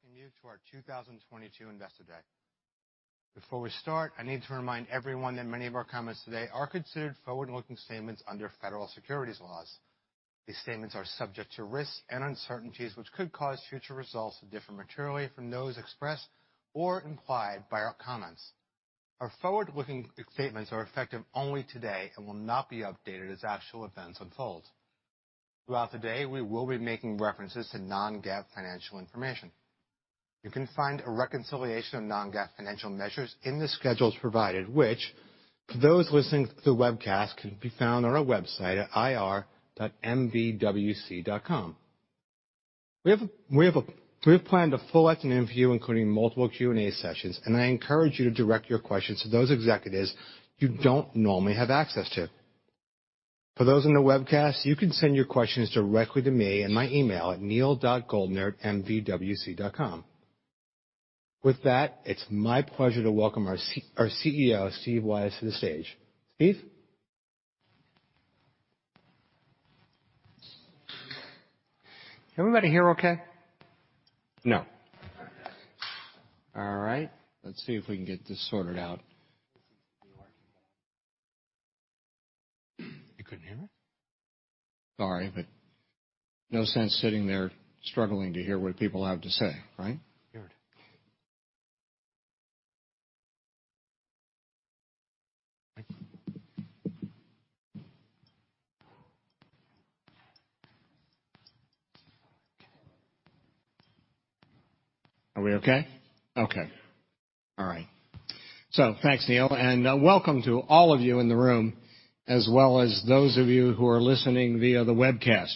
Pleasure to welcome you to our 2022 Investor Day. Before we start, I need to remind everyone that many of our comments today are considered forward-looking statements under federal securities laws. These statements are subject to risks and uncertainties which could cause future results to differ materially from those expressed or implied by our comments. Our forward-looking statements are effective only today and will not be updated as actual events unfold. Throughout the day, we will be making references to non-GAAP financial information. You can find a reconciliation of non-GAAP financial measures in the schedules provided which, for those listening to the webcast, can be found on our website at ir.mvwc.com. We have planned a full afternoon for you, including multiple Q&A sessions, and I encourage you to direct your questions to those executives you don't normally have access to. For those in the webcast, you can send your questions directly to me in my email at neil.goldner@mvwc.com. With that, it's my pleasure to welcome our CEO, Steve Weisz, to the stage. Steve? Is everybody here okay? No. Yes. All right. Let's see if we can get this sorted out. You couldn't hear me? Sorry, but no sense sitting there struggling to hear what people have to say, right? Heard. Are we okay? Okay. All right. Thanks, Neal, and welcome to all of you in the room, as well as those of you who are listening via the webcast.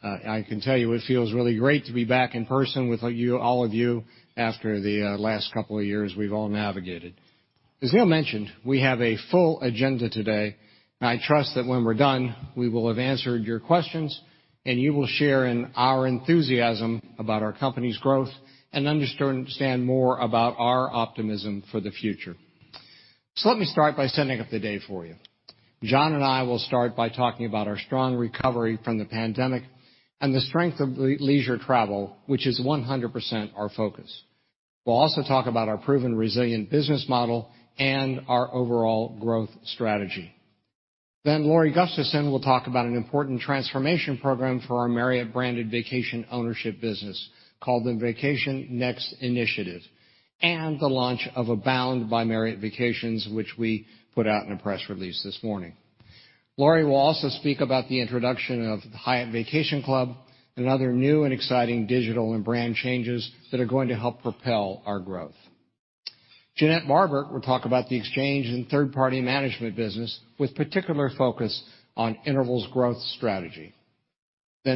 I can tell you it feels really great to be back in person with you, all of you after the last couple of years we've all navigated. As Neal mentioned, we have a full agenda today. I trust that when we're done, we will have answered your questions, and you will share in our enthusiasm about our company's growth and understand more about our optimism for the future. Let me start by setting up the day for you. John and I will start by talking about our strong recovery from the pandemic and the strength of leisure travel, which is 100% our focus. We'll also talk about our proven resilient business model and our overall growth strategy. Lori Gustafson will talk about an important transformation program for our Marriott-branded vacation ownership business called the Vacation Next Initiative and the launch of Abound by Marriott Vacations, which we put out in a press release this morning. Lori will also speak about the introduction of Hyatt Vacation Club and other new and exciting digital and brand changes that are going to help propel our growth. Jeanette Marbert will talk about the exchange and third-party management business with particular focus on Interval's growth strategy.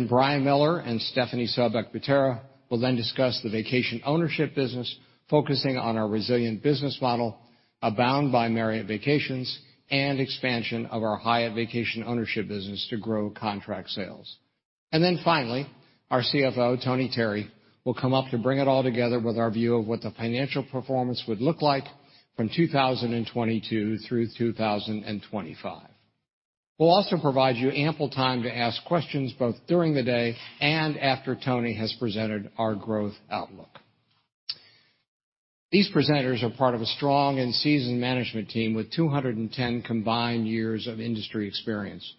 Brian Miller and Stephanie Sobeck Butera will then discuss the vacation ownership business, focusing on our resilient business model, Abound by Marriott Vacations, and expansion of our Hyatt Vacation Ownership business to grow contract sales. Our CFO, Tony Terry, will come up to bring it all together with our view of what the financial performance would look like from 2022 through 2025. We'll also provide you ample time to ask questions both during the day and after Tony has presented our growth outlook. These presenters are part of a strong and seasoned management team with 210 combined years of industry experience.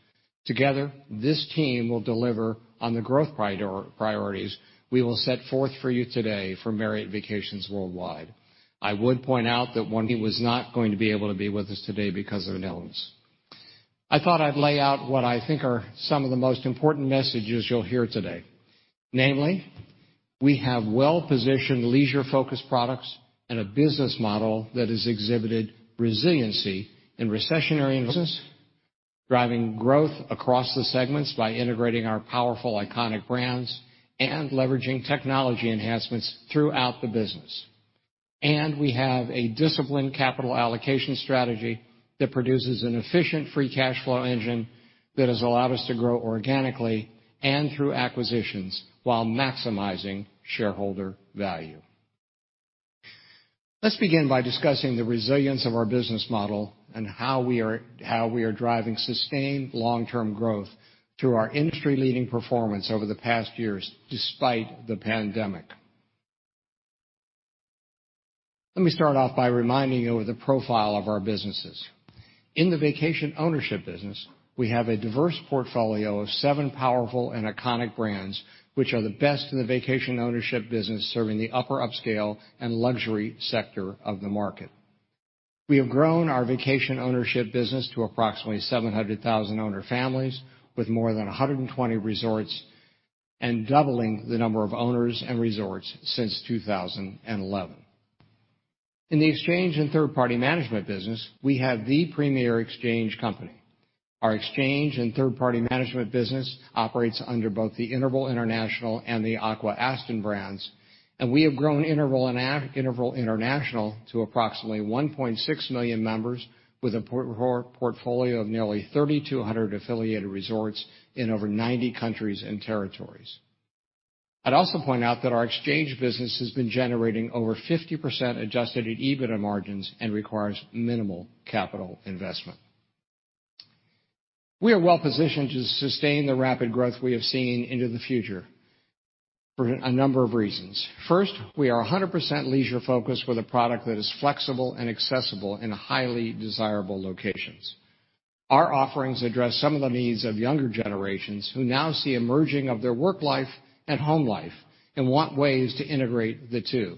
Together, this team will deliver on the growth priorities we will set forth for you today for Marriott Vacations Worldwide. I would point out that he was not going to be able to be with us today because of an illness. I thought I'd lay out what I think are some of the most important messages you'll hear today. Namely, we have well-positioned leisure-focused products and a business model that has exhibited resiliency in recessionary environments, driving growth across the segments by integrating our powerful iconic brands and leveraging technology enhancements throughout the business. We have a disciplined capital allocation strategy that produces an efficient free cash flow engine that has allowed us to grow organically and through acquisitions while maximizing shareholder value. Let's begin by discussing the resilience of our business model and how we are driving sustained long-term growth through our industry-leading performance over the past years despite the pandemic. Let me start off by reminding you of the profile of our businesses. In the vacation ownership business, we have a diverse portfolio of seven powerful and iconic brands, which are the best in the vacation ownership business, serving the upper upscale and luxury sector of the market. We have grown our vacation ownership business to approximately 700,000 owner families with more than 120 resorts and doubling the number of owners and resorts since 2011. In the exchange and third-party management business, we have the premier exchange company. Our exchange and third-party management business operates under both the Interval International and the Aqua-Aston brands, and we have grown Interval International to approximately 1.6 million members with a portfolio of nearly 3,200 affiliated resorts in over 90 countries and territories. I'd also point out that our exchange business has been generating over 50% adjusted EBITDA margins and requires minimal capital investment. We are well positioned to sustain the rapid growth we have seen into the future for a number of reasons. First, we are 100% leisure-focused with a product that is flexible and accessible in highly desirable locations. Our offerings address some of the needs of younger generations who now see a merging of their work life and home life and want ways to integrate the two.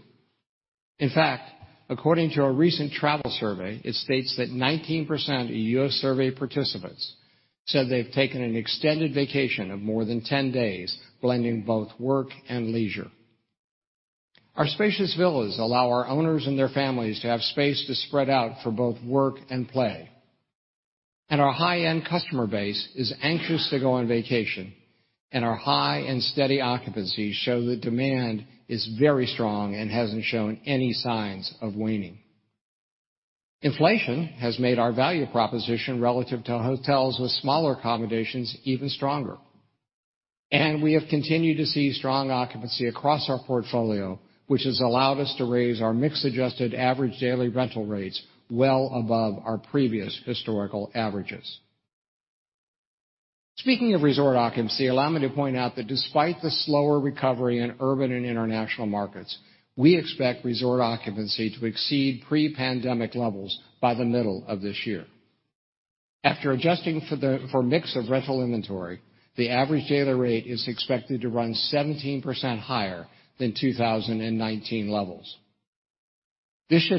In fact, according to a recent travel survey, it states that 19% of U.S. survey participants said they've taken an extended vacation of more than 10 days blending both work and leisure. Our spacious villas allow our owners and their families to have space to spread out for both work and play. Our high-end customer base is anxious to go on vacation, and our high-end steady occupancy show that demand is very strong and hasn't shown any signs of waning. Inflation has made our value proposition relative to hotels with smaller accommodations even stronger. We have continued to see strong occupancy across our portfolio, which has allowed us to raise our mix-adjusted average daily rental rates well above our previous historical averages. Speaking of resort occupancy, allow me to point out that despite the slower recovery in urban and international markets, we expect resort occupancy to exceed pre-pandemic levels by the middle of this year. After adjusting for mix of rental inventory, the average daily rate is expected to run 17% higher than 2019 levels. This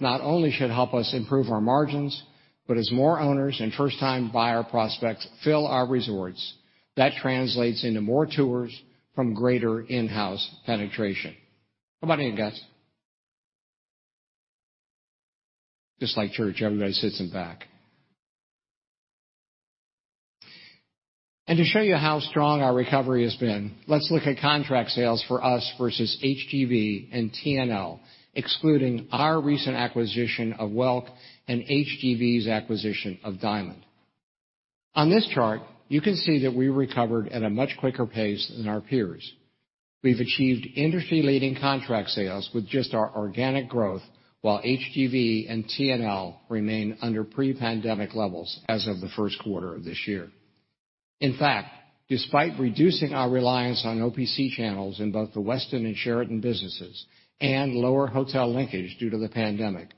not only should help us improve our margins, but as more owners and first-time buyer prospects fill our resorts, that translates into more tours from greater in-house penetration. How about you, guys? Just like church, everybody sits in back. To show you how strong our recovery has been, let's look at contract sales for us versus HGV and TNL, excluding our recent acquisition of Welk and HGV's acquisition of Diamond. On this chart, you can see that we recovered at a much quicker pace than our peers. We've achieved industry-leading contract sales with just our organic growth while HGV and TNL remain under pre-pandemic levels as of the first quarter of this year. In fact, despite reducing our reliance on OPC channels in both the Westin and Sheraton businesses and lower hotel linkage due to the pandemic,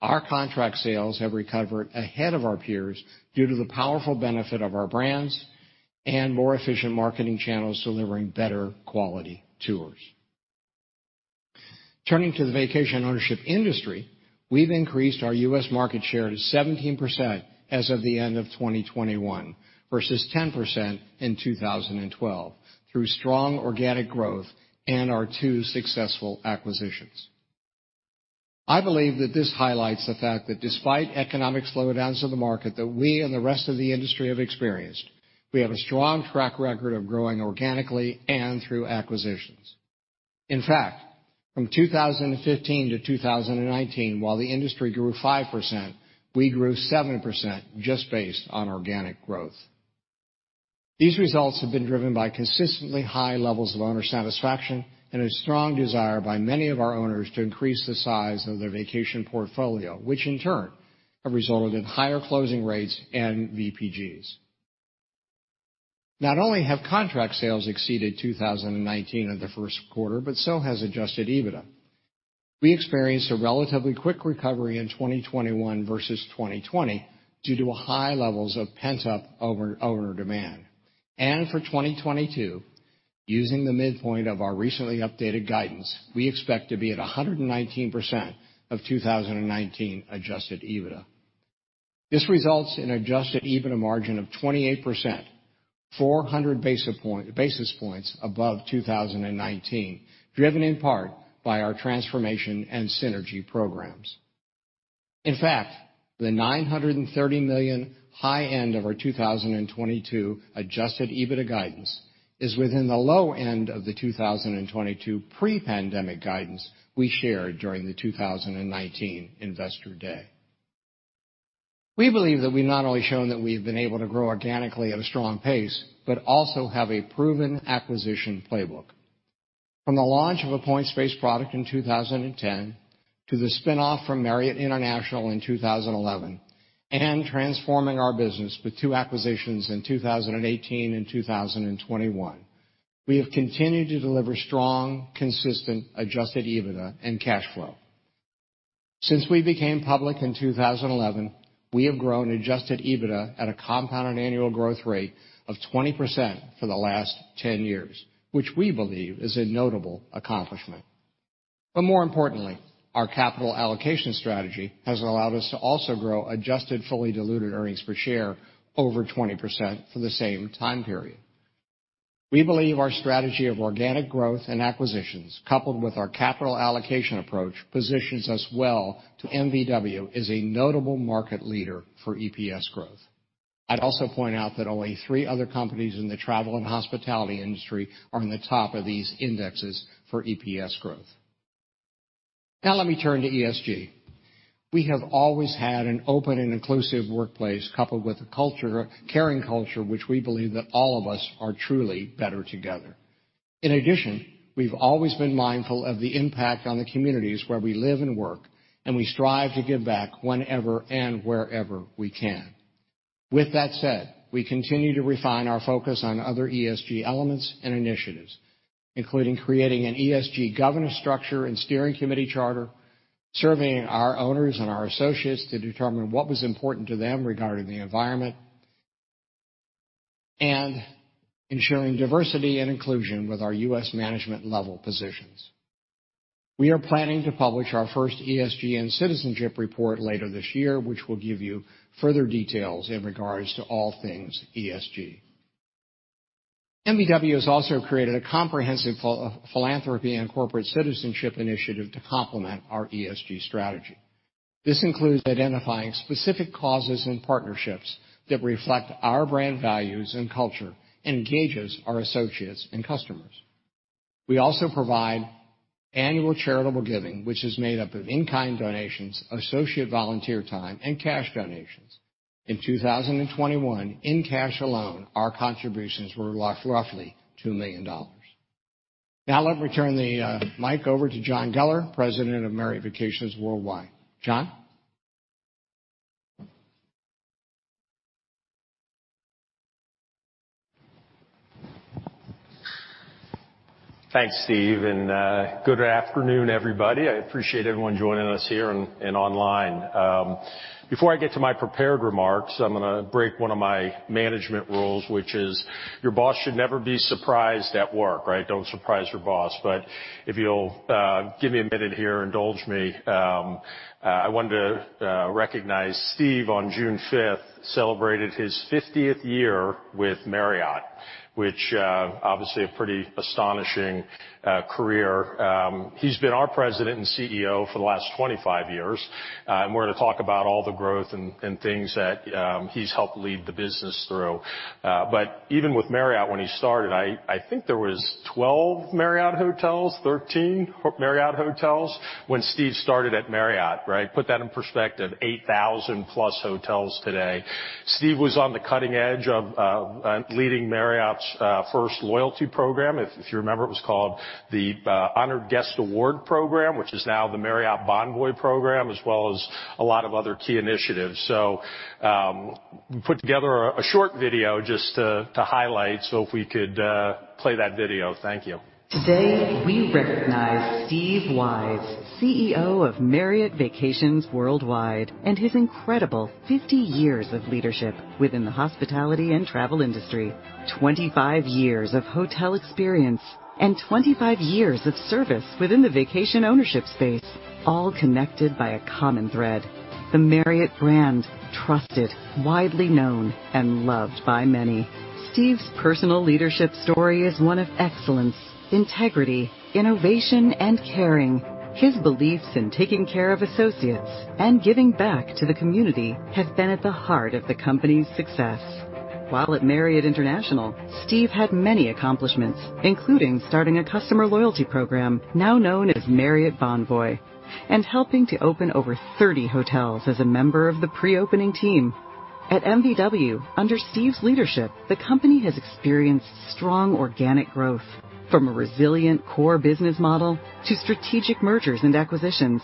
our contract sales have recovered ahead of our peers due to the powerful benefit of our brands and more efficient marketing channels delivering better quality tours. Turning to the vacation ownership industry, we've increased our U.S. market share to 17% as of the end of 2021 versus 10% in 2012 through strong organic growth and our two successful acquisitions. I believe that this highlights the fact that despite economic slowdowns of the market that we and the rest of the industry have experienced, we have a strong track record of growing organically and through acquisitions. In fact, from 2015 to 2019, while the industry grew 5%, we grew 7% just based on organic growth. These results have been driven by consistently high levels of owner satisfaction and a strong desire by many of our owners to increase the size of their vacation portfolio, which in turn have resulted in higher closing rates and VPGs. Not only have contract sales exceeded 2019 in the first quarter, but so has adjusted EBITDA. We experienced a relatively quick recovery in 2021 versus 2020 due to high levels of pent-up owner demand. For 2022, using the midpoint of our recently updated guidance, we expect to be at 119% of 2019 adjusted EBITDA. This results in adjusted EBITDA margin of 28%, 400 basis points above 2019, driven in part by our transformation and synergy programs. In fact, the $930 million high-end of our 2022 adjusted EBITDA guidance is within the low end of the 2022 pre-pandemic guidance we shared during the 2019 investor day. We believe that we've not only shown that we've been able to grow organically at a strong pace, but also have a proven acquisition playbook. From the launch of a points-based product in 2010 to the spin-off from Marriott International in 2011 and transforming our business with two acquisitions in 2018 and 2021, we have continued to deliver strong, consistent adjusted EBITDA and cash flow. Since we became public in 2011, we have grown adjusted EBITDA at a compounded annual growth rate of 20% for the last 10 years, which we believe is a notable accomplishment. More importantly, our capital allocation strategy has allowed us to also grow adjusted fully diluted earnings per share over 20% for the same time period. We believe our strategy of organic growth and acquisitions, coupled with our capital allocation approach, positions MVW well as a notable market leader for EPS growth. I'd also point out that only three other companies in the travel and hospitality industry are on the top of these indexes for EPS growth. Now let me turn to ESG. We have always had an open and inclusive workplace coupled with a caring culture which we believe that all of us are truly better together. In addition, we've always been mindful of the impact on the communities where we live and work, and we strive to give back whenever and wherever we can. With that said, we continue to refine our focus on other ESG elements and initiatives, including creating an ESG governance structure and steering committee charter, serving our owners and our associates to determine what was important to them regarding the environment, and ensuring diversity and inclusion with our U.S. management level positions. We are planning to publish our first ESG and citizenship report later this year, which will give you further details in regards to all things ESG. MVW has also created a comprehensive philanthropy and corporate citizenship initiative to complement our ESG strategy. This includes identifying specific causes and partnerships that reflect our brand values and culture, engages our associates and customers. We also provide annual charitable giving, which is made up of in-kind donations, associate volunteer time and cash donations. In 2021, in cash alone, our contributions were roughly $2 million. Now let me turn the mic over to John Geller, President of Marriott Vacations Worldwide. John? Thanks, Steve, and good afternoon, everybody. I appreciate everyone joining us here and online. Before I get to my prepared remarks, I'm gonna break one of my management rules, which is your boss should never be surprised at work, right? Don't surprise your boss. If you'll give me a minute here, indulge me. I wanted to recognize Steve on June fifth celebrated his 50th year with Marriott, which obviously a pretty astonishing career. He's been our President and CEO for the last 25 years. We're going to talk about all the growth and things that he's helped lead the business through. Even with Marriott, when he started, I think there was 12 Marriott hotels, 13 Marriott hotels when Steve started at Marriott. Right? Put that in perspective, 8,000+ hotels today. Steve was on the cutting edge of leading Marriott's first loyalty program. If you remember, it was called the Honored Guest Award program, which is now the Marriott Bonvoy program, as well as a lot of other key initiatives. We put together a short video just to highlight. If we could play that video. Thank you. Today we recognize Steve Weisz, CEO of Marriott Vacations Worldwide, and his incredible 50 years of leadership within the hospitality and travel industry. 25 years of hotel experience and 25 years of service within the vacation ownership space, all connected by a common thread. The Marriott brand, trusted, widely known and loved by many. Steve's personal leadership story is one of excellence, integrity, innovation and caring. His beliefs in taking care of associates and giving back to the community have been at the heart of the company's success. While at Marriott International, Steve had many accomplishments, including starting a customer loyalty program, now known as Marriott Bonvoy, and helping to open over 30 hotels as a member of the pre-opening team. At MVW, under Steve's leadership, the company has experienced strong organic growth, from a resilient core business model to strategic mergers and acquisitions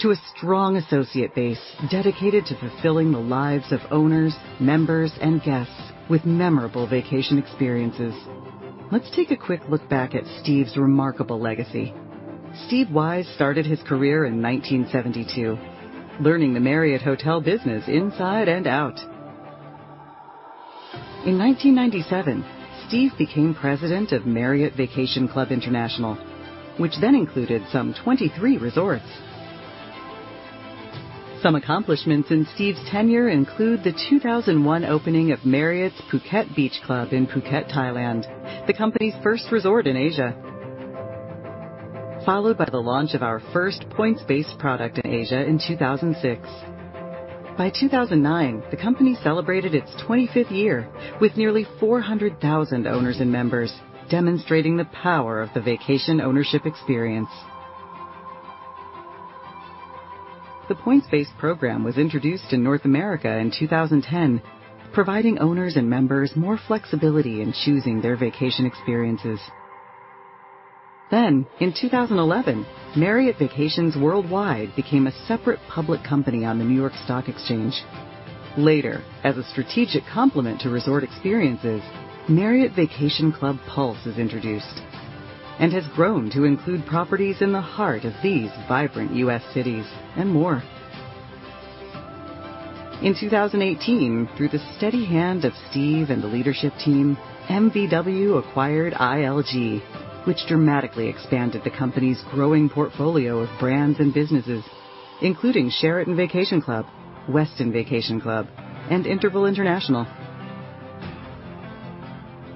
to a strong associate base dedicated to fulfilling the lives of owners, members and guests with memorable vacation experiences. Let's take a quick look back at Steve's remarkable legacy. Steve Weisz started his career in 1972, learning the Marriott Hotel business inside and out. In 1997, Steve became president of Marriott Vacation Club International, which then included some 23 resorts. Some accomplishments in Steve's tenure include the 2001 opening of Marriott's Phuket Beach Club in Phuket, Thailand, the company's first resort in Asia. Followed by the launch of our first points-based product in Asia in 2006. By 2009, the company celebrated its 25th year with nearly 400,000 owners and members, demonstrating the power of the vacation ownership experience. The points-based program was introduced in North America in 2010, providing owners and members more flexibility in choosing their vacation experiences. In 2011, Marriott Vacations Worldwide became a separate public company on the New York Stock Exchange. Later, as a strategic complement to resort experiences, Marriott Vacation Club Pulse is introduced and has grown to include properties in the heart of these vibrant U.S. cities and more. In 2018, through the steady hand of Steve and the leadership team, MVW acquired ILG, which dramatically expanded the company's growing portfolio of brands and businesses, including Sheraton Vacation Club, Westin Vacation Club, and Interval International.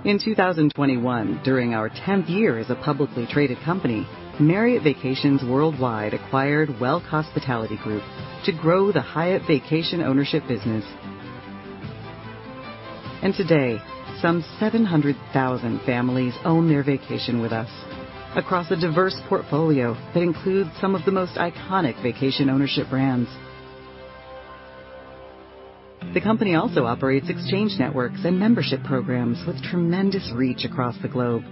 In 2021, during our 10th year as a publicly traded company, Marriott Vacations Worldwide acquired Welk Hospitality Group to grow the Hyatt Vacation Ownership business. Today, some 700,000 families own their vacation with us across a diverse portfolio that includes some of the most iconic vacation ownership brands. The company also operates exchange networks and membership programs with tremendous reach across the globe.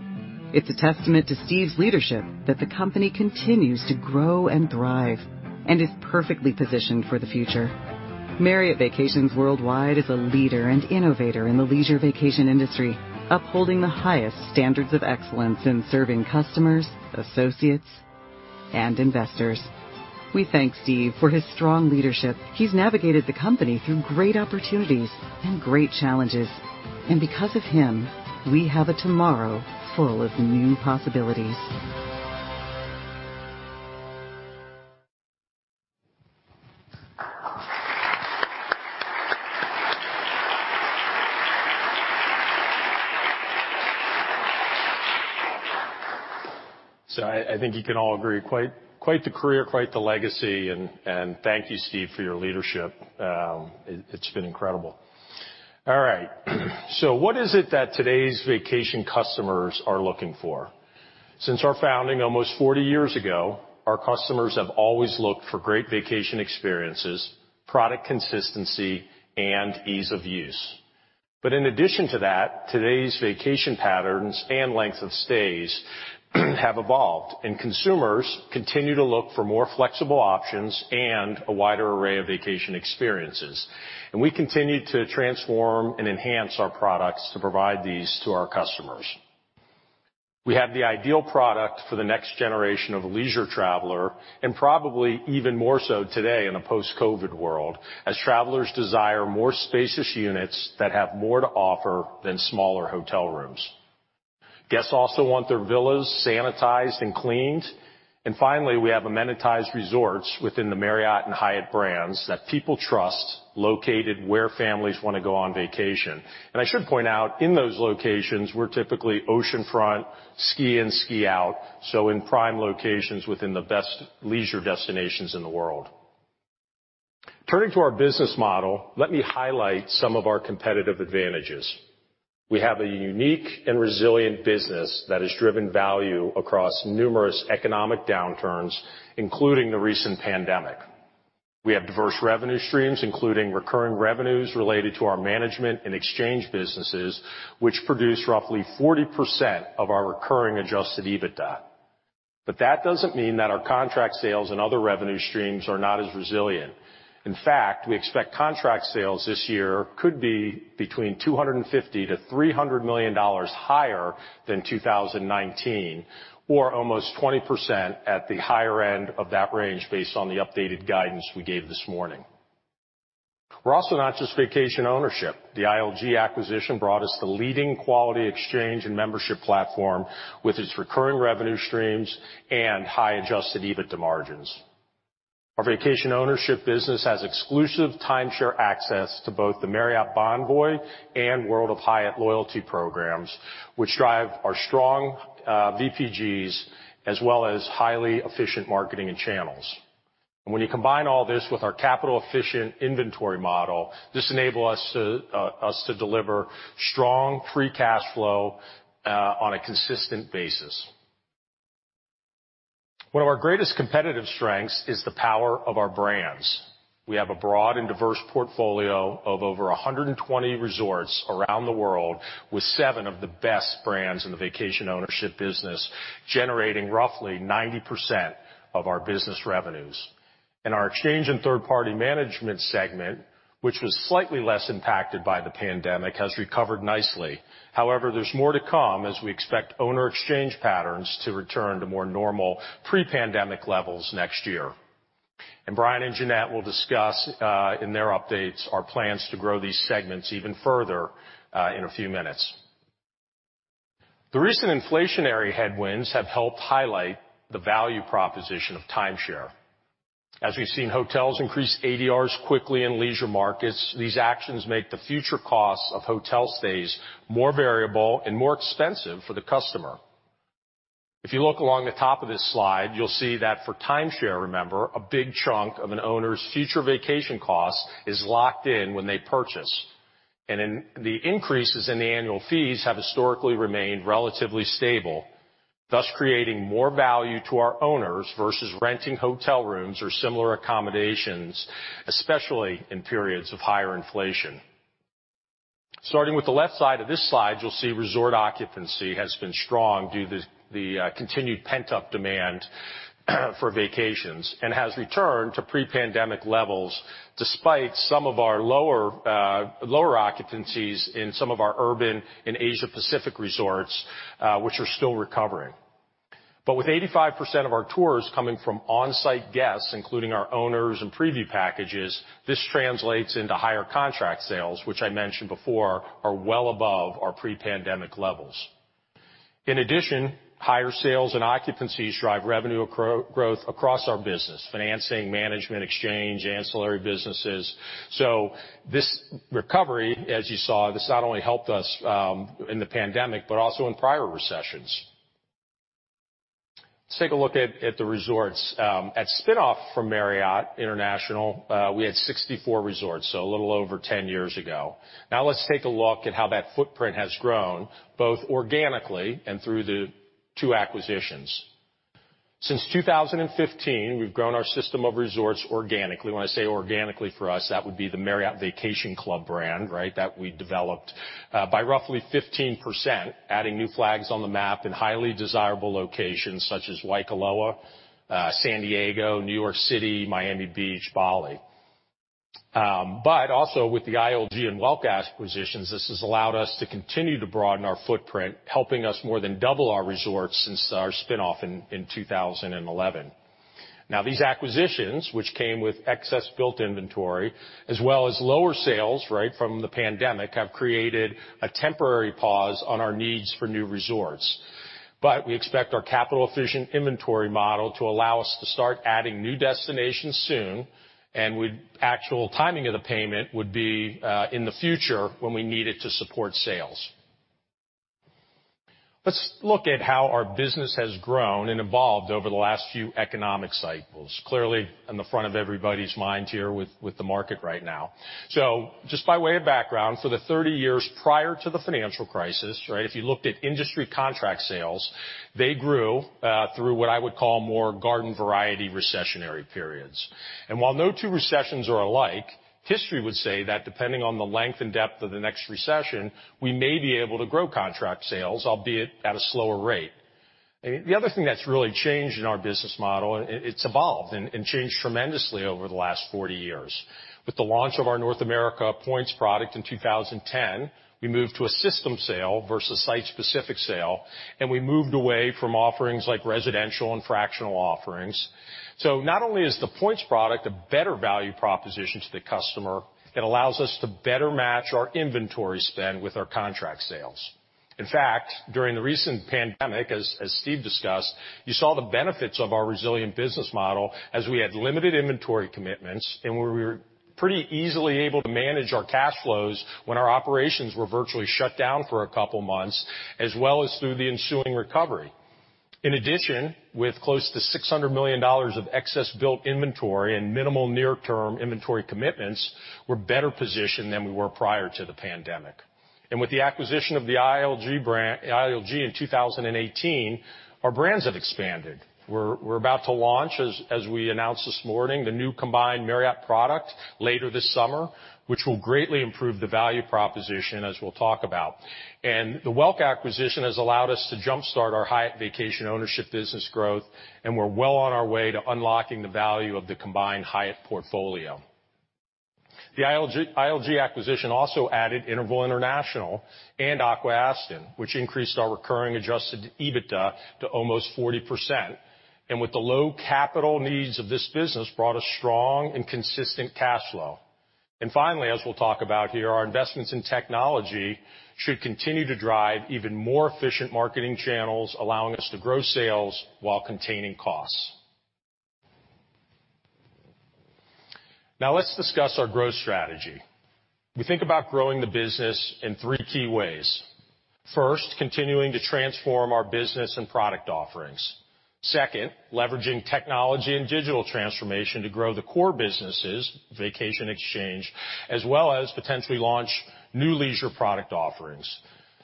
It's a testament to Steve's leadership that the company continues to grow and thrive and is perfectly positioned for the future. Marriott Vacations Worldwide is a leader and innovator in the leisure vacation industry, upholding the highest standards of excellence in serving customers, associates, and investors. We thank Steve for his strong leadership. He's navigated the company through great opportunities and great challenges, and because of him, we have a tomorrow full of new possibilities. I think you can all agree, quite the career, quite the legacy, and thank you, Steve, for your leadership. It's been incredible. All right. What is it that today's vacation customers are looking for? Since our founding almost 40 years ago, our customers have always looked for great vacation experiences, product consistency, and ease of use. But in addition to that, today's vacation patterns and length of stays have evolved, and consumers continue to look for more flexible options and a wider array of vacation experiences. We continue to transform and enhance our products to provide these to our customers. We have the ideal product for the next generation of leisure traveler, and probably even more so today in a post-COVID world, as travelers desire more spacious units that have more to offer than smaller hotel rooms. Guests also want their villas sanitized and cleaned. Finally, we have amenitized resorts within the Marriott and Hyatt brands that people trust, located where families wanna go on vacation. I should point out, in those locations, we're typically oceanfront, ski-in, ski-out, so in prime locations within the best leisure destinations in the world. Turning to our business model, let me highlight some of our competitive advantages. We have a unique and resilient business that has driven value across numerous economic downturns, including the recent pandemic. We have diverse revenue streams, including recurring revenues related to our management and exchange businesses, which produce roughly 40% of our recurring adjusted EBITDA. That doesn't mean that our contract sales and other revenue streams are not as resilient. In fact, we expect contract sales this year could be between $250 million-$300 million higher than 2019, or almost 20% at the higher end of that range based on the updated guidance we gave this morning. We're also not just vacation ownership. The ILG acquisition brought us the leading quality exchange and membership platform with its recurring revenue streams and high adjusted EBITDA margins. Our vacation ownership business has exclusive timeshare access to both the Marriott Bonvoy and World of Hyatt loyalty programs, which drive our strong VPGs, as well as highly efficient marketing and channels. When you combine all this with our capital-efficient inventory model, this enable us to deliver strong free cash flow on a consistent basis. One of our greatest competitive strengths is the power of our brands. We have a broad and diverse portfolio of over 120 resorts around the world, with seven of the best brands in the vacation ownership business, generating roughly 90% of our business revenues. In our exchange and third-party management segment, which was slightly less impacted by the pandemic, has recovered nicely. However, there's more to come as we expect owner exchange patterns to return to more normal pre-pandemic levels next year. Brian and Jeanette will discuss in their updates our plans to grow these segments even further in a few minutes. The recent inflationary headwinds have helped highlight the value proposition of timeshare. As we've seen hotels increase ADRs quickly in leisure markets, these actions make the future costs of hotel stays more variable and more expensive for the customer. If you look along the top of this slide, you'll see that for timeshare, remember, a big chunk of an owner's future vacation cost is locked in when they purchase. The increases in the annual fees have historically remained relatively stable, thus creating more value to our owners versus renting hotel rooms or similar accommodations, especially in periods of higher inflation. Starting with the left side of this slide, you'll see resort occupancy has been strong due to the continued pent-up demand for vacations and has returned to pre-pandemic levels despite some of our lower occupancies in some of our urban and Asia Pacific resorts, which are still recovering. With 85% of our tours coming from on-site guests, including our owners and preview packages, this translates into higher contract sales, which I mentioned before are well above our pre-pandemic levels. In addition, higher sales and occupancies drive revenue growth across our business, financing, management, exchange, ancillary businesses. This recovery, as you saw, not only helped us in the pandemic, but also in prior recessions. Let's take a look at the resorts. At spin-off from Marriott International, we had 64 resorts, so a little over 10 years ago. Now let's take a look at how that footprint has grown, both organically and through the two acquisitions. Since 2015, we've grown our system of resorts organically. When I say organically for us, that would be the Marriott Vacation Club brand, right? That we developed by roughly 15%, adding new flags on the map in highly desirable locations such as Waikoloa, San Diego, New York City, Miami Beach, Bali. Also with the ILG and Welk acquisitions, this has allowed us to continue to broaden our footprint, helping us more than double our resorts since our spin-off in 2011. Now, these acquisitions, which came with excess built inventory as well as lower sales, right, from the pandemic, have created a temporary pause on our needs for new resorts. We expect our capital-efficient inventory model to allow us to start adding new destinations soon and actual timing of the payment would be in the future when we need it to support sales. Let's look at how our business has grown and evolved over the last few economic cycles. Clearly, in the front of everybody's minds here with the market right now. Just by way of background, for the 30 years prior to the financial crisis, right? If you looked at industry contract sales, they grew through what I would call more garden-variety recessionary periods. While no two recessions are alike, history would say that depending on the length and depth of the next recession, we may be able to grow contract sales, albeit at a slower rate. The other thing that's really changed in our business model, it's evolved and changed tremendously over the last 40 years. With the launch of our North America Points product in 2010, we moved to a system sale versus site-specific sale, and we moved away from offerings like residential and fractional offerings. Not only is the Points product a better value proposition to the customer, it allows us to better match our inventory spend with our contract sales. In fact, during the recent pandemic, as Steve discussed, you saw the benefits of our resilient business model as we had limited inventory commitments and where we were pretty easily able to manage our cash flows when our operations were virtually shut down for a couple of months, as well as through the ensuing recovery. In addition, with close to $600 million of excess built inventory and minimal near-term inventory commitments, we're better positioned than we were prior to the pandemic. With the acquisition of the ILG brand, ILG in 2018, our brands have expanded. We're about to launch, as we announced this morning, the new combined Marriott product later this summer, which will greatly improve the value proposition, as we'll talk about. The Welk acquisition has allowed us to jumpstart our Hyatt Vacation Ownership business growth, and we're well on our way to unlocking the value of the combined Hyatt portfolio. The ILG acquisition also added Interval International and Aqua-Aston, which increased our recurring adjusted EBITDA to almost 40%. With the low capital needs of this business, brought a strong and consistent cash flow. Finally, as we'll talk about here, our investments in technology should continue to drive even more efficient marketing channels, allowing us to grow sales while containing costs. Now let's discuss our growth strategy. We think about growing the business in three key ways. First, continuing to transform our business and product offerings. Second, leveraging technology and digital transformation to grow the core businesses, Vacation Exchange, as well as potentially launch new leisure product offerings.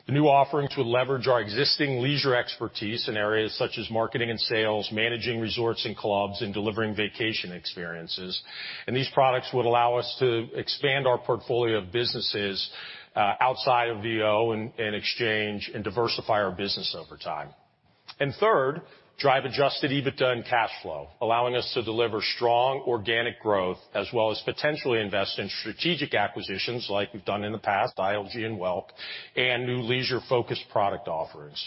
The new offerings would leverage our existing leisure expertise in areas such as marketing and sales, managing resorts and clubs, and delivering vacation experiences. These products would allow us to expand our portfolio of businesses, outside of VO and Exchange and diversify our business over time. Third, drive adjusted EBITDA and cash flow, allowing us to deliver strong organic growth as well as potentially invest in strategic acquisitions like we've done in the past, ILG and Welk, and new leisure-focused product offerings.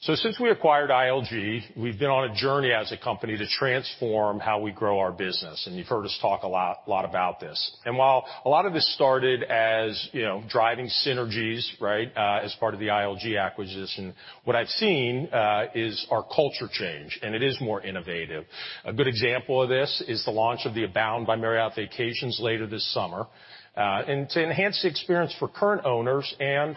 Since we acquired ILG, we've been on a journey as a company to transform how we grow our business, and you've heard us talk a lot about this. While a lot of this started as, you know, driving synergies, right, as part of the ILG acquisition, what I've seen is our culture change, and it is more innovative. A good example of this is the launch of the Abound by Marriott Vacations later this summer. To enhance the experience for current owners and,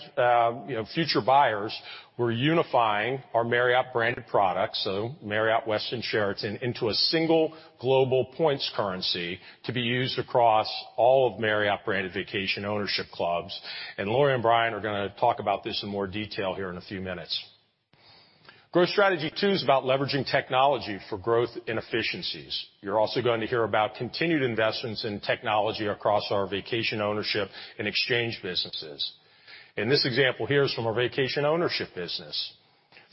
you know, future buyers, we're unifying our Marriott branded products, so Marriott, Westin, Sheraton, into a single global points currency to be used across all of Marriott branded vacation ownership clubs. Lori and Brian are gonna talk about this in more detail here in a few minutes. Growth strategy two is about leveraging technology for growth and efficiencies. You're also going to hear about continued investments in technology across our vacation ownership and exchange businesses. This example here is from our vacation ownership business.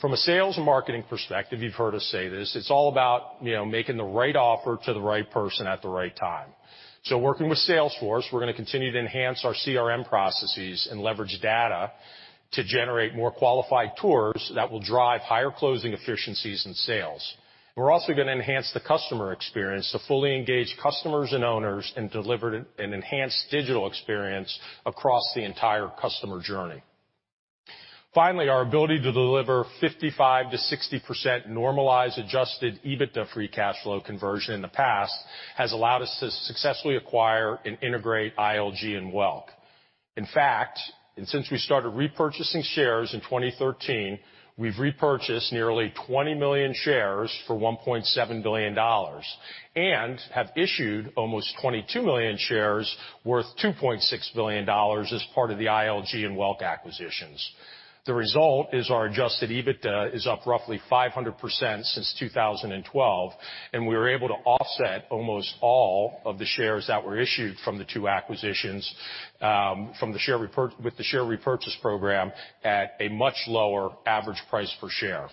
From a sales and marketing perspective, you've heard us say this, it's all about, you know, making the right offer to the right person at the right time. Working with Salesforce, we're gonna continue to enhance our CRM processes and leverage data to generate more qualified tours that will drive higher closing efficiencies and sales. We're also gonna enhance the customer experience to fully engage customers and owners and deliver an enhanced digital experience across the entire customer journey. Finally, our ability to deliver 55%-60% normalized adjusted EBITDA free cash flow conversion in the past has allowed us to successfully acquire and integrate ILG and Welk. In fact, and since we started repurchasing shares in 2013, we've repurchased nearly 20 million shares for $1.7 billion and have issued almost 22 million shares worth $2.6 billion as part of the ILG and Welk acquisitions. The result is our adjusted EBITDA is up roughly 500% since 2012, and we were able to offset almost all of the shares that were issued from the two acquisitions, from the share repurchase with the share repurchase program at a much lower average price per share.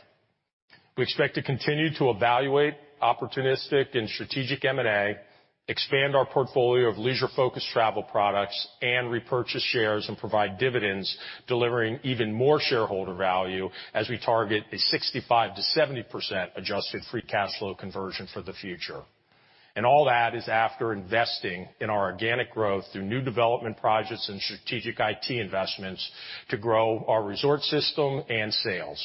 We expect to continue to evaluate opportunistic and strategic M&A, expand our portfolio of leisure-focused travel products, and repurchase shares and provide dividends, delivering even more shareholder value as we target a 65%-70% adjusted free cash flow conversion for the future. All that is after investing in our organic growth through new development projects and strategic IT investments to grow our resort system and sales.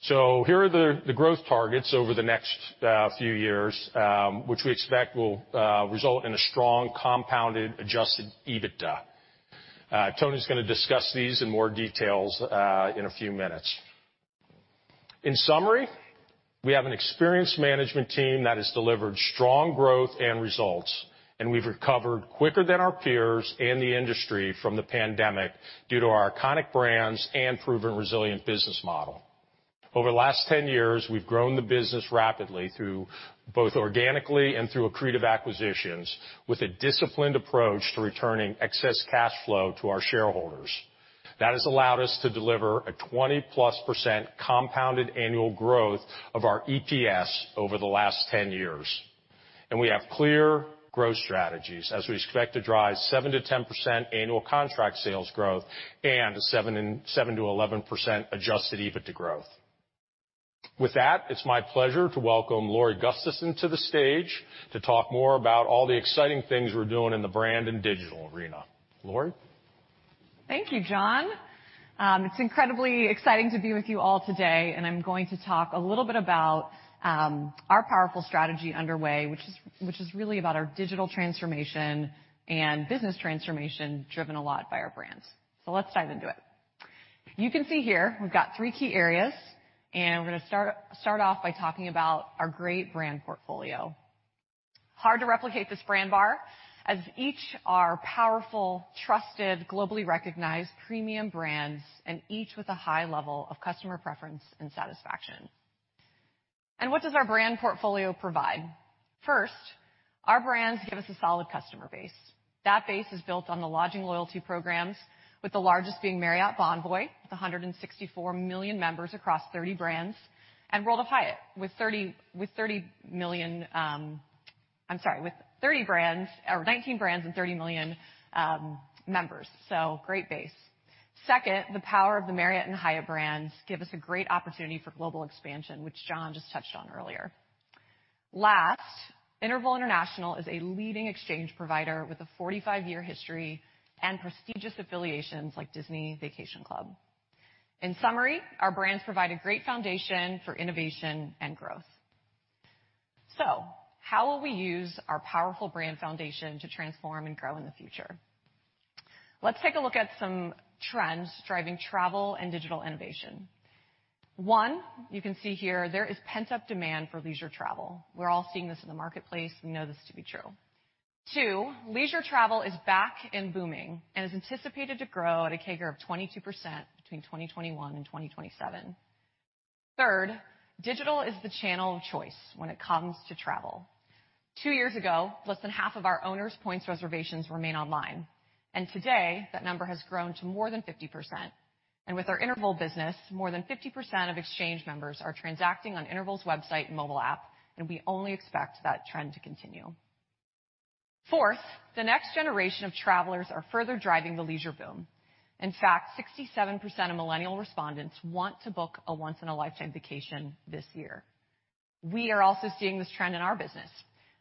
Here are the growth targets over the next few years, which we expect will result in a strong compounded adjusted EBITDA. Tony's gonna discuss these in more detail in a few minutes. In summary, we have an experienced management team that has delivered strong growth and results, and we've recovered quicker than our peers and the industry from the pandemic due to our iconic brands and proven resilient business model. Over the last 10 years, we've grown the business rapidly through both organically and through accretive acquisitions with a disciplined approach to returning excess cash flow to our shareholders. That has allowed us to deliver a 20%+ compounded annual growth of our EPS over the last 10 years. We have clear growth strategies as we expect to drive 7%-10% annual contract sales growth and 7%-11% adjusted EBITDA growth. With that, it's my pleasure to welcome Lori Gustafson to the stage to talk more about all the exciting things we're doing in the brand and digital arena. Lori. Thank you, John. It's incredibly exciting to be with you all today, and I'm going to talk a little bit about our powerful strategy underway, which is really about our digital transformation and business transformation, driven a lot by our brands. Let's dive into it. You can see here we've got three key areas, and we're gonna start off by talking about our great brand portfolio. Hard to replicate this brand bar, as each are powerful, trusted, globally recognized premium brands and each with a high level of customer preference and satisfaction. What does our brand portfolio provide? First, our brands give us a solid customer base. That base is built on the lodging loyalty programs, with the largest being Marriott Bonvoy, with 164 million members across 30 brands, and World of Hyatt, with 30 million. I'm sorry, with 30 brands or 19 brands and 30 million members. Great base. Second, the power of the Marriott and Hyatt brands give us a great opportunity for global expansion, which John just touched on earlier. Last, Interval International is a leading exchange provider with a 45-year history and prestigious affiliations like Disney Vacation Club. In summary, our brands provide a great foundation for innovation and growth. How will we use our powerful brand foundation to transform and grow in the future? Let's take a look at some trends driving travel and digital innovation. One, you can see here there is pent-up demand for leisure travel. We're all seeing this in the marketplace. We know this to be true. Two, leisure travel is back and booming and is anticipated to grow at a CAGR of 22% between 2021 and 2027. Third, digital is the channel of choice when it comes to travel. Two years ago, less than half of our owners' points reservations were made online, and today, that number has grown to more than 50%. With our Interval business, more than 50% of exchange members are transacting on Interval's website and mobile app, and we only expect that trend to continue. Fourth, the next generation of travelers are further driving the leisure boom. In fact, 67% of millennial respondents want to book a once-in-a-lifetime vacation this year. We are also seeing this trend in our business,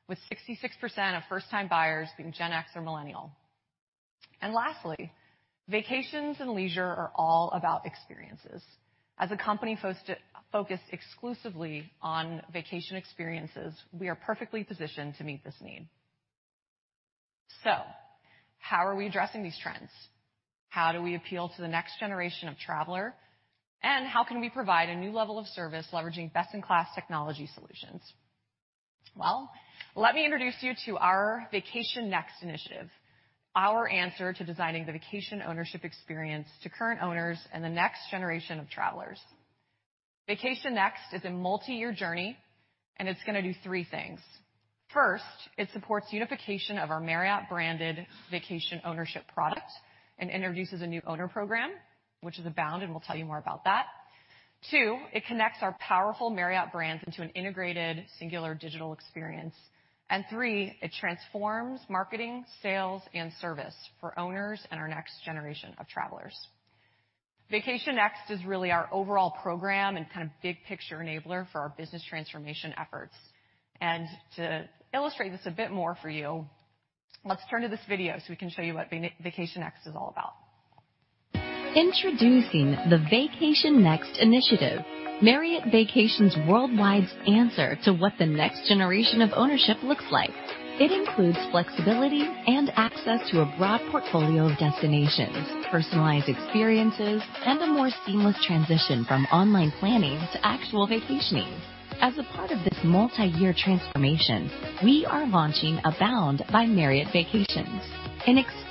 with 66% of first-time buyers being Gen X or millennial. Lastly, vacations and leisure are all about experiences. As a company focused exclusively on vacation experiences, we are perfectly positioned to meet this need. How are we addressing these trends? How do we appeal to the next generation of traveler? How can we provide a new level of service leveraging best-in-class technology solutions? Well, let me introduce you to our Vacation Next Initiative, our answer to designing the vacation ownership experience to current owners and the next generation of travelers. Vacation Next is a multiyear journey, and it's gonna do three things. First, it supports unification of our Marriott-branded vacation ownership product and introduces a new owner program, which is Abound, and we'll tell you more about that. Two, it connects our powerful Marriott brands into an integrated, singular digital experience. Three, it transforms marketing, sales, and service for owners and our next generation of travelers. Vacation Next is really our overall program and kind of big picture enabler for our business transformation efforts. To illustrate this a bit more for you, let's turn to this video so we can show you what Vacation Next is all about. Introducing the Vacation Next Initiative, Marriott Vacations Worldwide's answer to what the next generation of ownership looks like. It includes flexibility and access to a broad portfolio of destinations, personalized experiences, and a more seamless transition from online planning to actual vacationing. As a part of this multiyear transformation, we are launching Abound by Marriott Vacations,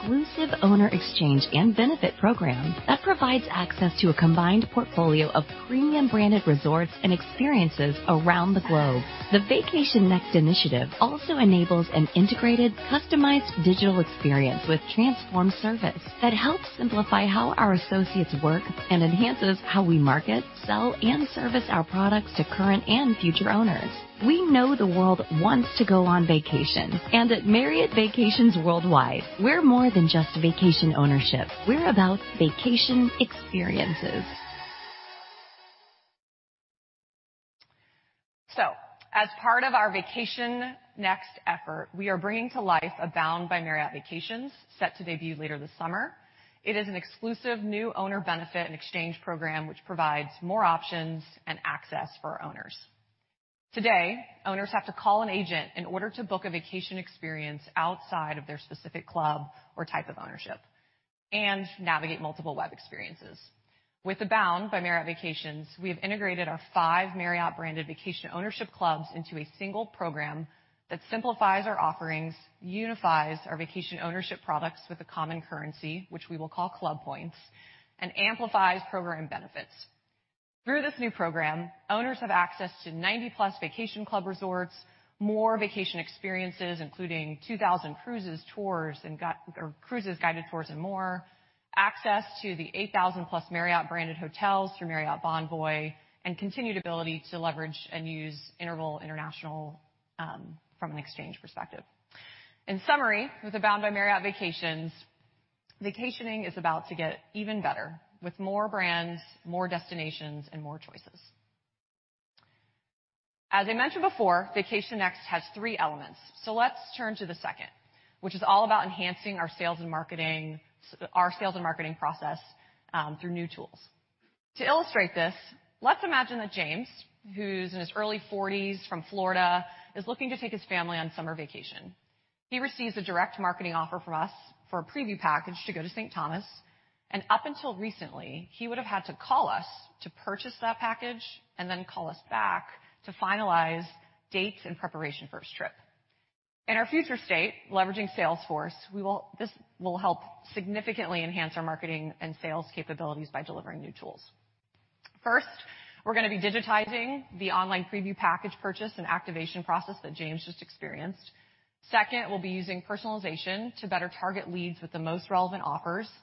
an exclusive owner exchange and benefit program that provides access to a combined portfolio of premium branded resorts and experiences around the globe. The Vacation Next Initiative also enables an integrated, customized digital experience with transformed service that helps simplify how our associates work and enhances how we market, sell, and service our products to current and future owners. We know the world wants to go on vacation, and at Marriott Vacations Worldwide, we're more than just vacation ownership. We're about vacation experiences. As part of our Vacation Next effort, we are bringing to life Abound by Marriott Vacations, set to debut later this summer. It is an exclusive new owner benefit and exchange program which provides more options and access for owners. Today, owners have to call an agent in order to book a vacation experience outside of their specific club or type of ownership and navigate multiple web experiences. With Abound by Marriott Vacations, we have integrated our five Marriott-branded vacation ownership clubs into a single program that simplifies our offerings, unifies our vacation ownership products with a common currency, which we will call Club Points, and amplifies program benefits. Through this new program, owners have access to 90+ vacation club resorts, more vacation experiences including 2,000 cruises, guided tours, and more, access to the 8,000+ Marriott-branded hotels through Marriott Bonvoy, and continued ability to leverage and use Interval International from an exchange perspective. In summary, with Abound by Marriott Vacations, vacationing is about to get even better with more brands, more destinations, and more choices. As I mentioned before, Vacation Next has three elements. Let's turn to the second, which is all about enhancing our sales and marketing process through new tools. To illustrate this, let's imagine that James, who's in his early forties from Florida, is looking to take his family on summer vacation. He receives a direct marketing offer from us for a preview package to go to Saint Thomas. Up until recently, he would have had to call us to purchase that package and then call us back to finalize dates and preparation for his trip. In our future state, leveraging Salesforce, this will help significantly enhance our marketing and sales capabilities by delivering new tools. First, we're gonna be digitizing the online preview package purchase and activation process that James just experienced. Second, we'll be using personalization to better target leads with the most relevant offers and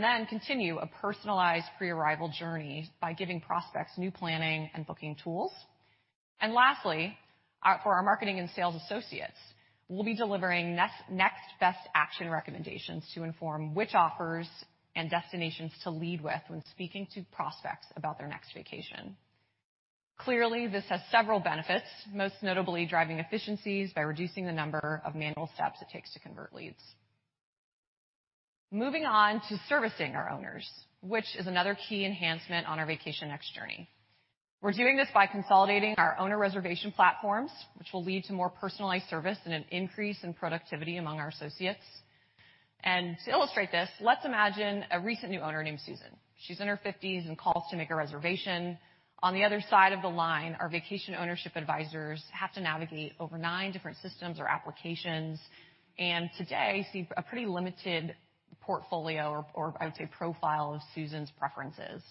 then continue a personalized pre-arrival journey by giving prospects new planning and booking tools. Lastly, for our marketing and sales associates, we'll be delivering next best action recommendations to inform which offers and destinations to lead with when speaking to prospects about their next vacation. Clearly, this has several benefits, most notably driving efficiencies by reducing the number of manual steps it takes to convert leads. Moving on to servicing our owners, which is another key enhancement on our Vacation Next journey. We're doing this by consolidating our owner reservation platforms, which will lead to more personalized service and an increase in productivity among our associates. To illustrate this, let's imagine a recent new owner named Susan. She's in her fifties and calls to make a reservation. On the other side of the line, our vacation ownership advisors have to navigate over nine different systems or applications, and today see a pretty limited portfolio or I would say profile of Susan's preferences.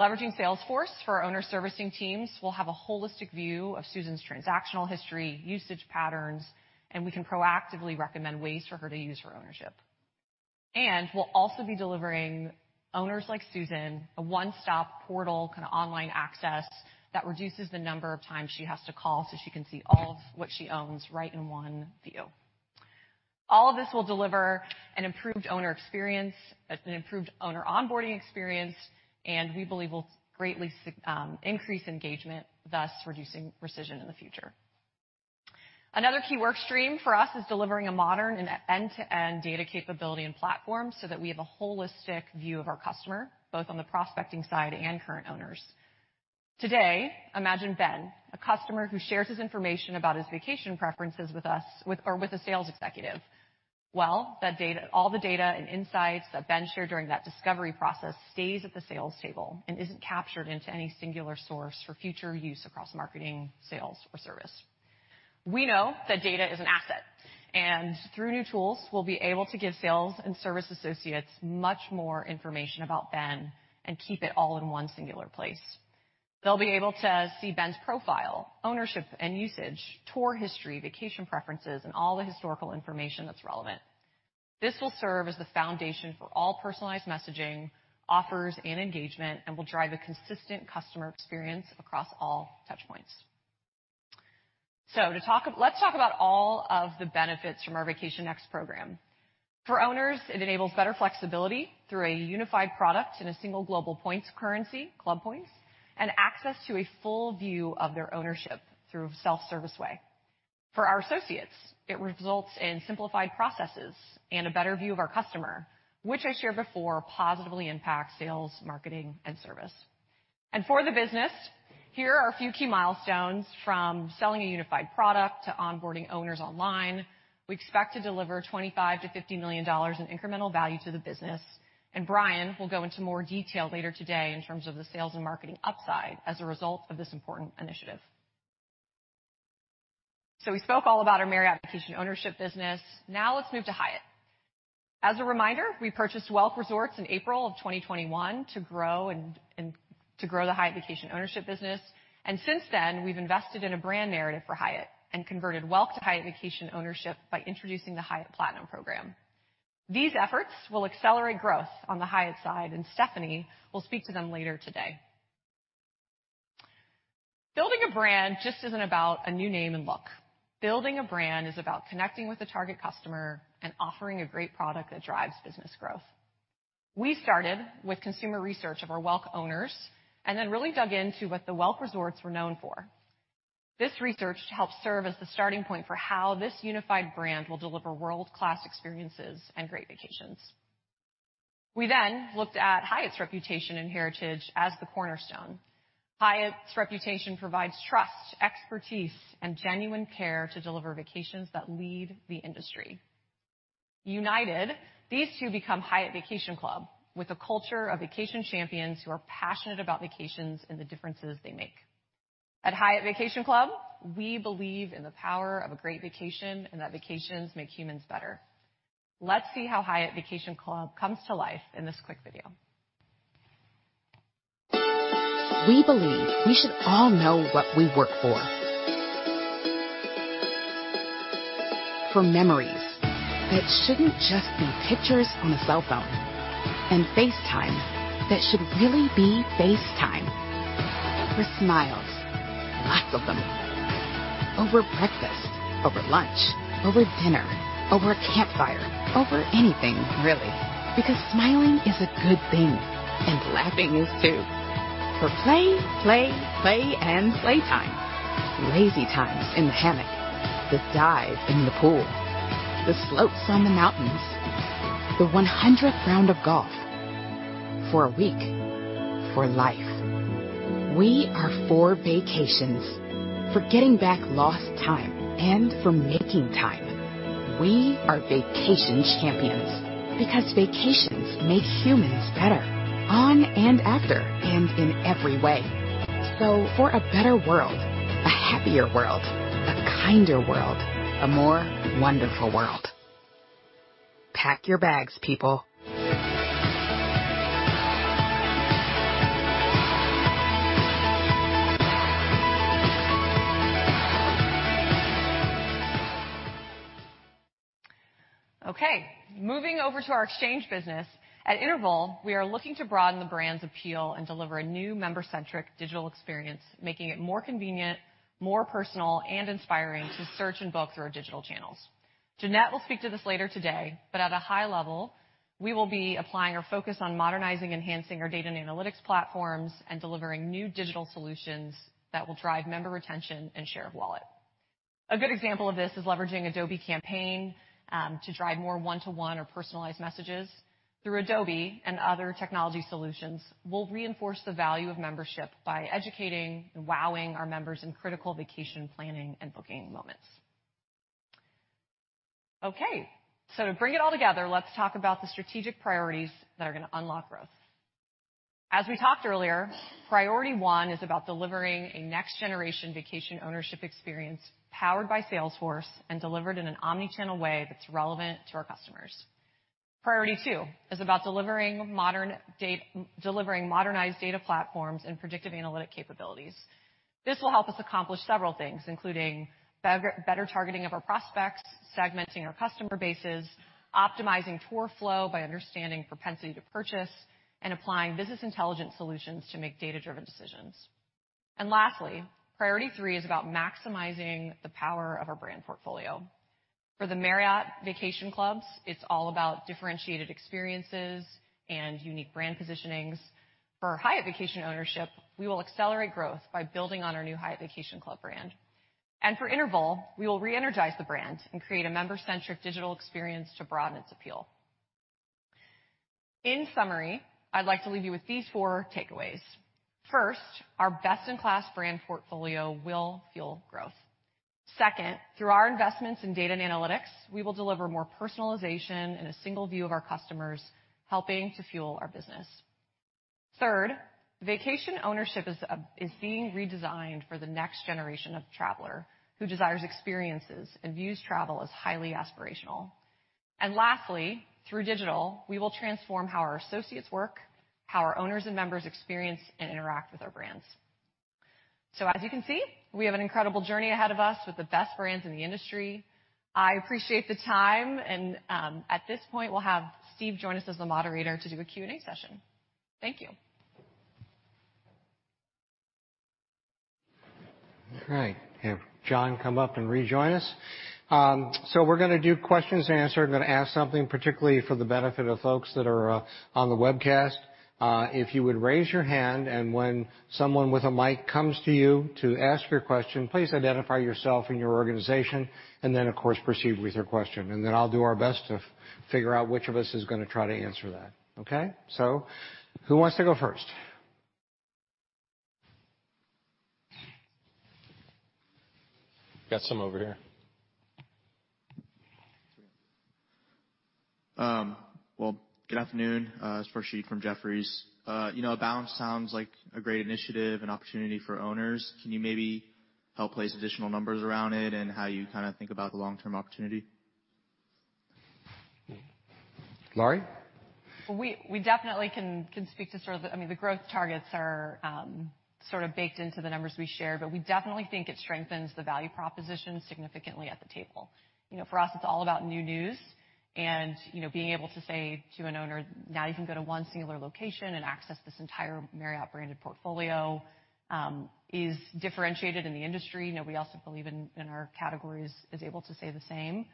Leveraging Salesforce for our owner servicing teams, we'll have a holistic view of Susan's transactional history, usage patterns, and we can proactively recommend ways for her to use her ownership. We'll also be delivering owners like Susan a one-stop portal, kinda online access that reduces the number of times she has to call, so she can see all of what she owns right in one view. All of this will deliver an improved owner experience, an improved owner onboarding experience, and we believe will greatly increase engagement, thus reducing rescission in the future. Another key work stream for us is delivering a modern and end-to-end data capability and platform so that we have a holistic view of our customer, both on the prospecting side and current owners. Today, imagine Ben, a customer who shares his information about his vacation preferences with us or with a sales executive. Well, that data, all the data and insights that Ben shared during that discovery process stays at the sales table and isn't captured into any singular source for future use across marketing, sales, or service. We know that data is an asset, and through new tools, we'll be able to give sales and service associates much more information about Ben and keep it all in one singular place. They'll be able to see Ben's profile, ownership and usage, tour history, vacation preferences, and all the historical information that's relevant. This will serve as the foundation for all personalized messaging, offers, and engagement, and will drive a consistent customer experience across all touch points. Let's talk about all of the benefits from our Vacation Next program. For owners, it enables better flexibility through a unified product in a single global points currency, club points, and access to a full view of their ownership through self-service way. For our associates, it results in simplified processes and a better view of our customer, which I shared before positively impacts sales, marketing, and service. For the business, here are a few key milestones from selling a unified product to onboarding owners online. We expect to deliver $25 million-$50 million in incremental value to the business. Brian will go into more detail later today in terms of the sales and marketing upside as a result of this important initiative. We spoke all about our Marriott Vacation Ownership business. Now let's move to Hyatt. As a reminder, we purchased Welk Resorts in April of 2021 to grow the Hyatt Vacation Ownership business. Since then, we've invested in a brand narrative for Hyatt and converted Welk to Hyatt Vacation Ownership by introducing the Hyatt Platinum Program. These efforts will accelerate growth on the Hyatt side, and Stephanie will speak to them later today. Building a brand just isn't about a new name and look. Building a brand is about connecting with the target customer and offering a great product that drives business growth. We started with consumer research of our Welk owners and then really dug into what the Welk Resorts were known for. This research helped serve as the starting point for how this unified brand will deliver world-class experiences and great vacations. We then looked at Hyatt's reputation and heritage as the cornerstone. Hyatt's reputation provides trust, expertise, and genuine care to deliver vacations that lead the industry. United, these two become Hyatt Vacation Club with a culture of vacation champions who are passionate about vacations and the differences they make. At Hyatt Vacation Club, we believe in the power of a great vacation and that vacations make humans better. Let's see how Hyatt Vacation Club comes to life in this quick video. We believe we should all know what we work for. For memories that shouldn't just be pictures on a cell phone. FaceTime that should really be face time. For smiles, lots of them. Over breakfast, over lunch, over dinner, over a campfire, over anything, really, because smiling is a good thing, and laughing is too. For play, play, and playtime. Lazy times in the hammock. The dive in the pool. The slopes on the mountains. The 100th round of golf. For a week, for life. We are for vacations, for getting back lost time and for making time. We are vacation champions because vacations make humans better on and after and in every way. For a better world, a happier world, a kinder world, a more wonderful world. Pack your bags, people. Okay. Moving over to our exchange business. At Interval, we are looking to broaden the brand's appeal and deliver a new member-centric digital experience, making it more convenient, more personal, and inspiring to search and book through our digital channels. Jeanette will speak to this later today, but at a high level, we will be applying our focus on modernizing, enhancing our data and analytics platforms, and delivering new digital solutions that will drive member retention and share of wallet. A good example of this is leveraging Adobe Campaign to drive more one-to-one or personalized messages. Through Adobe and other technology solutions, we'll reinforce the value of membership by educating and wowing our members in critical vacation planning and booking moments. Okay. To bring it all together, let's talk about the strategic priorities that are gonna unlock growth. As we talked earlier, priority one is about delivering a next-generation vacation ownership experience powered by Salesforce and delivered in an omnichannel way that's relevant to our customers. Priority two is about delivering modernized data platforms and predictive analytic capabilities. This will help us accomplish several things, including better targeting of our prospects, segmenting our customer bases, optimizing tour flow by understanding propensity to purchase, and applying business intelligence solutions to make data-driven decisions. Lastly, priority three is about maximizing the power of our brand portfolio. For the Marriott Vacation Club, it's all about differentiated experiences and unique brand positionings. For Hyatt Vacation Ownership, we will accelerate growth by building on our new Hyatt Vacation Club brand. For Interval, we will reenergize the brand and create a member-centric digital experience to broaden its appeal. In summary, I'd like to leave you with these four takeaways. First, our best-in-class brand portfolio will fuel growth. Second, through our investments in data and analytics, we will deliver more personalization and a single view of our customers, helping to fuel our business. Third, vacation ownership is being redesigned for the next generation of traveler who desires experiences and views travel as highly aspirational. Lastly, through digital, we will transform how our associates work, how our owners and members experience and interact with our brands. As you can see, we have an incredible journey ahead of us with the best brands in the industry. I appreciate the time and, at this point, we'll have Steve join us as the moderator to do a Q&A session. Thank you. All right. Have John come up and rejoin us. We're gonna do questions and answer. I'm gonna ask something particularly for the benefit of folks that are on the webcast. If you would raise your hand, and when someone with a mic comes to you to ask your question, please identify yourself and your organization, and then, of course, proceed with your question. I'll do our best to figure out which of us is gonna try to answer that. Okay? Who wants to go first? Got some over here. Well, good afternoon. It's Farshid from Jefferies. You know, Abound sounds like a great initiative and opportunity for owners. Can you maybe help place additional numbers around it and how you kinda think about the long-term opportunity? Lori? We definitely can speak to the growth targets. I mean, the growth targets are sort of baked into the numbers we share, but we definitely think it strengthens the value proposition significantly at the table. You know, for us, it's all about new news and, you know, being able to say to an owner, "Now you can go to one singular location and access this entire Marriott branded portfolio," is differentiated in the industry. You know, we also believe in our categories is able to say the same.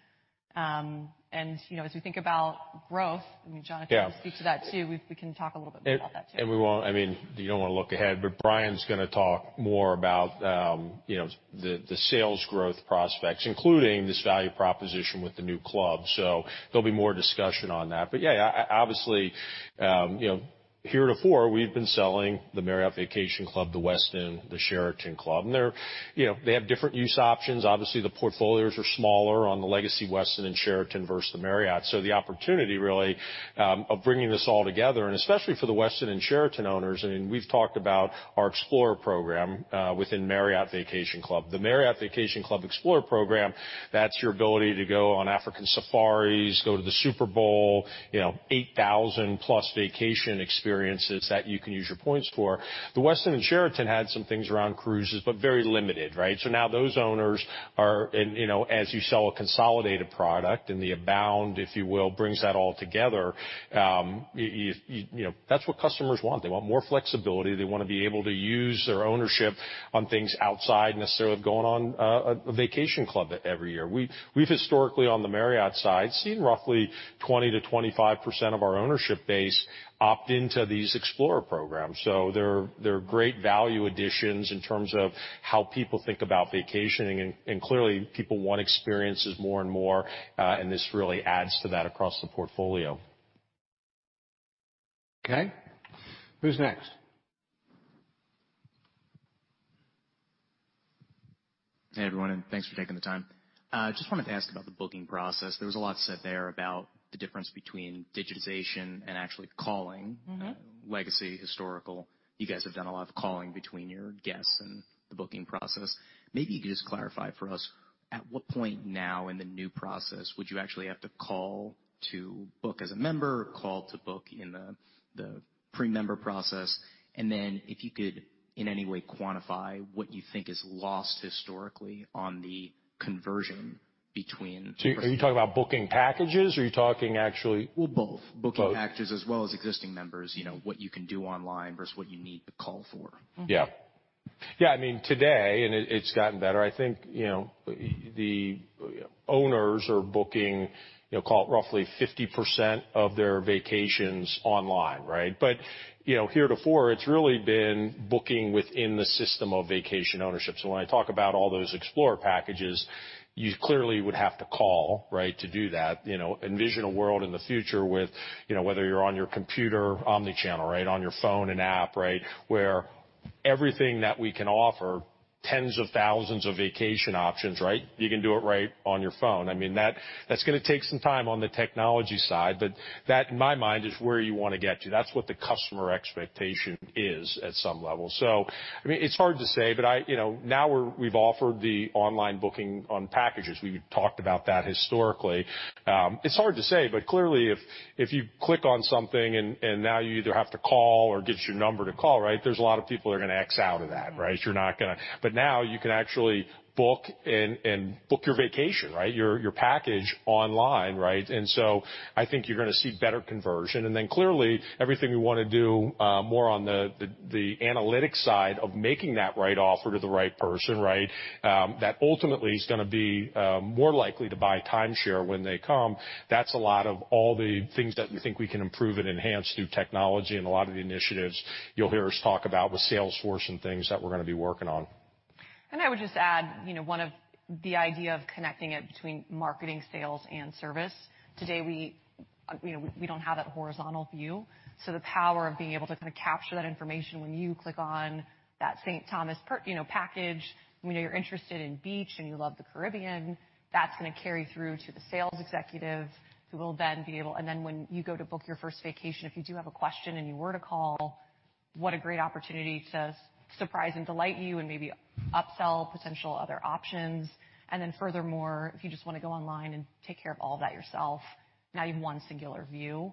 You know, as we think about growth, I mean, Jonathan- Yeah. Can speak to that too. We can talk a little bit about that too. I mean, you don't wanna look ahead, but Brian's gonna talk more about, you know, the sales growth prospects, including this value proposition with the new club. There'll be more discussion on that. Yeah, obviously, you know, heretofore, we've been selling the Marriott Vacation Club, the Westin, the Sheraton Club, and they, you know, have different use options. Obviously, the portfolios are smaller on the legacy Westin and Sheraton versus the Marriott. The opportunity really of bringing this all together, and especially for the Westin and Sheraton owners, and we've talked about our Explorer program within Marriott Vacation Club. The Marriott Vacation Club Explorer program, that's your ability to go on African safaris, go to the Super Bowl, you know, 8,000+ vacation experiences that you can use your points for. The Westin and Sheraton had some things around cruises, but very limited, right? Now those owners are, and you know, as you sell a consolidated product and the Abound, if you will, brings that all together, you know, that's what customers want. They want more flexibility. They wanna be able to use their ownership on things outside necessarily of going on a vacation club every year. We've historically, on the Marriott side, seen roughly 20%-25% of our ownership base opt into these Explorer programs. They're great value additions in terms of how people think about vacationing. Clearly, people want experiences more and more, and this really adds to that across the portfolio. Okay. Who's next? Hey, everyone, and thanks for taking the time. Just wanted to ask about the booking process. There was a lot said there about the difference between digitization and actually calling. Legacy, historical. You guys have done a lot of calling between your guests and the booking process. Maybe you could just clarify for us, at what point now in the new process would you actually have to call to book as a member or call to book in the pre-member process? If you could in any way quantify what you think is lost historically on the conversion between. Are you talking about booking packages or are you talking actually? Well, both. Both. Booking packages as well as existing members, you know, what you can do online versus what you need to call for. Yeah. Yeah, I mean, today, it's gotten better, I think, you know, the owners are booking, you know, call it roughly 50% of their vacations online, right? You know, heretofore, it's really been booking within the system of vacation ownership. When I talk about all those Explorer packages, you clearly would have to call, right, to do that. You know, envision a world in the future with, you know, whether you're on your computer, omni-channel, right? On your phone and app, right? Where everything that we can offer, tens of thousands of vacation options, right? You can do it right on your phone. I mean, that's gonna take some time on the technology side, but that, in my mind, is where you wanna get to. That's what the customer expectation is at some level. I mean, it's hard to say, but you know, we've offered the online booking on packages. We've talked about that historically. It's hard to say, but clearly if you click on something, and now you either have to call or it gives you a number to call, right? There's a lot of people that are gonna X out of that, right? Now you can actually book and book your vacation, right? Your package online, right? I think you're gonna see better conversion. Clearly, everything we wanna do, more on the analytics side of making that right offer to the right person, right? That ultimately is gonna be more likely to buy timeshare when they come. That's a lot of all the things that we think we can improve and enhance through technology, and a lot of the initiatives you'll hear us talk about with Salesforce and things that we're gonna be working on. I would just add, you know, one of the idea of connecting it between marketing, sales, and service. Today, you know, we don't have that horizontal view, so the power of being able to kinda capture that information when you click on that St. Thomas package. We know you're interested in beach, and you love the Caribbean. That's gonna carry through to the sales executive, who will then be able. When you go to book your first vacation, if you do have a question and you were to call, what a great opportunity to surprise and delight you and maybe upsell potential other options. Furthermore, if you just wanna go online and take care of all that yourself, now you have one singular view.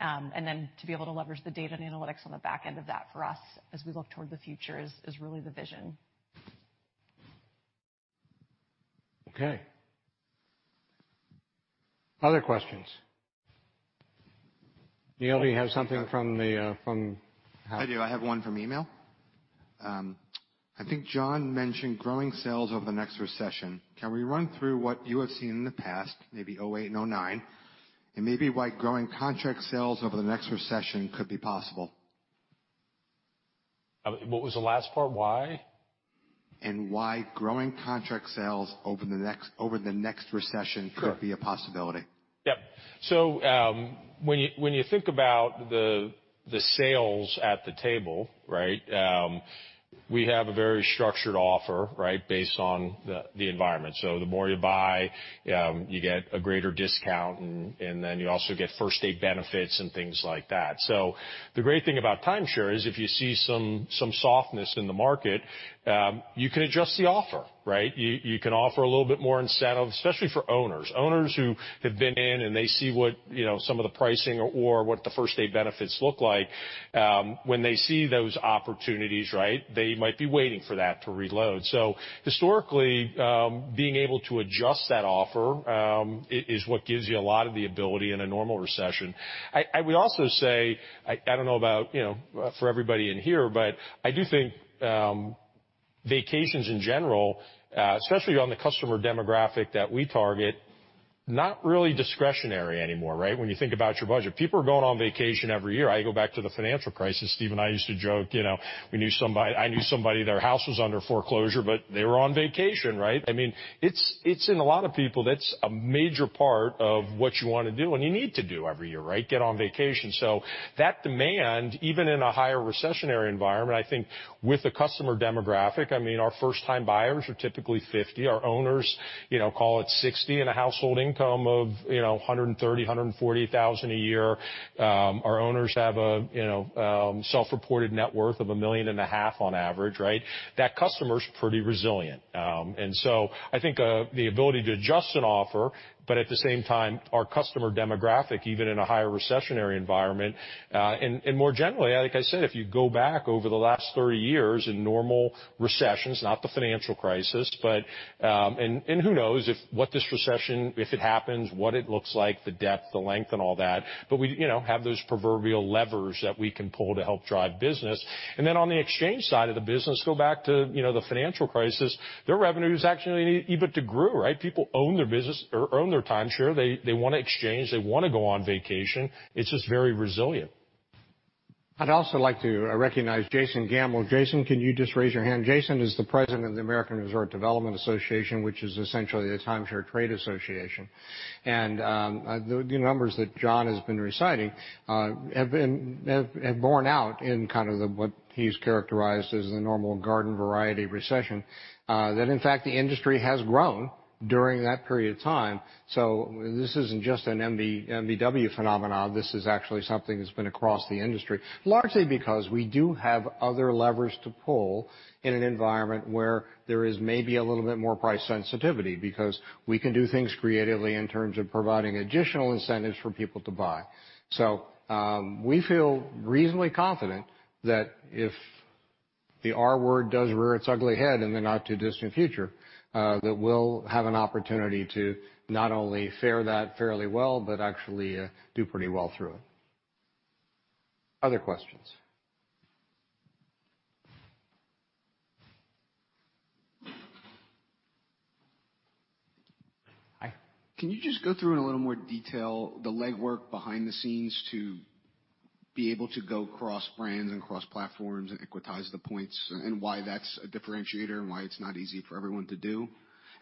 To be able to leverage the data and analytics on the back end of that for us as we look toward the future is really the vision. Okay. Other questions? Neal, do you have something from- I do. I have one from email. I think John mentioned growing sales over the next recession. Can we run through what you have seen in the past, maybe 2008 and 2009, and maybe why growing contract sales over the next recession could be possible? What was the last part? Why? Why growing contract sales over the next recession. Sure. Could be a possibility. Yep. When you think about the sales at the table, right? We have a very structured offer, right? Based on the environment. The more you buy, you get a greater discount and then you also get first day benefits and things like that. The great thing about timeshare is if you see some softness in the market, you can adjust the offer, right? You can offer a little bit more incentive, especially for owners. Owners who have been in and they see what, you know, some of the pricing or what the first day benefits look like, when they see those opportunities, right? They might be waiting for that to reload. Historically, being able to adjust that offer is what gives you a lot of the ability in a normal recession. I would also say I don't know about, you know, for everybody in here, but I do think vacations in general, especially on the customer demographic that we target, not really discretionary anymore, right? When you think about your budget. People are going on vacation every year. I go back to the financial crisis. Steve and I used to joke, you know, I knew somebody, their house was under foreclosure, but they were on vacation, right? I mean, it's in a lot of people, that's a major part of what you wanna do and you need to do every year, right? Get on vacation. That demand, even in a higher recessionary environment, I think with the customer demographic, I mean, our first time buyers are typically 50. Our owners, you know, call it 60, and a household income of, you know, $130,000-$140,000 a year. Our owners have a, you know, self-reported net worth of $1.5 million on average, right? That customer is pretty resilient. I think the ability to adjust an offer, but at the same time, our customer demographic, even in a higher recessionary environment. More generally, like I said, if you go back over the last 30 years in normal recessions, not the financial crisis, but who knows what this recession, if it happens, what it looks like, the depth, the length and all that. We, you know, have those proverbial levers that we can pull to help drive business. On the exchange side of the business, go back to, you know, the financial crisis, their revenues actually EBITDA grew, right? People own their timeshare. They wanna exchange, they wanna go on vacation. It's just very resilient. I'd also like to recognize Jason Gamel. Jason, can you just raise your hand? Jason is the president of the American Resort Development Association, which is essentially a timeshare trade association. The numbers that John has been reciting have borne out in what he's characterized as the normal garden variety recession, that in fact, the industry has grown during that period of time. This isn't just an MVW phenomenon, this is actually something that's been across the industry, largely because we do have other levers to pull in an environment where there is maybe a little bit more price sensitivity, because we can do things creatively in terms of providing additional incentives for people to buy. We feel reasonably confident that if the R-word does rear its ugly head in the not-too-distant future, that we'll have an opportunity to not only fare that fairly well but actually, do pretty well through it. Other questions? Hi. Can you just go through in a little more detail the legwork behind the scenes to be able to go cross-brands and cross-platforms and equitize the points, and why that's a differentiator and why it's not easy for everyone to do?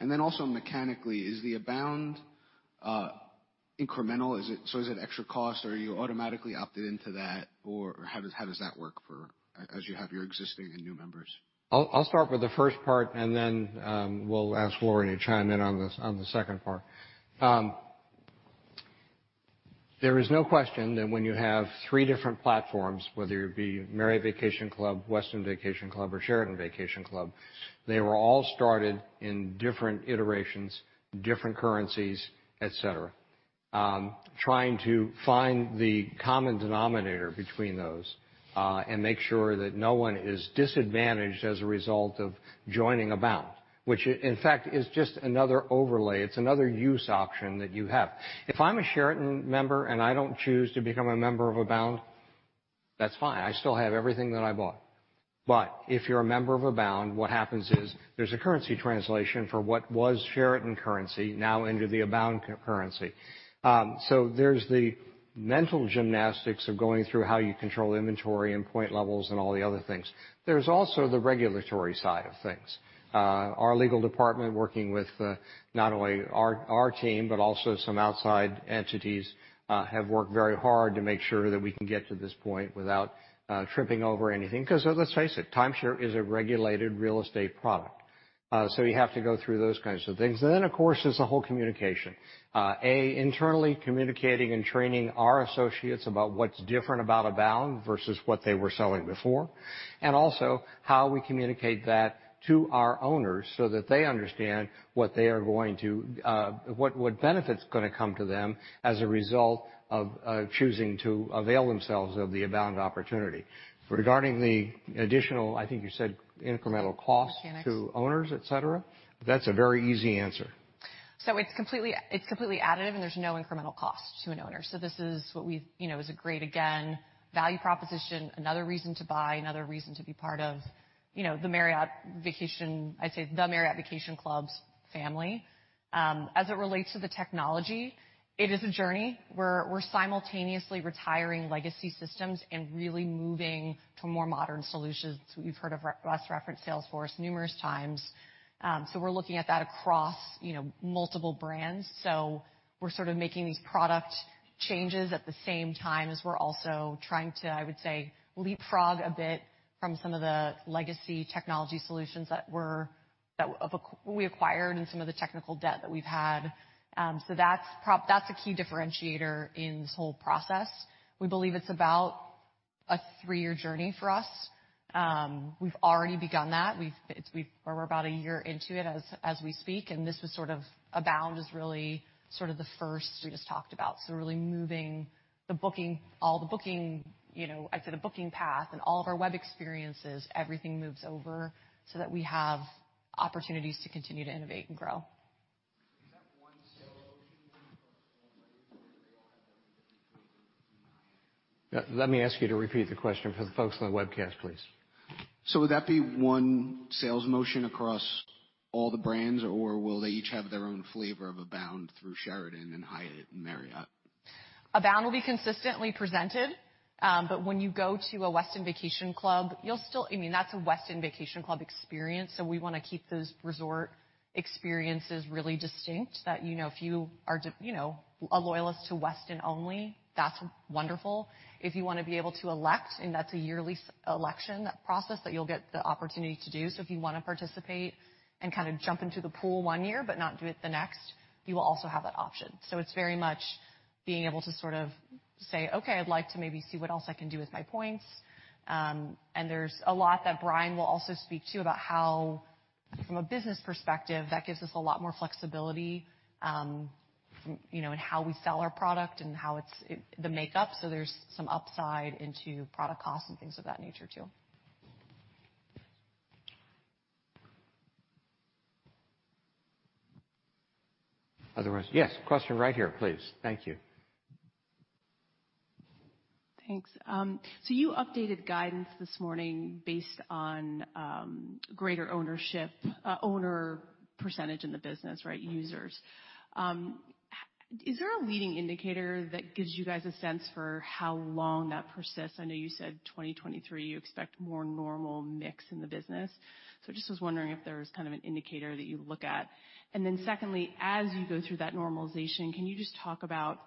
Then also mechanically, is the Abound incremental? So is it extra cost, or are you automatically opted into that? Or how does that work for as you have your existing and new members? I'll start with the first part, and then we'll ask Lori to chime in on the second part. There is no question that when you have three different platforms, whether it be Marriott Vacation Club, Westin Vacation Club, or Sheraton Vacation Club, they were all started in different iterations, different currencies, et cetera. Trying to find the common denominator between those and make sure that no one is disadvantaged as a result of joining Abound, which in fact is just another overlay. It's another use option that you have. If I'm a Sheraton member and I don't choose to become a member of Abound, that's fine. I still have everything that I bought. If you're a member of Abound, what happens is there's a currency translation for what was Sheraton currency now into the Abound currency. There's the mental gymnastics of going through how you control inventory and point levels and all the other things. There's also the regulatory side of things. Our legal department, working with, not only our team, but also some outside entities, have worked very hard to make sure that we can get to this point without tripping over anything. Because let's face it, timeshare is a regulated real estate product. We have to go through those kinds of things. Of course, there's the whole communication. Internally communicating and training our associates about what's different about Abound versus what they were selling before, and also how we communicate that to our owners so that they understand what benefit's gonna come to them as a result of choosing to avail themselves of the Abound opportunity. Regarding the additional, I think you said incremental cost to owners, et cetera, that's a very easy answer. It's completely additive, and there's no incremental cost to an owner. This is a great, again, value proposition, another reason to buy, another reason to be part of, you know, the Marriott Vacation Club family. As it relates to the technology, it is a journey. We're simultaneously retiring legacy systems and really moving to more modern solutions. We've referenced Salesforce numerous times. We're looking at that across, you know, multiple brands. We're sort of making these product changes at the same time as we're also trying to, I would say, leapfrog a bit from some of the legacy technology solutions that we acquired and some of the technical debt that we've had. That's a key differentiator in this whole process. We believe it's about a three-year journey for us. We've already begun that. We're about a year into it as we speak, and this was sort of Abound is really sort of the first we just talked about. Really moving the booking, all the booking, you know, I'd say the booking path and all of our web experiences, everything moves over so that we have opportunities to continue to innovate and grow. Is that one sale? Let me ask you to repeat the question for the folks on the webcast, please. Would that be one sales motion across all the brands, or will they each have their own flavor of Abound through Sheraton and Hyatt and Marriott? Abound will be consistently presented, but when you go to a Westin Vacation Club, you'll still I mean, that's a Westin Vacation Club experience, so we wanna keep those resort experiences really distinct that, you know, if you are just, you know, a loyalist to Westin only, that's wonderful. If you wanna be able to elect, and that's a yearly selection, that process that you'll get the opportunity to do. If you wanna participate and kinda jump into the pool one year but not do it the next, you will also have that option. It's very much being able to sort of say, "Okay, I'd like to maybe see what else I can do with my points." There's a lot that Brian will also speak to about how, from a business perspective, that gives us a lot more flexibility, you know, in how we sell our product and how it's the makeup. There's some upside into product costs and things of that nature too. Otherwise, yes, question right here, please. Thank you. Thanks. So you updated guidance this morning based on greater owner percentage in the business, right? Is there a leading indicator that gives you guys a sense for how long that persists? I know you said 2023, you expect more normal mix in the business. Just was wondering if there's kind of an indicator that you look at. Secondly, as you go through that normalization, can you just talk about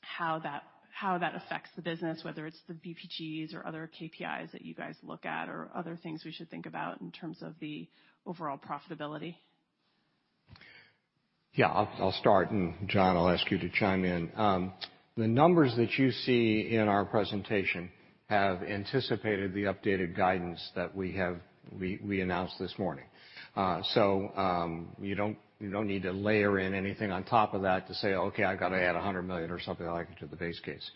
how that affects the business, whether it's the VPGs or other KPIs that you guys look at or other things we should think about in terms of the overall profitability? Yeah. I'll start, and John, I'll ask you to chime in. The numbers that you see in our presentation have anticipated the updated guidance that we announced this morning. You don't need to layer in anything on top of that to say, "Okay, I gotta add $100 million or something like it to the base case."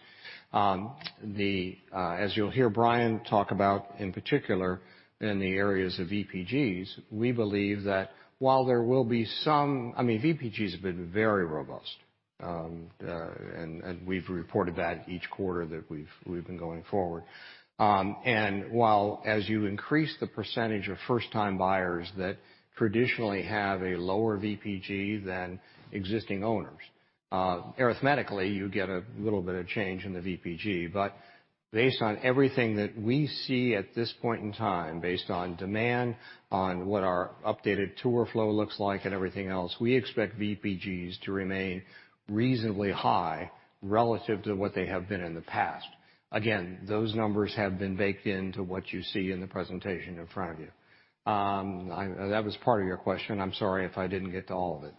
As you'll hear Brian talk about, in particular, in the areas of VPGs, we believe that while there will be some. I mean, VPGs have been very robust. We've reported that each quarter that we've been going forward. While as you increase the percentage of first-time buyers that traditionally have a lower VPG than existing owners, arithmetically, you get a little bit of change in the VPG. Based on everything that we see at this point in time, based on demand, on what our updated tour flow looks like and everything else, we expect VPGs to remain reasonably high relative to what they have been in the past. Again, those numbers have been baked into what you see in the presentation in front of you. That was part of your question. I'm sorry if I didn't get to all of it.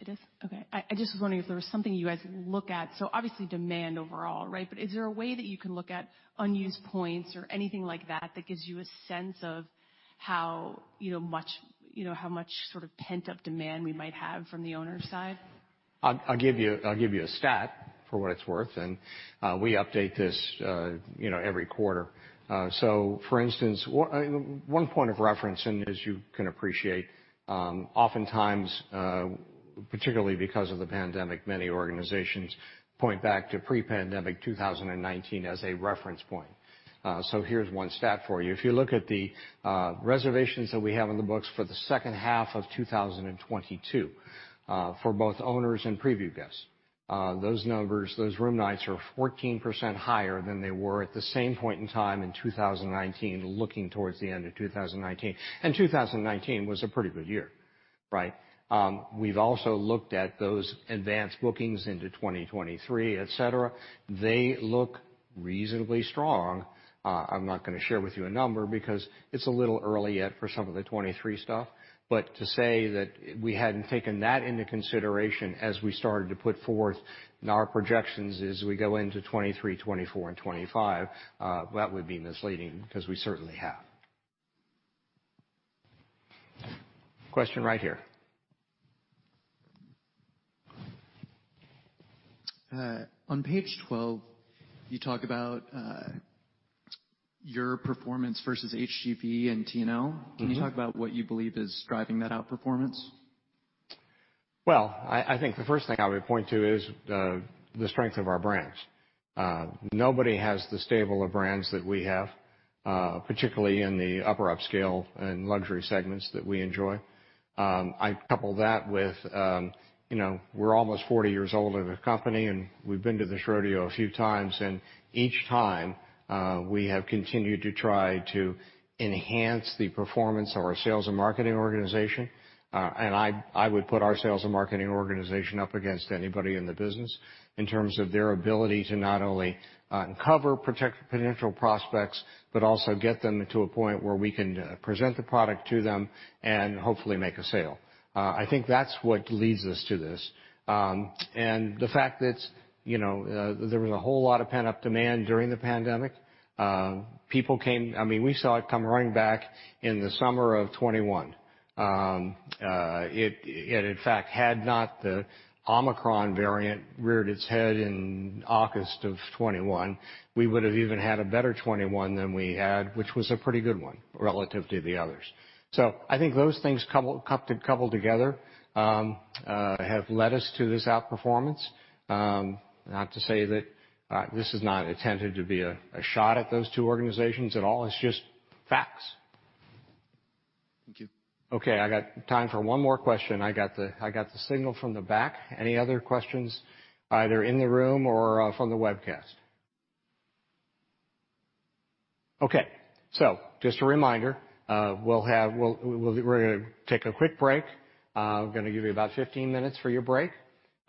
It is? Okay. I just was wondering if there was something you guys look at, so obviously demand overall, right? But is there a way that you can look at unused points or anything like that gives you a sense of how, you know, much, you know, how much sort of pent-up demand we might have from the owner's side? I'll give you a stat for what it's worth, and we update this, you know, every quarter. So for instance, one point of reference, and as you can appreciate, oftentimes, particularly because of the pandemic, many organizations point back to pre-pandemic 2019 as a reference point. So here's one stat for you. If you look at the reservations that we have on the books for the second half of 2022, for both owners and preview guests, those numbers, those room nights are 14% higher than they were at the same point in time in 2019, looking towards the end of 2019. 2019 was a pretty good year, right? We've also looked at those advanced bookings into 2023, et cetera. They look reasonably strong. I'm not gonna share with you a number because it's a little early yet for some of the 2023 stuff. To say that we hadn't taken that into consideration as we started to put forth in our projections as we go into 2023, 2024 and 2025, that would be misleading because we certainly have. Question right here. On page 12, you talk about your performance versus HGV and TNL. Can you talk about what you believe is driving that outperformance? Well, I think the first thing I would point to is the strength of our brands. Nobody has the stable of brands that we have, particularly in the upper upscale and luxury segments that we enjoy. I couple that with, you know, we're almost 40 years old as a company, and we've been to this rodeo a few times, and each time, we have continued to try to enhance the performance of our sales and marketing organization. And I would put our sales and marketing organization up against anybody in the business in terms of their ability to not only uncover potential prospects, but also get them to a point where we can present the product to them and hopefully make a sale. I think that's what leads us to this. The fact that, you know, there was a whole lot of pent-up demand during the pandemic. I mean, we saw it come running back in the summer of 2021. It in fact had not the Omicron variant reared its head in August of 2021, we would have even had a better 2021 than we had, which was a pretty good one relative to the others. I think those things coupled together have led us to this outperformance. Not to say that this is not intended to be a shot at those two organizations at all. It's just facts. Thank you. Okay. I got time for one more question. I got the signal from the back. Any other questions either in the room or from the webcast? Okay. Just a reminder, we're gonna take a quick break. We're gonna give you about 15 minutes for your break.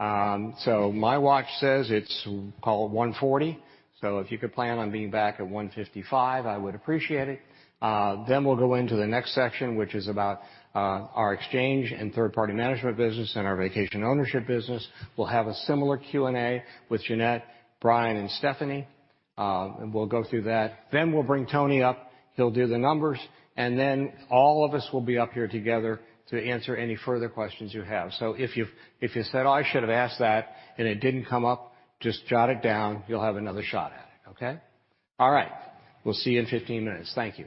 My watch says it's 1:40 P.M. If you could plan on being back at 1:55 P.M., I would appreciate it. We'll go into the next section, which is about our exchange and third-party management business and our vacation ownership business. We'll have a similar Q&A with Jeanette, Brian, and Stephanie. We'll go through that. We'll bring Tony up, he'll do the numbers, and then all of us will be up here together to answer any further questions you have. If you said, "Oh, I should have asked that," and it didn't come up, just jot it down. You'll have another shot at it. Okay? All right. We'll see you in 15 minutes. Thank you.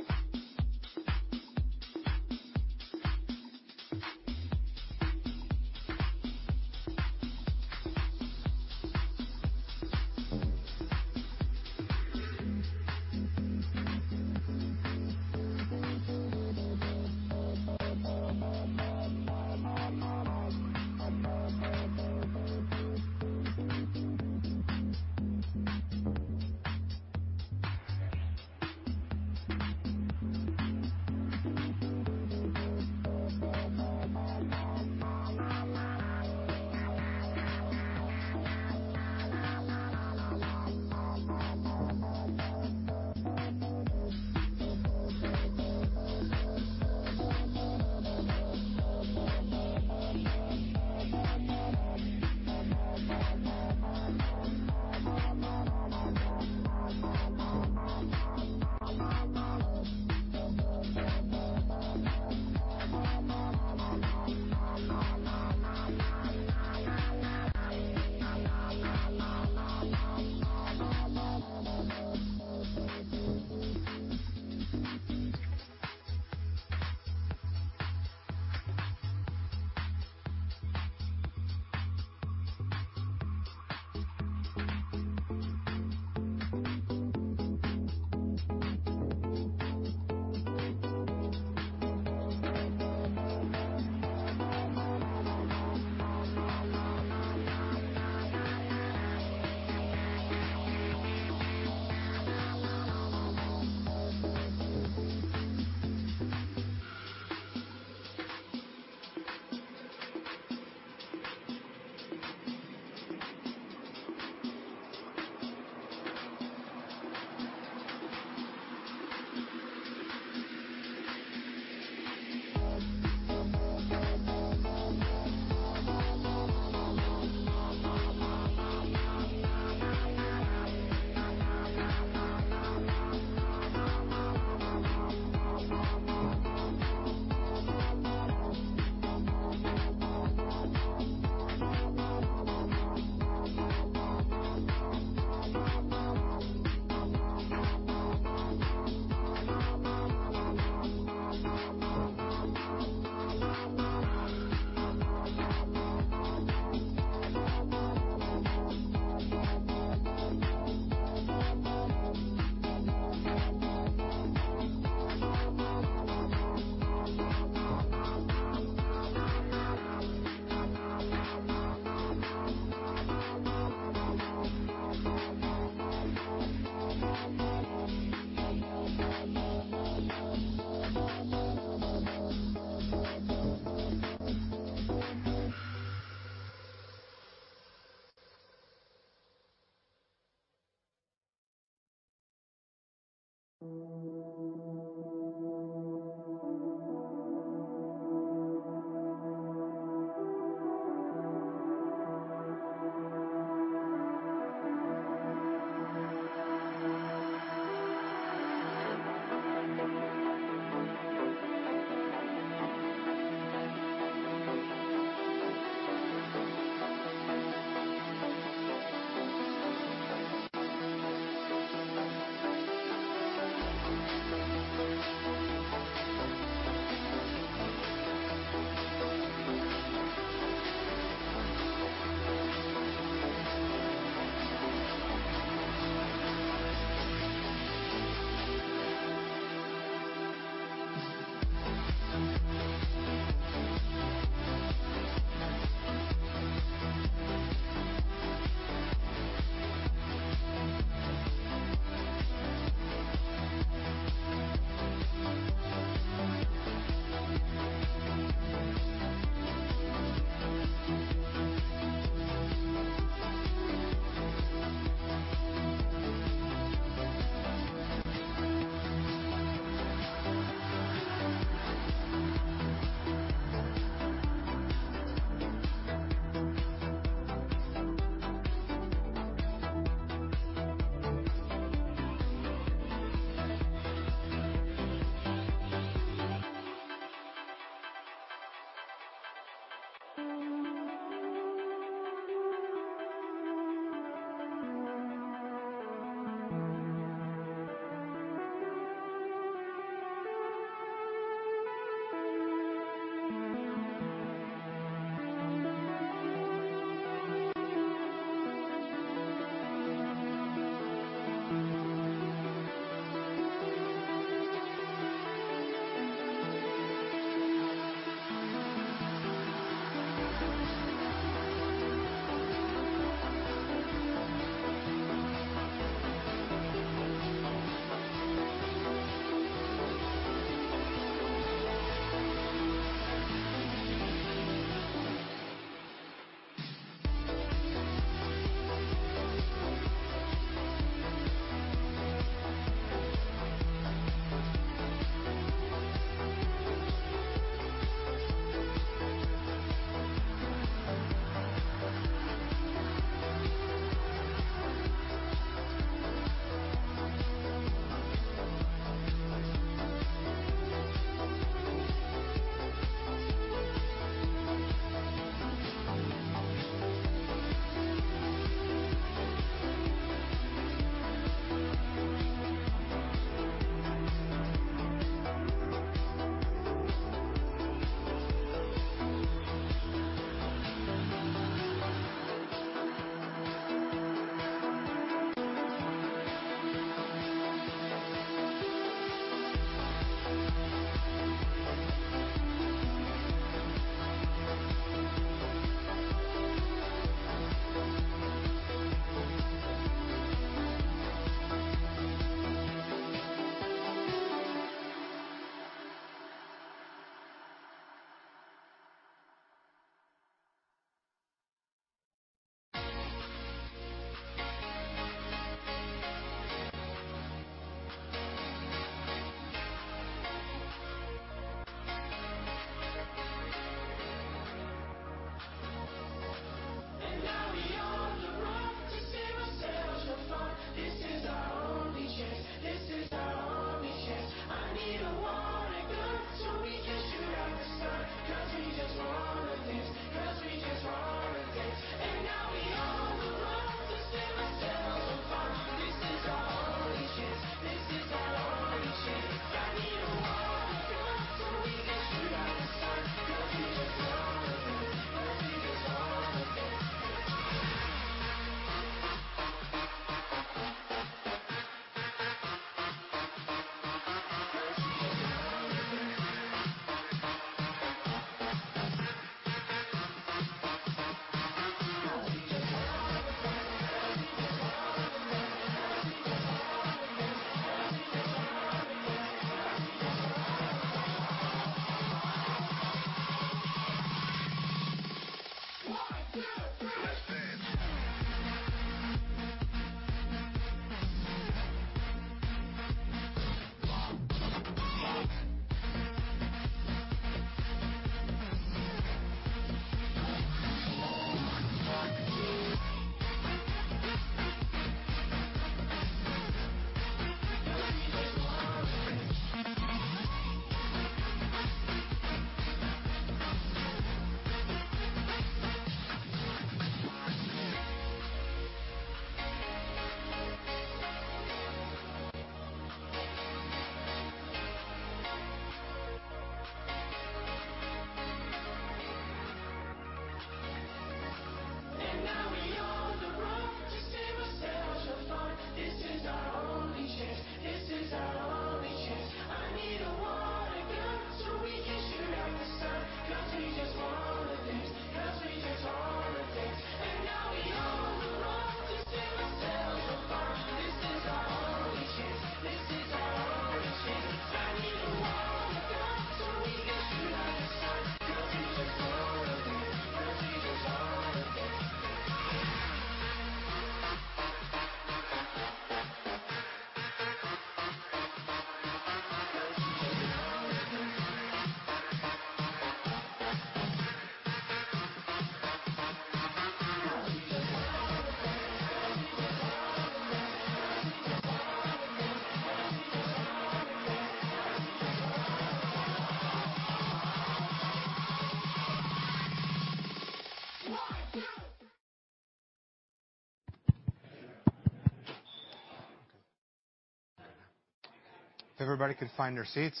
If everybody could find their seats.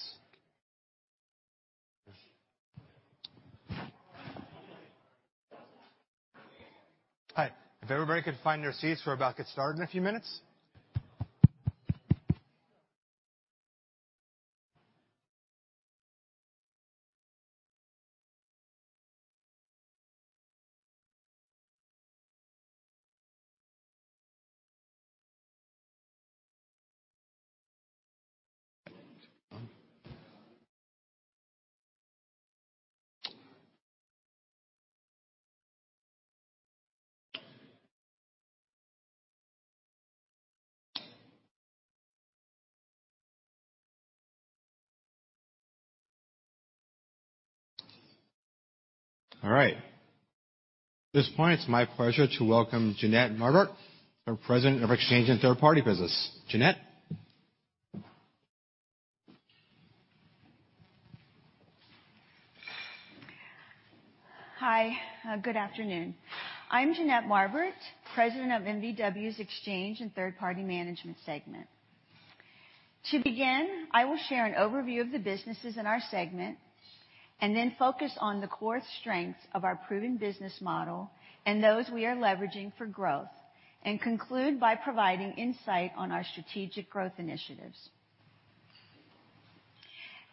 Hi, if everybody could find their seats, we're about to get started in a few minutes. All right. At this point, it's my pleasure to welcome Jeanette Marbert, our President of Exchange and Third-Party Management. Jeanette. Hi, good afternoon. I'm Jeanette Marbert, President of MVW's Exchange and Third-Party Management segment. To begin, I will share an overview of the businesses in our segment, and then focus on the core strengths of our proven business model and those we are leveraging for growth, and conclude by providing insight on our strategic growth initiatives.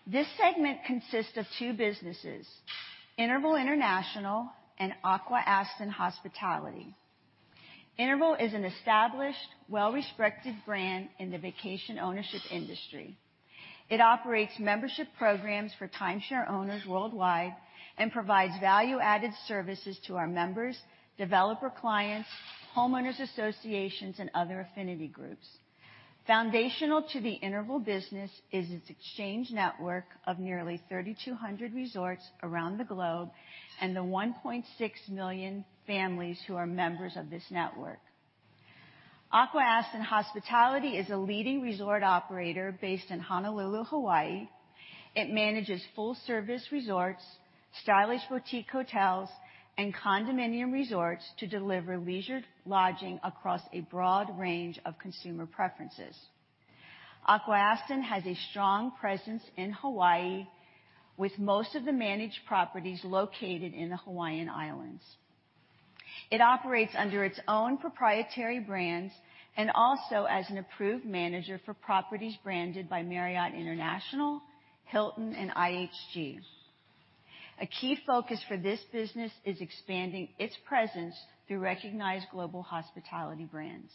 This segment consists of two businesses, Interval International and Aqua-Aston Hospitality. Interval is an established, well-respected brand in the vacation ownership industry. It operates membership programs for timeshare owners worldwide and provides value-added services to our members, developer clients, homeowners associations, and other affinity groups. Foundational to the Interval business is its exchange network of nearly 3,200 resorts around the globe and the 1.6 million families who are members of this network. Aqua-Aston Hospitality is a leading resort operator based in Honolulu, Hawaii. It manages full-service resorts, stylish boutique hotels, and condominium resorts to deliver leisure lodging across a broad range of consumer preferences. Aqua-Aston Hospitality has a strong presence in Hawaii, with most of the managed properties located in the Hawaiian Islands. It operates under its own proprietary brands and also as an approved manager for properties branded by Marriott International, Hilton, and IHG. A key focus for this business is expanding its presence through recognized global hospitality brands.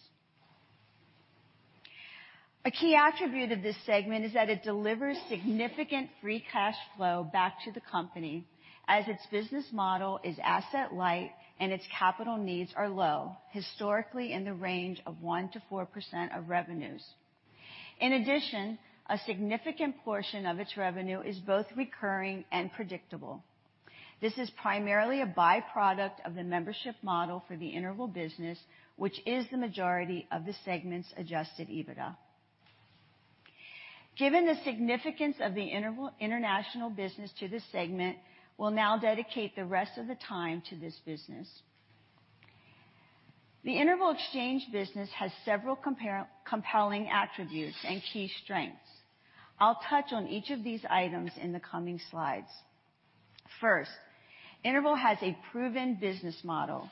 A key attribute of this segment is that it delivers significant free cash flow back to the company, as its business model is asset light and its capital needs are low, historically in the range of 1%-4% of revenues. In addition, a significant portion of its revenue is both recurring and predictable. This is primarily a by-product of the membership model for the Interval business, which is the majority of the segment's adjusted EBITDA. Given the significance of the Interval International business to this segment, we'll now dedicate the rest of the time to this business. The Interval Exchange business has several compelling attributes and key strengths. I'll touch on each of these items in the coming slides. First, Interval has a proven business model.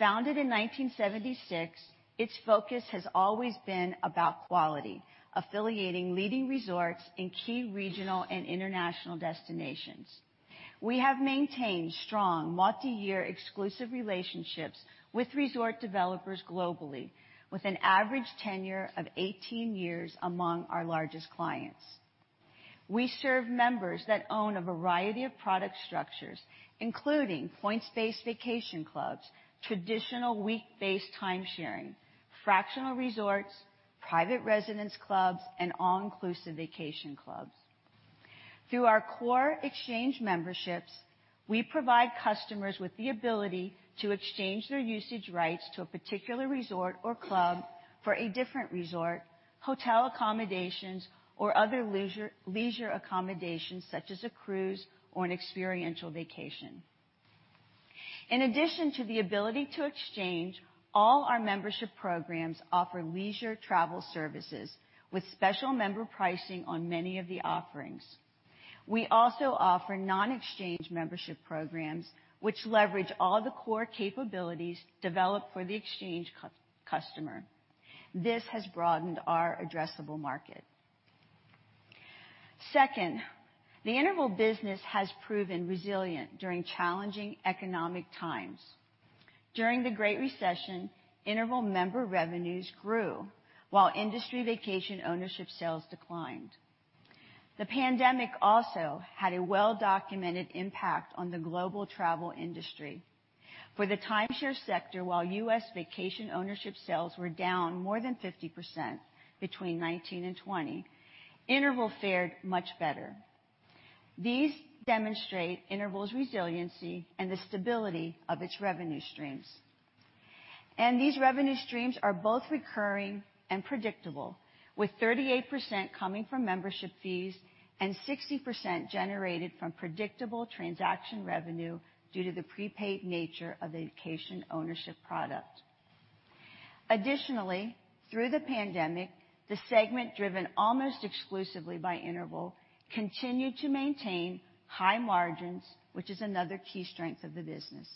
Founded in 1976, its focus has always been about quality, affiliating leading resorts in key regional and international destinations. We have maintained strong multi-year exclusive relationships with resort developers globally with an average tenure of 18 years among our largest clients. We serve members that own a variety of product structures, including points-based vacation clubs, traditional week-based timesharing, fractional resorts, private residence clubs and all-inclusive vacation clubs. Through our core exchange memberships, we provide customers with the ability to exchange their usage rights to a particular resort or club for a different resort, hotel accommodations, or other leisure accommodations such as a cruise or an experiential vacation. In addition to the ability to exchange, all our membership programs offer leisure travel services with special member pricing on many of the offerings. We also offer non-exchange membership programs which leverage all the core capabilities developed for the exchange customer. This has broadened our addressable market. Second, the Interval business has proven resilient during challenging economic times. During the Great Recession, Interval member revenues grew while industry vacation ownership sales declined. The pandemic also had a well-documented impact on the global travel industry. For the timeshare sector, while U.S. vacation ownership sales were down more than 50% between 2019 and 2020, Interval fared much better. These demonstrate Interval's resiliency and the stability of its revenue streams. These revenue streams are both recurring and predictable, with 38% coming from membership fees and 60% generated from predictable transaction revenue due to the prepaid nature of the vacation ownership product. Additionally, through the pandemic, the segment driven almost exclusively by Interval continued to maintain high margins, which is another key strength of the business.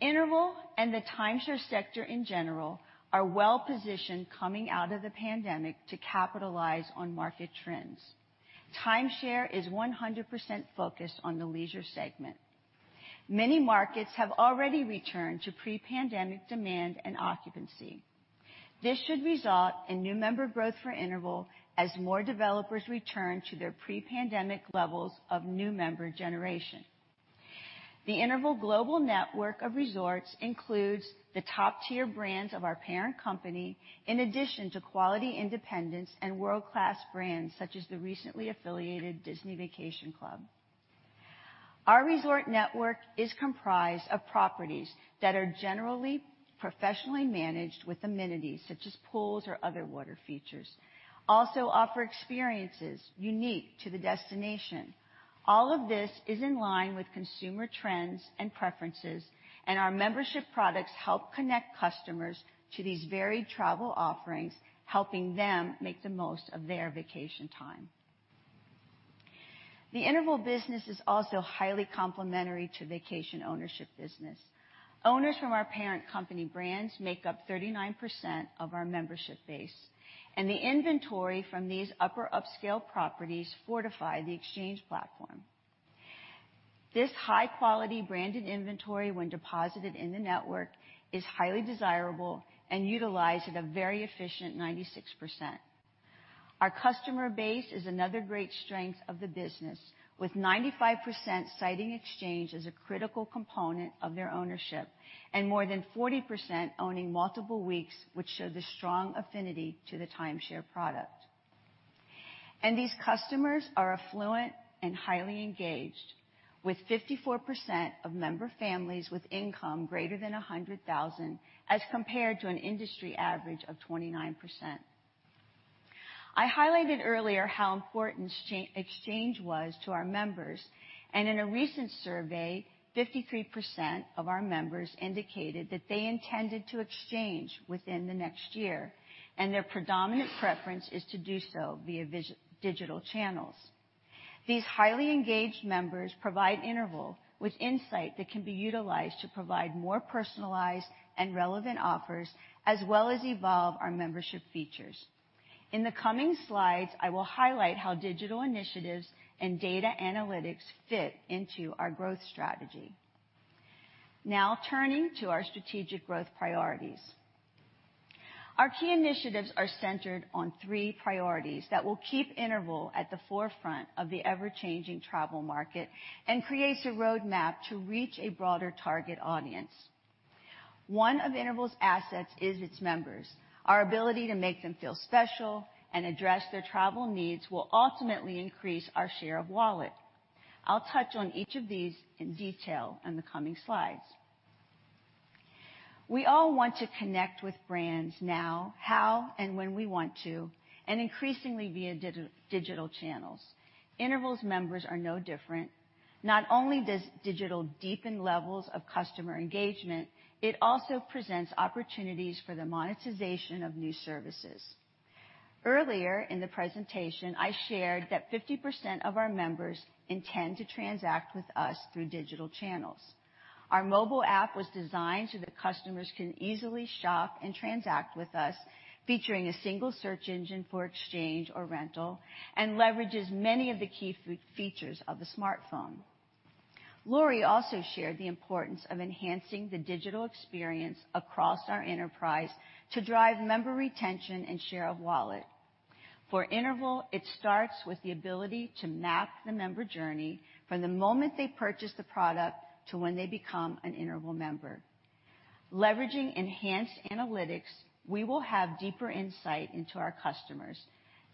Interval and the timeshare sector, in general, are well-positioned coming out of the pandemic to capitalize on market trends. Timeshare is 100% focused on the leisure segment. Many markets have already returned to pre-pandemic demand and occupancy. This should result in new member growth for Interval as more developers return to their pre-pandemic levels of new member generation. The Interval global network of resorts includes the top-tier brands of our parent company, in addition to quality independents and world-class brands, such as the recently affiliated Disney Vacation Club. Our resort network is comprised of properties that are generally professionally managed with amenities, such as pools or other water features, also offer experiences unique to the destination. All of this is in line with consumer trends and preferences, and our membership products help connect customers to these varied travel offerings, helping them make the most of their vacation time. The Interval business is also highly complementary to vacation ownership business. Owners from our parent company brands make up 39% of our membership base, and the inventory from these upper upscale properties fortify the exchange platform. This high-quality branded inventory, when deposited in the network, is highly desirable and utilized at a very efficient 96%. Our customer base is another great strength of the business, with 95% citing exchange as a critical component of their ownership and more than 40% owning multiple weeks, which show the strong affinity to the timeshare product. These customers are affluent and highly engaged, with 54% of member families with income greater than $100,000 as compared to an industry average of 29%. I highlighted earlier how important the exchange was to our members, and in a recent survey, 53% of our members indicated that they intended to exchange within the next year, and their predominant preference is to do so via its digital channels. These highly engaged members provide Interval with insight that can be utilized to provide more personalized and relevant offers as well as evolve our membership features. In the coming slides, I will highlight how digital initiatives and data analytics fit into our growth strategy. Now turning to our strategic growth priorities. Our key initiatives are centered on three priorities that will keep Interval at the forefront of the ever-changing travel market and creates a roadmap to reach a broader target audience. One of Interval's assets is its members. Our ability to make them feel special and address their travel needs will ultimately increase our share of wallet. I'll touch on each of these in detail in the coming slides. We all want to connect with brands now, how, and when we want to, and increasingly via digital channels. Interval's members are no different. Not only does digital deepen levels of customer engagement, it also presents opportunities for the monetization of new services. Earlier in the presentation, I shared that 50% of our members intend to transact with us through digital channels. Our mobile app was designed so that customers can easily shop and transact with us, featuring a single search engine for exchange or rental and leverages many of the key features of the smartphone. Lori also shared the importance of enhancing the digital experience across our enterprise to drive member retention and share of wallet. For Interval, it starts with the ability to map the member journey from the moment they purchase the product to when they become an Interval member. Leveraging enhanced analytics, we will have deeper insight into our customers.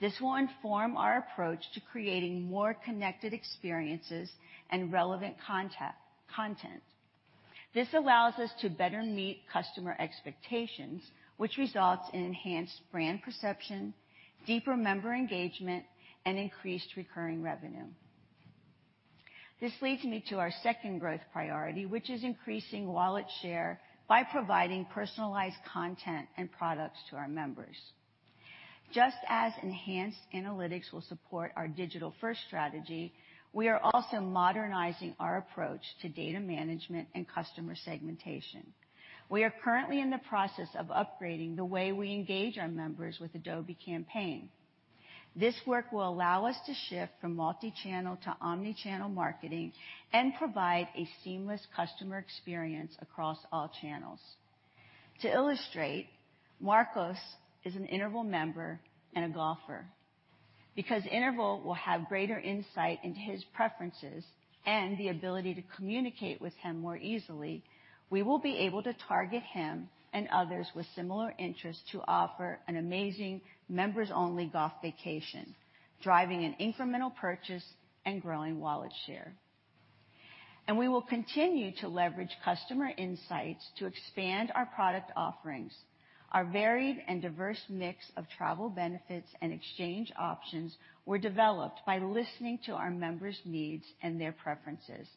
This will inform our approach to creating more connected experiences and relevant content. This allows us to better meet customer expectations, which results in enhanced brand perception, deeper member engagement, and increased recurring revenue. This leads me to our second growth priority, which is increasing wallet share by providing personalized content and products to our members. Just as enhanced analytics will support our digital-first strategy, we are also modernizing our approach to data management and customer segmentation. We are currently in the process of upgrading the way we engage our members with Adobe Campaign. This work will allow us to shift from multi-channel to omni-channel marketing and provide a seamless customer experience across all channels. To illustrate, Marcos is an Interval member and a golfer. Because Interval will have greater insight into his preferences and the ability to communicate with him more easily, we will be able to target him and others with similar interests to offer an amazing members-only golf vacation, driving an incremental purchase and growing wallet share. We will continue to leverage customer insights to expand our product offerings. Our varied and diverse mix of travel benefits and exchange options were developed by listening to our members' needs and their preferences.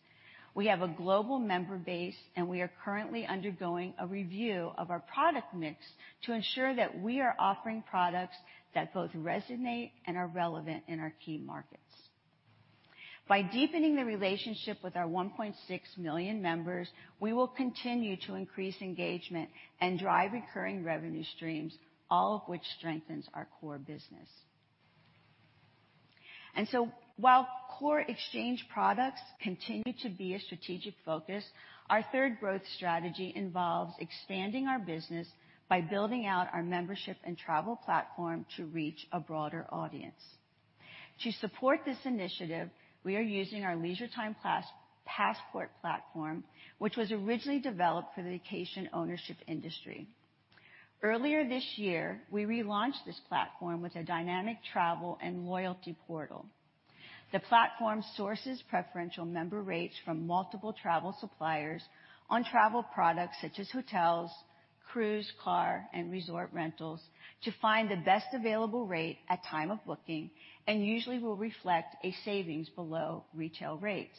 We have a global member base, and we are currently undergoing a review of our product mix to ensure that we are offering products that both resonate and are relevant in our key markets. By deepening the relationship with our 1.6 million members, we will continue to increase engagement and drive recurring revenue streams, all of which strengthens our core business. While core exchange products continue to be a strategic focus, our third growth strategy involves expanding our business by building out our membership and travel platform to reach a broader audience. To support this initiative, we are using our Leisure Time Passport platform, which was originally developed for the vacation ownership industry. Earlier this year, we relaunched this platform with a dynamic travel and loyalty portal. The platform sources preferential member rates from multiple travel suppliers on travel products such as hotels, cruise, car, and resort rentals to find the best available rate at time of booking and usually will reflect a savings below retail rates.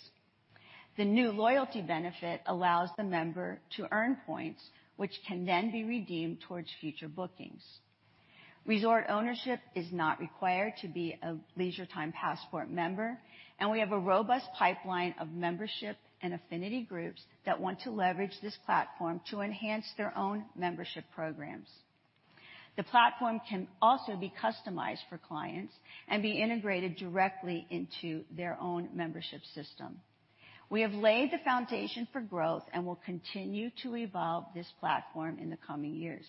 The new loyalty benefit allows the member to earn points which can then be redeemed towards future bookings. Resort ownership is not required to be a Leisure Time Passport member, and we have a robust pipeline of membership and affinity groups that want to leverage this platform to enhance their own membership programs. The platform can also be customized for clients and be integrated directly into their own membership system. We have laid the foundation for growth and will continue to evolve this platform in the coming years.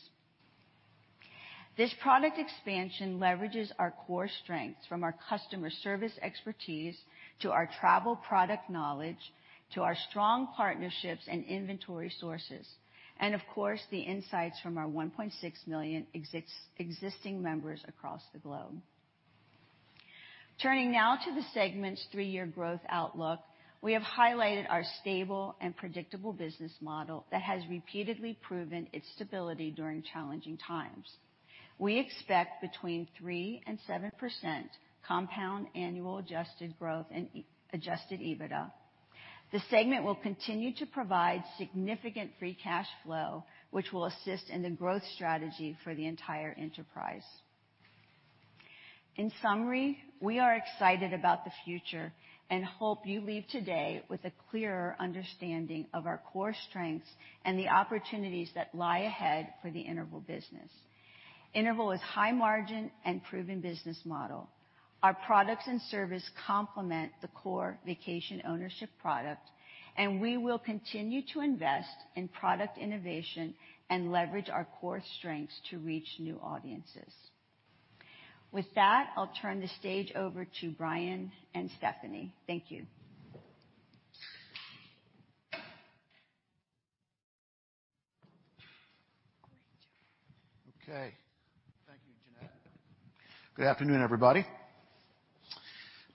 This product expansion leverages our core strengths from our customer service expertise to our travel product knowledge to our strong partnerships and inventory sources and, of course, the insights from our 1.6 million existing members across the globe. Turning now to the segment's three-year growth outlook, we have highlighted our stable and predictable business model that has repeatedly proven its stability during challenging times. We expect between 3% and 7% compound annual adjusted growth in adjusted EBITDA. The segment will continue to provide significant free cash flow, which will assist in the growth strategy for the entire enterprise. In summary, we are excited about the future and hope you leave today with a clearer understanding of our core strengths and the opportunities that lie ahead for the Interval business. Interval is high margin and proven business model. Our products and service complement the core vacation ownership product, and we will continue to invest in product innovation and leverage our core strengths to reach new audiences. With that, I'll turn the stage over to Brian and Stephanie. Thank you. Okay. Thank you, Jeanette. Good afternoon, everybody.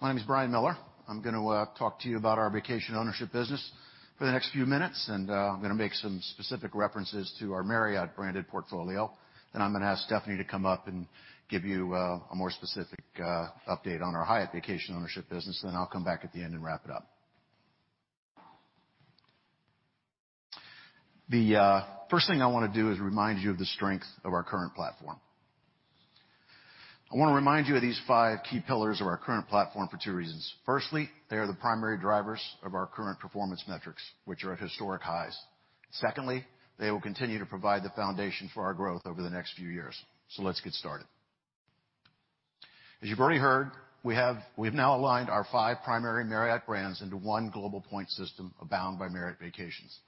My name is Brian Miller. I'm gonna talk to you about our vacation ownership business for the next few minutes, and I'm gonna make some specific references to our Marriott-branded portfolio. I'm gonna ask Stephanie to come up and give you a more specific update on our Hyatt Vacation Ownership business. I'll come back at the end and wrap it up. The first thing I wanna do is remind you of the strength of our current platform. I wanna remind you of these five key pillars of our current platform for two reasons. Firstly, they are the primary drivers of our current performance metrics, which are at historic highs. Secondly, they will continue to provide the foundation for our growth over the next few years. Let's get started. As you've already heard, we've now aligned our five primary Marriott brands into one global point system Abound by Marriott Vacations.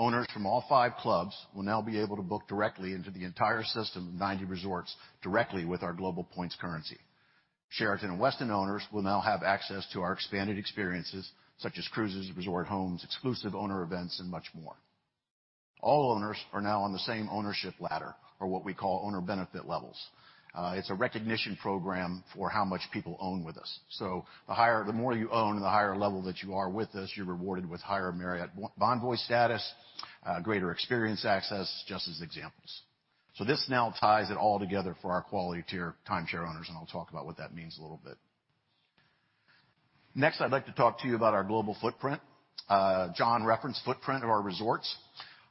Owners from all five clubs will now be able to book directly into the entire system of 90 resorts directly with our global points currency. Sheraton and Westin owners will now have access to our expanded experiences such as cruises, resort homes, exclusive owner events, and much more. All owners are now on the same ownership ladder, or what we call owner benefit levels. It's a recognition program for how much people own with us. The more you own, the higher level that you are with us, you're rewarded with higher Marriott Bonvoy status, greater experience access, just as examples. This now ties it all together for our quality tier timeshare owners, and I'll talk about what that means a little bit. Next, I'd like to talk to you about our global footprint. John referenced footprint of our resorts.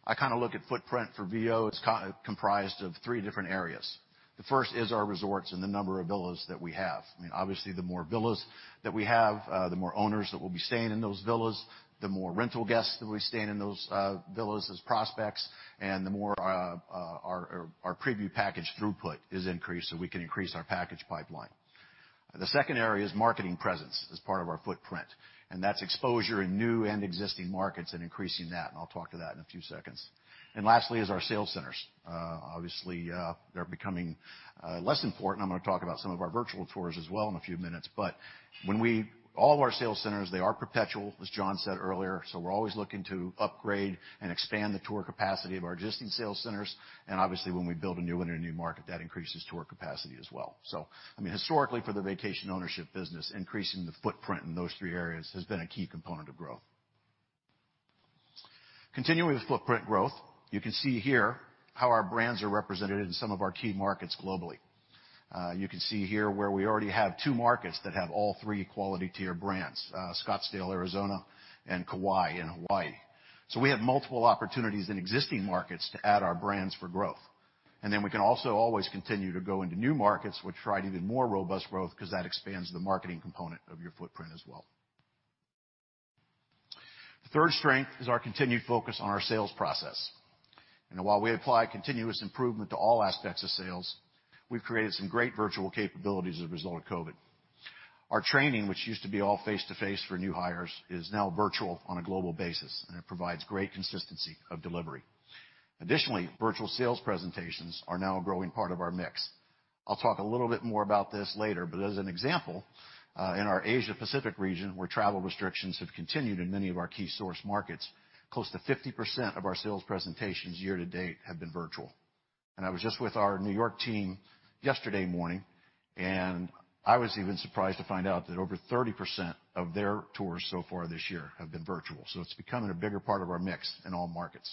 I kinda look at footprint for VO; it's comprised of three different areas. The first is our resorts and the number of villas that we have. I mean, obviously, the more villas that we have, the more owners that will be staying in those villas, the more rental guests that will be staying in those villas as prospects, and the more our preview package throughput is increased, so we can increase our package pipeline. The second area is marketing presence as part of our footprint, and that's exposure in new and existing markets and increasing that, and I'll talk to that in a few seconds. Lastly is our sales centers. Obviously, they're becoming less important. I'm gonna talk about some of our virtual tours as well in a few minutes. All of our sales centers, they are perpetual, as John said earlier. We're always looking to upgrade and expand the tour capacity of our existing sales centers. Obviously, when we build a new one in a new market, that increases tour capacity as well. I mean, historically, for the vacation ownership business, increasing the footprint in those three areas has been a key component of growth. Continuing with footprint growth, you can see here how our brands are represented in some of our key markets globally. You can see here where we already have two markets that have all three quality tier brands, Scottsdale, Arizona, and Kauaʻi in Hawaii. We have multiple opportunities in existing markets to add our brands for growth. We can also always continue to go into new markets, which drive even more robust growth 'cause that expands the marketing component of your footprint as well. The third strength is our continued focus on our sales process. While we apply continuous improvement to all aspects of sales, we've created some great virtual capabilities as a result of COVID. Our training, which used to be all face-to-face for new hires, is now virtual on a global basis, and it provides great consistency of delivery. Additionally, virtual sales presentations are now a growing part of our mix. I'll talk a little bit more about this later, but as an example, in our Asia Pacific region, where travel restrictions have continued in many of our key source markets, close to 50% of our sales presentations year-to-date have been virtual. I was just with our New York team yesterday morning, and I was even surprised to find out that over 30% of their tours so far this year have been virtual. It's becoming a bigger part of our mix in all markets.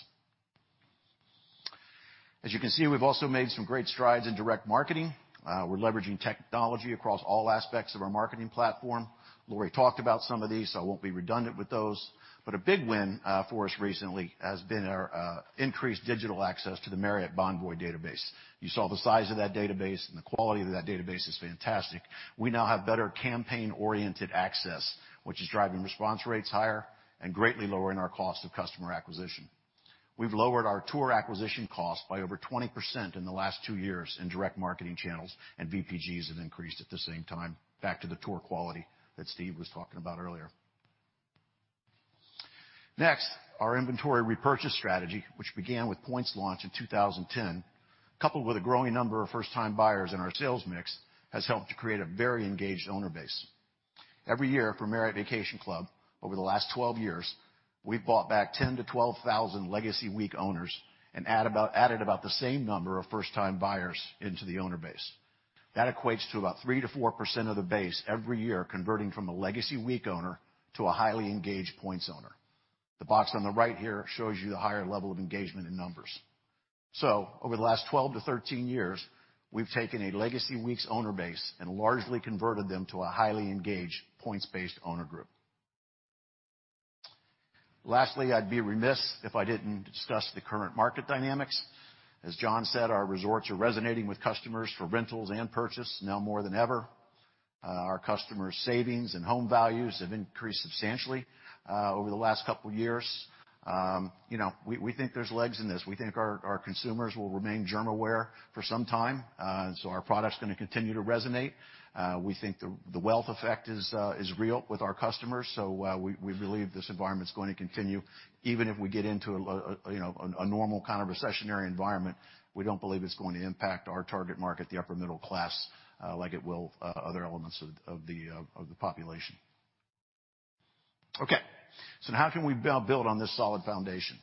As you can see, we've also made some great strides in direct marketing. We're leveraging technology across all aspects of our marketing platform. Lori talked about some of these, so I won't be redundant with those. A big win for us recently has been our increased digital access to the Marriott Bonvoy database. You saw the size of that database, and the quality of that database is fantastic. We now have better campaign-oriented access, which is driving response rates higher and greatly lowering our cost of customer acquisition. We've lowered our tour acquisition cost by over 20% in the last 2 years in direct marketing channels, and VPGs have increased at the same time, back to the tour quality that Steve was talking about earlier. Next, our inventory repurchase strategy, which began with points launch in 2010, coupled with a growing number of first-time buyers in our sales mix, has helped to create a very engaged owner base. Every year for Marriott Vacation Club, over the last 12 years, we've bought back 10,000-12,000 legacy week owners and added about the same number of first-time buyers into the owner base. That equates to about 3%-4% of the base every year converting from a legacy week owner to a highly engaged points owner. The box on the right here shows you the higher level of engagement in numbers. Over the last 12-13 years, we've taken a legacy weeks owner base and largely converted them to a highly engaged points-based owner group. Lastly, I'd be remiss if I didn't discuss the current market dynamics. As John said, our resorts are resonating with customers for rentals and purchase now more than ever. Our customers' savings and home values have increased substantially over the last couple years. You know, we think there's legs in this. We think our consumers will remain germ aware for some time, and so our product's gonna continue to resonate. We think the wealth effect is real with our customers, so we believe this environment's going to continue. Even if we get into a you know, a normal kind of recessionary environment, we don't believe it's going to impact our target market, the upper middle class, like it will, other elements of the population. Okay, how can we build on this solid foundation?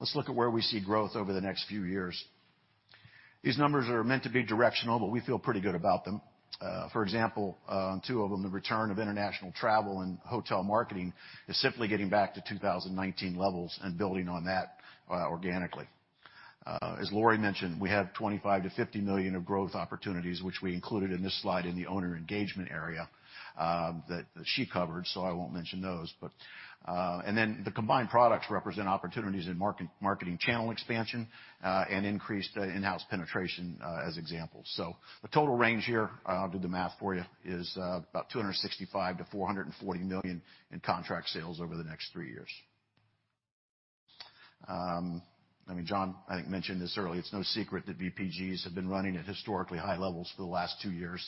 Let's look at where we see growth over the next few years. These numbers are meant to be directional, but we feel pretty good about them. For example, two of them, the return of international travel and hotel marketing, is simply getting back to 2019 levels and building on that, organically. As Lori mentioned, we have $25 million-$50 million of growth opportunities, which we included in this slide in the owner engagement area, that she covered, so I won't mention those. Then the combined products represent opportunities in marketing channel expansion and increased in-house penetration, as examples. The total range here, I'll do the math for you, is about $265 million-$440 million in contract sales over the next three years. I mean, John, I think mentioned this earlier. It's no secret that VPGs have been running at historically high levels for the last two years.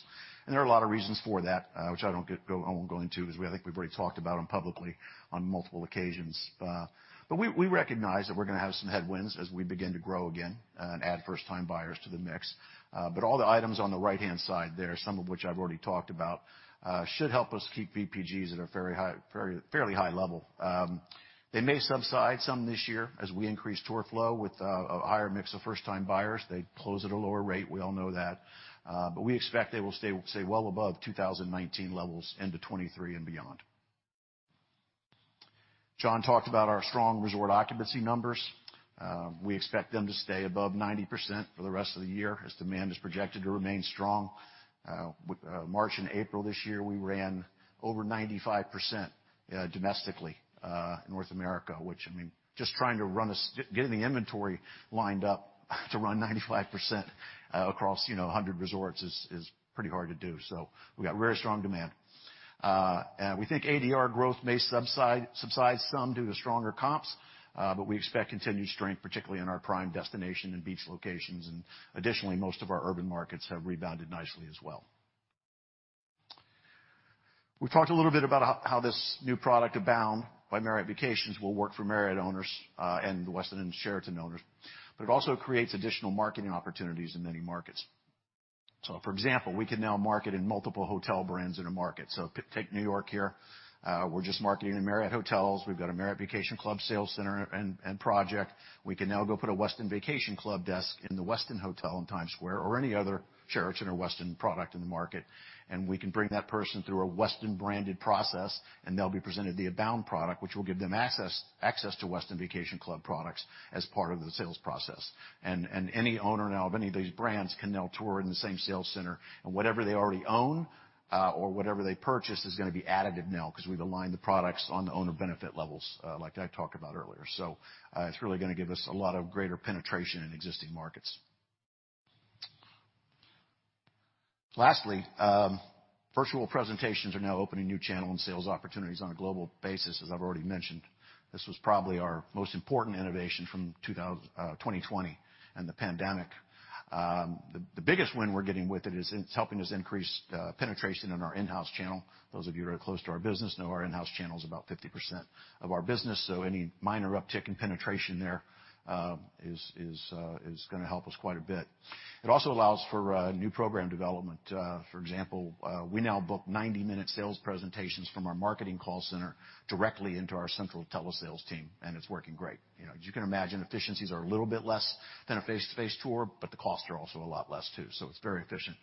There are a lot of reasons for that, which I won't go into 'cause I think we've already talked about them publicly on multiple occasions. We recognize that we're gonna have some headwinds as we begin to grow again and add first-time buyers to the mix. All the items on the right-hand side there, some of which I've already talked about, should help us keep VPGs at a very high, fairly high level. They may subside some this year as we increase tour flow with a higher mix of first time buyers. They close at a lower rate, we all know that. We expect they will stay well above 2019 levels into 2023 and beyond. John talked about our strong resort occupancy numbers. We expect them to stay above 90% for the rest of the year as demand is projected to remain strong. March and April this year, we ran over 95% domestically in North America, which I mean, just getting the inventory lined up to run 95% across, you know, 100 resorts is pretty hard to do. We got very strong demand. We think ADR growth may subside some due to stronger comps, but we expect continued strength, particularly in our prime destination and beach locations. Additionally, most of our urban markets have rebounded nicely as well. We've talked a little bit about how this new product, Abound by Marriott Vacations, will work for Marriott owners and the Westin and Sheraton owners, but it also creates additional marketing opportunities in many markets. For example, we can now market in multiple hotel brands in a market. Take New York here, we're just marketing in Marriott hotels. We've got a Marriott Vacation Club sales center and project. We can now go put a Westin Vacation Club desk in the Westin Hotel in Times Square or any other Sheraton or Westin product in the market, and we can bring that person through a Westin-branded process, and they'll be presented the Abound product, which will give them access to Westin Vacation Club products as part of the sales process. Any owner now of any of these brands can now tour in the same sales center, and whatever they already own, or whatever they purchase is gonna be additive now 'cause we've aligned the products on the owner benefit levels, like I talked about earlier. It's really gonna give us a lot of greater penetration in existing markets. Lastly, virtual presentations are now opening new channel and sales opportunities on a global basis, as I've already mentioned. This was probably our most important innovation from 2020 and the pandemic. The biggest win we're getting with it is it's helping us increase penetration in our in-house channel. Those of you who are close to our business know our in-house channel is about 50% of our business, so any minor uptick in penetration there is gonna help us quite a bit. It also allows for new program development. For example, we now book 90-minute sales presentations from our marketing call center directly into our central telesales team, and it's working great. You know, as you can imagine, efficiencies are a little bit less than a face-to-face tour, but the costs are also a lot less too, so it's a very efficient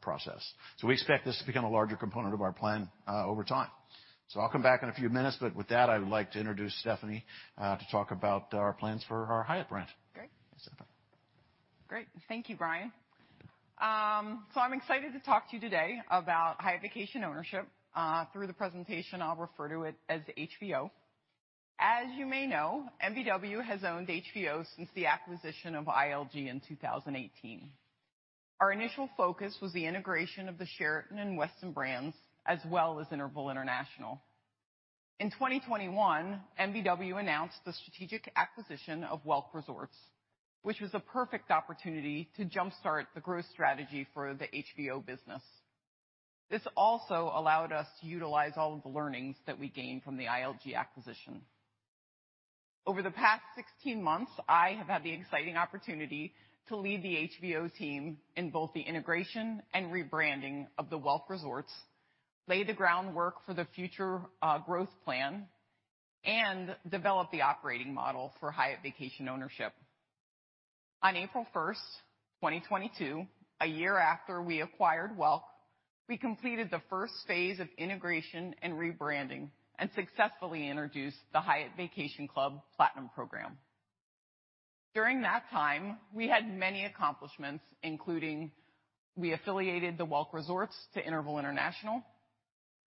process. We expect this to become a larger component of our plan over time. I'll come back in a few minutes, but with that, I would like to introduce Stephanie to talk about our plans for our Hyatt brand. Great. Thank you, Brian. I'm excited to talk to you today about Hyatt Vacation Ownership. Through the presentation, I'll refer to it as HVO. As you may know, MVW has owned HVO since the acquisition of ILG in 2018. Our initial focus was the integration of the Sheraton and Westin brands, as well as Interval International. In 2021, MVW announced the strategic acquisition of Welk Resorts, which was the perfect opportunity to jumpstart the growth strategy for the HVO business. This also allowed us to utilize all of the learnings that we gained from the ILG acquisition. Over the past 16 months, I have had the exciting opportunity to lead the HVO team in both the integration and rebranding of the Welk Resorts, lay the groundwork for the future growth plan, and develop the operating model for Hyatt Vacation Ownership. On April 1, 2022, a year after we acquired Welk, we completed the first phase of integration and rebranding and successfully introduced the Hyatt Vacation Club Platinum Program. During that time, we had many accomplishments, including we affiliated the Welk Resorts to Interval International.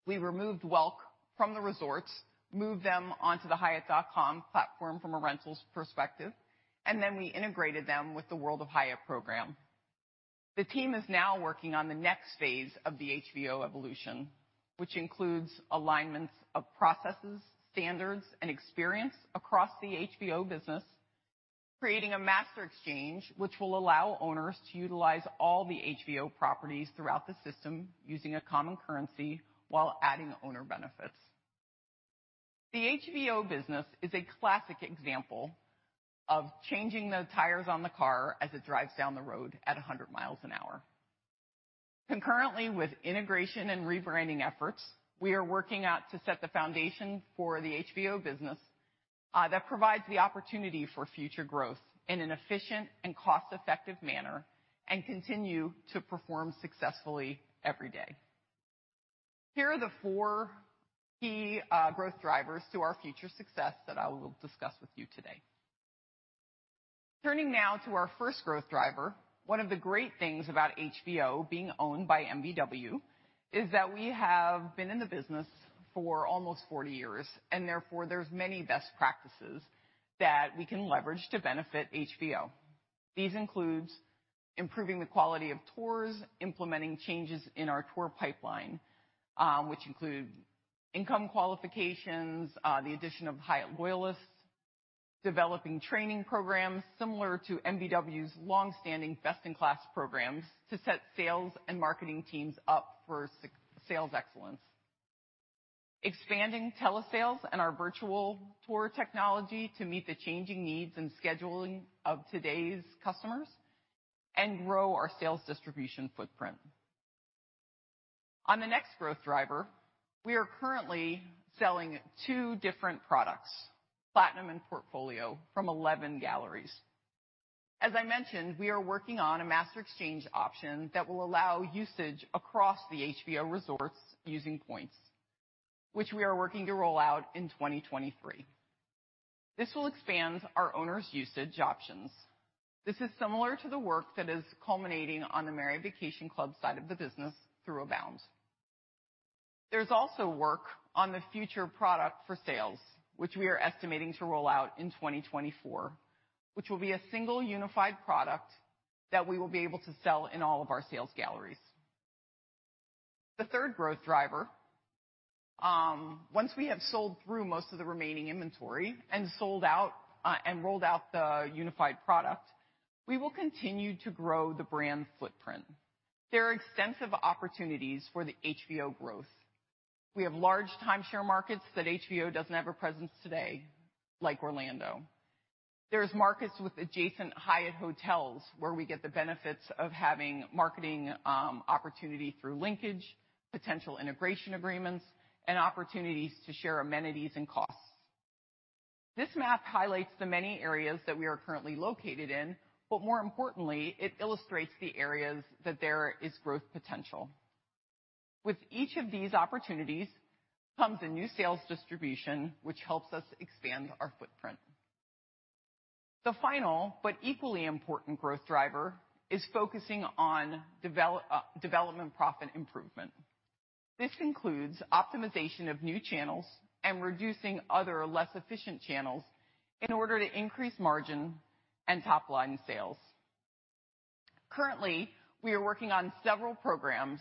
We removed Welk from the resorts, moved them onto the hyatt.com platform from a rentals perspective, and then we integrated them with the World of Hyatt program. The team is now working on the next phase of the HVO evolution, which includes alignments of processes, standards, and experience across the HVO business, creating a master exchange, which will allow owners to utilize all the HVO properties throughout the system using a common currency while adding owner benefits. The HVO business is a classic example of changing the tires on the car as it drives down the road at 100 miles an hour. Concurrently with integration and rebranding efforts, we are working to set the foundation for the HVO business that provides the opportunity for future growth in an efficient and cost-effective manner and continue to perform successfully every day. Here are the 4 key growth drivers to our future success that I will discuss with you today. Turning now to our first growth driver, one of the great things about HVO being owned by MVW is that we have been in the business for almost 40 years, and therefore, there's many best practices that we can leverage to benefit HVO. These includes improving the quality of tours, implementing changes in our tour pipeline, which include income qualifications, the addition of Hyatt loyalists, developing training programs similar to MVW's long-standing best-in-class programs to set sales and marketing teams up for sales excellence. Expanding telesales and our virtual tour technology to meet the changing needs and scheduling of today's customers and grow our sales distribution footprint. On the next growth driver, we are currently selling two different products, Platinum and Portfolio, from 11 galleries. As I mentioned, we are working on a master exchange option that will allow usage across the HVO resorts using points, which we are working to roll out in 2023. This will expand our owners' usage options. This is similar to the work that is culminating on the Marriott Vacation Club side of the business through Abound. There's also work on the future product for sales, which we are estimating to roll out in 2024, which will be a single unified product that we will be able to sell in all of our sales galleries. The third growth driver, once we have sold through most of the remaining inventory and sold out and rolled out the unified product, we will continue to grow the brand footprint. There are extensive opportunities for the HVO growth. We have large timeshare markets that HVO doesn't have a presence today, like Orlando. There's markets with adjacent Hyatt hotels, where we get the benefits of having marketing opportunity through linkage, potential integration agreements, and opportunities to share amenities and costs. This map highlights the many areas that we are currently located in, but more importantly, it illustrates the areas that there is growth potential. With each of these opportunities comes a new sales distribution, which helps us expand our footprint. The final but equally important growth driver is focusing on development profit improvement. This includes optimization of new channels and reducing other less efficient channels in order to increase margin and top-line sales. Currently, we are working on several programs,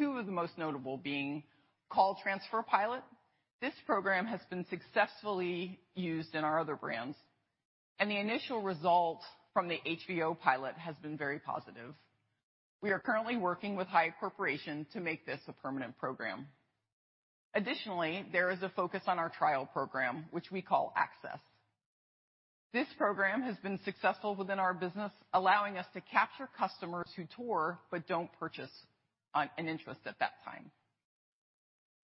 two of the most notable being call transfer pilot. This program has been successfully used in our other brands, and the initial results from the HVO pilot has been very positive. We are currently working with Hyatt Hotels Corporation to make this a permanent program. Additionally, there is a focus on our trial program, which we call Access. This program has been successful within our business, allowing us to capture customers who tour but don't purchase an interest at that time.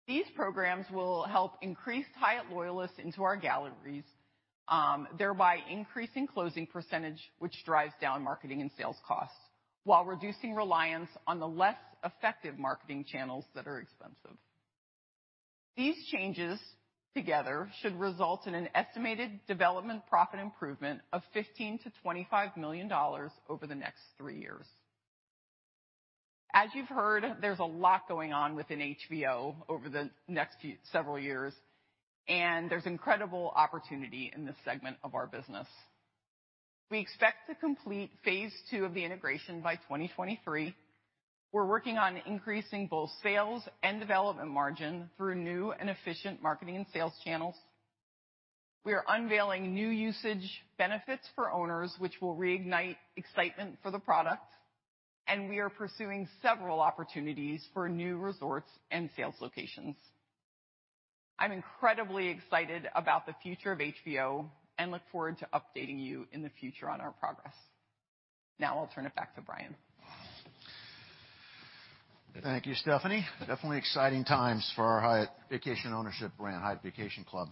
These programs will help increase Hyatt loyalists into our galleries, thereby increasing closing percentage, which drives down marketing and sales costs while reducing reliance on the less effective marketing channels that are expensive. These changes together should result in an estimated development profit improvement of $15 million-$25 million over the next 3 years. As you've heard, there's a lot going on within HVO over the next several years, and there's incredible opportunity in this segment of our business. We expect to complete phase two of the integration by 2023. We're working on increasing both sales and development margin through new and efficient marketing and sales channels. We are unveiling new usage benefits for owners, which will reignite excitement for the product, and we are pursuing several opportunities for new resorts and sales locations. I'm incredibly excited about the future of HVO and look forward to updating you in the future on our progress. Now, I'll turn it back to Brian. Thank you, Stephanie. Definitely exciting times for our Hyatt Vacation Ownership brand, Hyatt Vacation Club.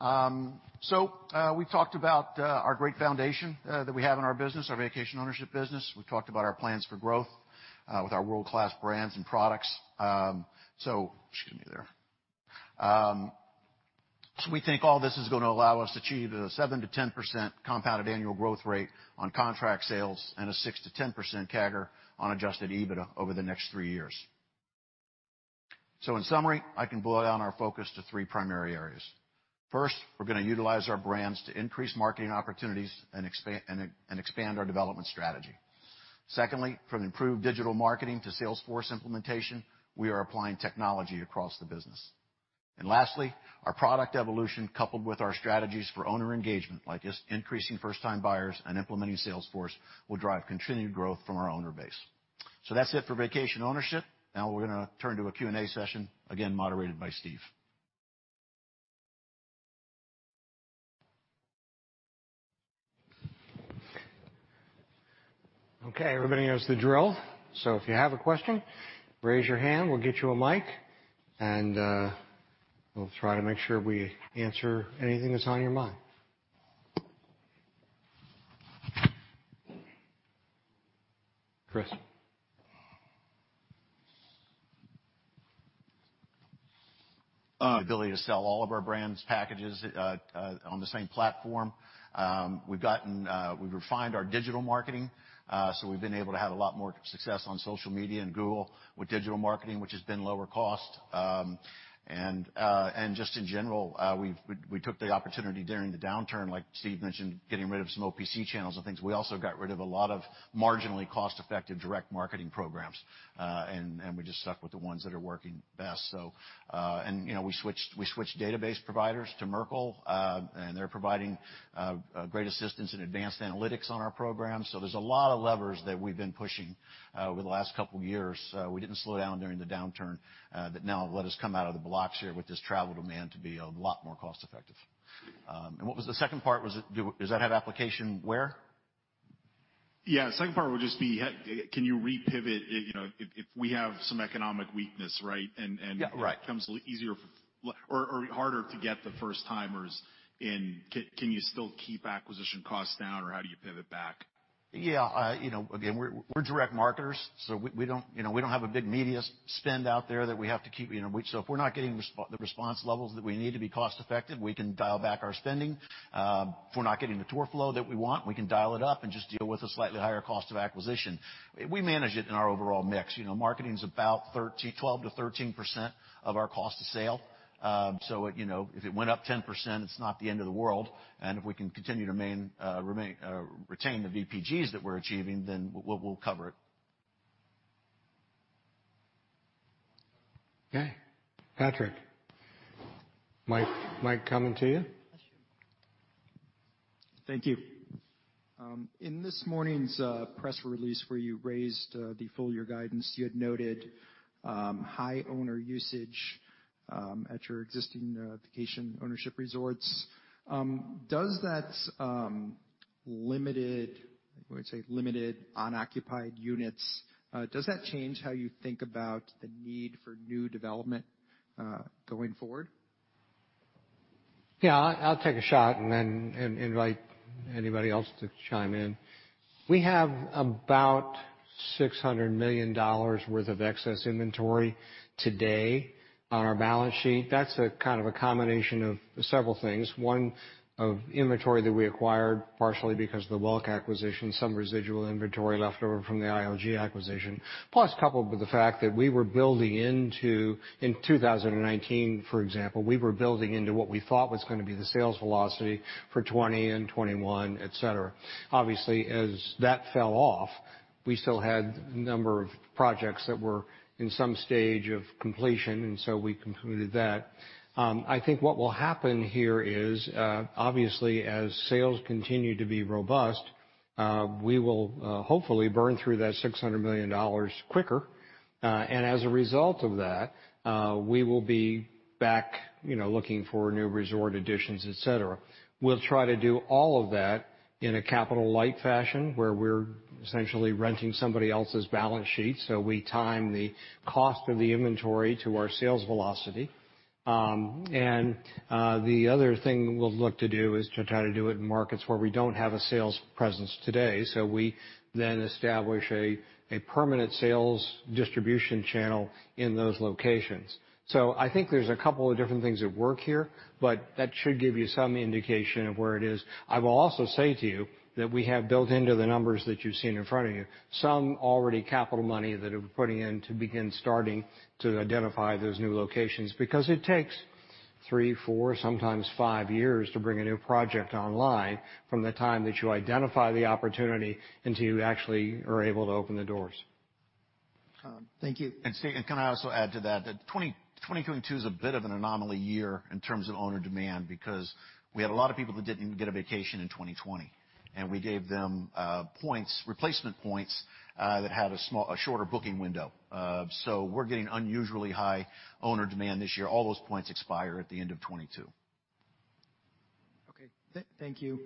We talked about our great foundation that we have in our business, our vacation ownership business. We talked about our plans for growth with our world-class brands and products. We think all this is gonna allow us to achieve a 7%-10% compounded annual growth rate on contract sales and a 6%-10% CAGR on adjusted EBITDA over the next three years. In summary, I can boil down our focus to three primary areas. First, we're gonna utilize our brands to increase marketing opportunities and expand our development strategy. Secondly, from improved digital marketing to Salesforce implementation, we are applying technology across the business. Lastly, our product evolution, coupled with our strategies for owner engagement, like this increasing first-time buyers and implementing Salesforce, will drive continued growth from our owner base. That's it for vacation ownership. Now we're gonna turn to a Q&A session, again, moderated by Steve. Okay, everybody knows the drill. If you have a question, raise your hand. We'll get you a mic, and we'll try to make sure we answer anything that's on your mind. Chris? The ability to sell all of our brands packages on the same platform. We've refined our digital marketing so we've been able to have a lot more success on social media and Google with digital marketing, which has been lower cost. Just in general, we took the opportunity during the downturn, like Steve mentioned, getting rid of some OPC channels and things. We also got rid of a lot of marginally cost-effective direct marketing programs and we just stuck with the ones that are working best. You know, we switched database providers to Merkle and they're providing great assistance in advanced analytics on our program. There's a lot of levers that we've been pushing over the last couple years. We didn't slow down during the downturn, but now let us come out of the blocks here with this travel demand to be a lot more cost effective. What was the second part? Does that have application where? Yeah. The second part would just be, can you re-pivot, you know, if we have some economic weakness, right? Yeah, right. It becomes a little easier or harder to get the first-timers in. Can you still keep acquisition costs down, or how do you pivot back? Yeah. You know, again, we're direct marketers, so we don't have a big media spend out there that we have to keep, you know. If we're not getting the response levels that we need to be cost effective, we can dial back our spending. If we're not getting the tour flow that we want, we can dial it up and just deal with a slightly higher cost of acquisition. We manage it in our overall mix. You know, marketing is about 12%-13% of our cost of sale. It, you know, if it went up 10%, it's not the end of the world. If we can continue to retain the VPGs that we're achieving, then we'll cover it. Okay. Patrick, mic coming to you. Thank you. In this morning's press release where you raised the full year guidance, you had noted high owner usage at your existing vacation ownership resorts. Does that, I would say, limited unoccupied units change how you think about the need for new development going forward? Yeah, I'll take a shot and then invite anybody else to chime in. We have about $600 million worth of excess inventory today on our balance sheet. That's a kind of a combination of several things. One, of inventory that we acquired partially because of the Welk acquisition, some residual inventory left over from the ILG acquisition, plus coupled with the fact that we were building into 2019, for example, we were building into what we thought was gonna be the sales velocity for 2020 and 2021, et cetera. Obviously, as that fell off, we still had a number of projects that were in some stage of completion, and so we concluded that. I think what will happen here is, obviously, as sales continue to be robust, we will hopefully burn through that $600 million quicker. As a result of that, we will be back, you know, looking for new resort additions, et cetera. We'll try to do all of that in a capital-light fashion where we're essentially renting somebody else's balance sheet, so we time the cost of the inventory to our sales velocity. The other thing we'll look to do is to try to do it in markets where we don't have a sales presence today. We then establish a permanent sales distribution channel in those locations. I think there's a couple of different things at work here, but that should give you some indication of where it is. I will also say to you that we have built into the numbers that you've seen in front of you some already capital money that we're putting in to begin starting to identify those new locations because it takes 3, 4, sometimes 5 years to bring a new project online from the time that you identify the opportunity until you actually are able to open the doors. Thank you. Steve, can I also add to that? 2022 is a bit of an anomaly year in terms of owner demand because we had a lot of people that didn't get a vacation in 2020, and we gave them points, replacement points, that had a shorter booking window. We're getting unusually high owner demand this year. All those points expire at the end of 2022. Okay. Thank you.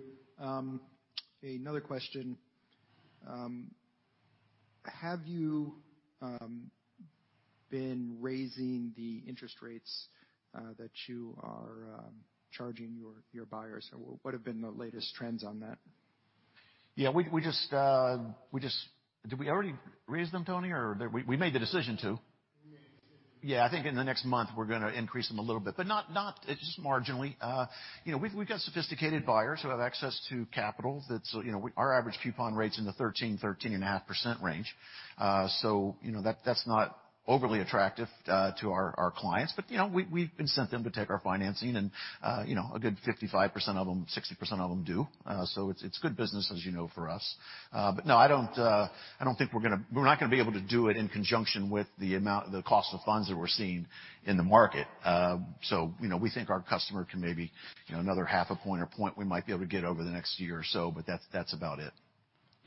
Another question. Have you been raising the interest rates that you are charging your buyers? What have been the latest trends on that? Yeah, we just. Did we already raise them, Tony? Or we made the decision to. We made the decision to. Yeah, I think in the next month we're gonna increase them a little bit, but not just marginally. You know, we've got sophisticated buyers who have access to capital that's, you know, our average coupon rates in the 13%-13.5% range. You know, that's not overly attractive to our clients. You know, we've incent them to take our financing and, you know, a good 55% of them, 60% of them do. It's good business, as you know, for us. No, I don't think we're gonna. We're not gonna be able to do it in conjunction with the cost of funds that we're seeing in the market. You know, we think our customer can maybe, you know, another half a point or point we might be able to get over the next year or so, but that's about it.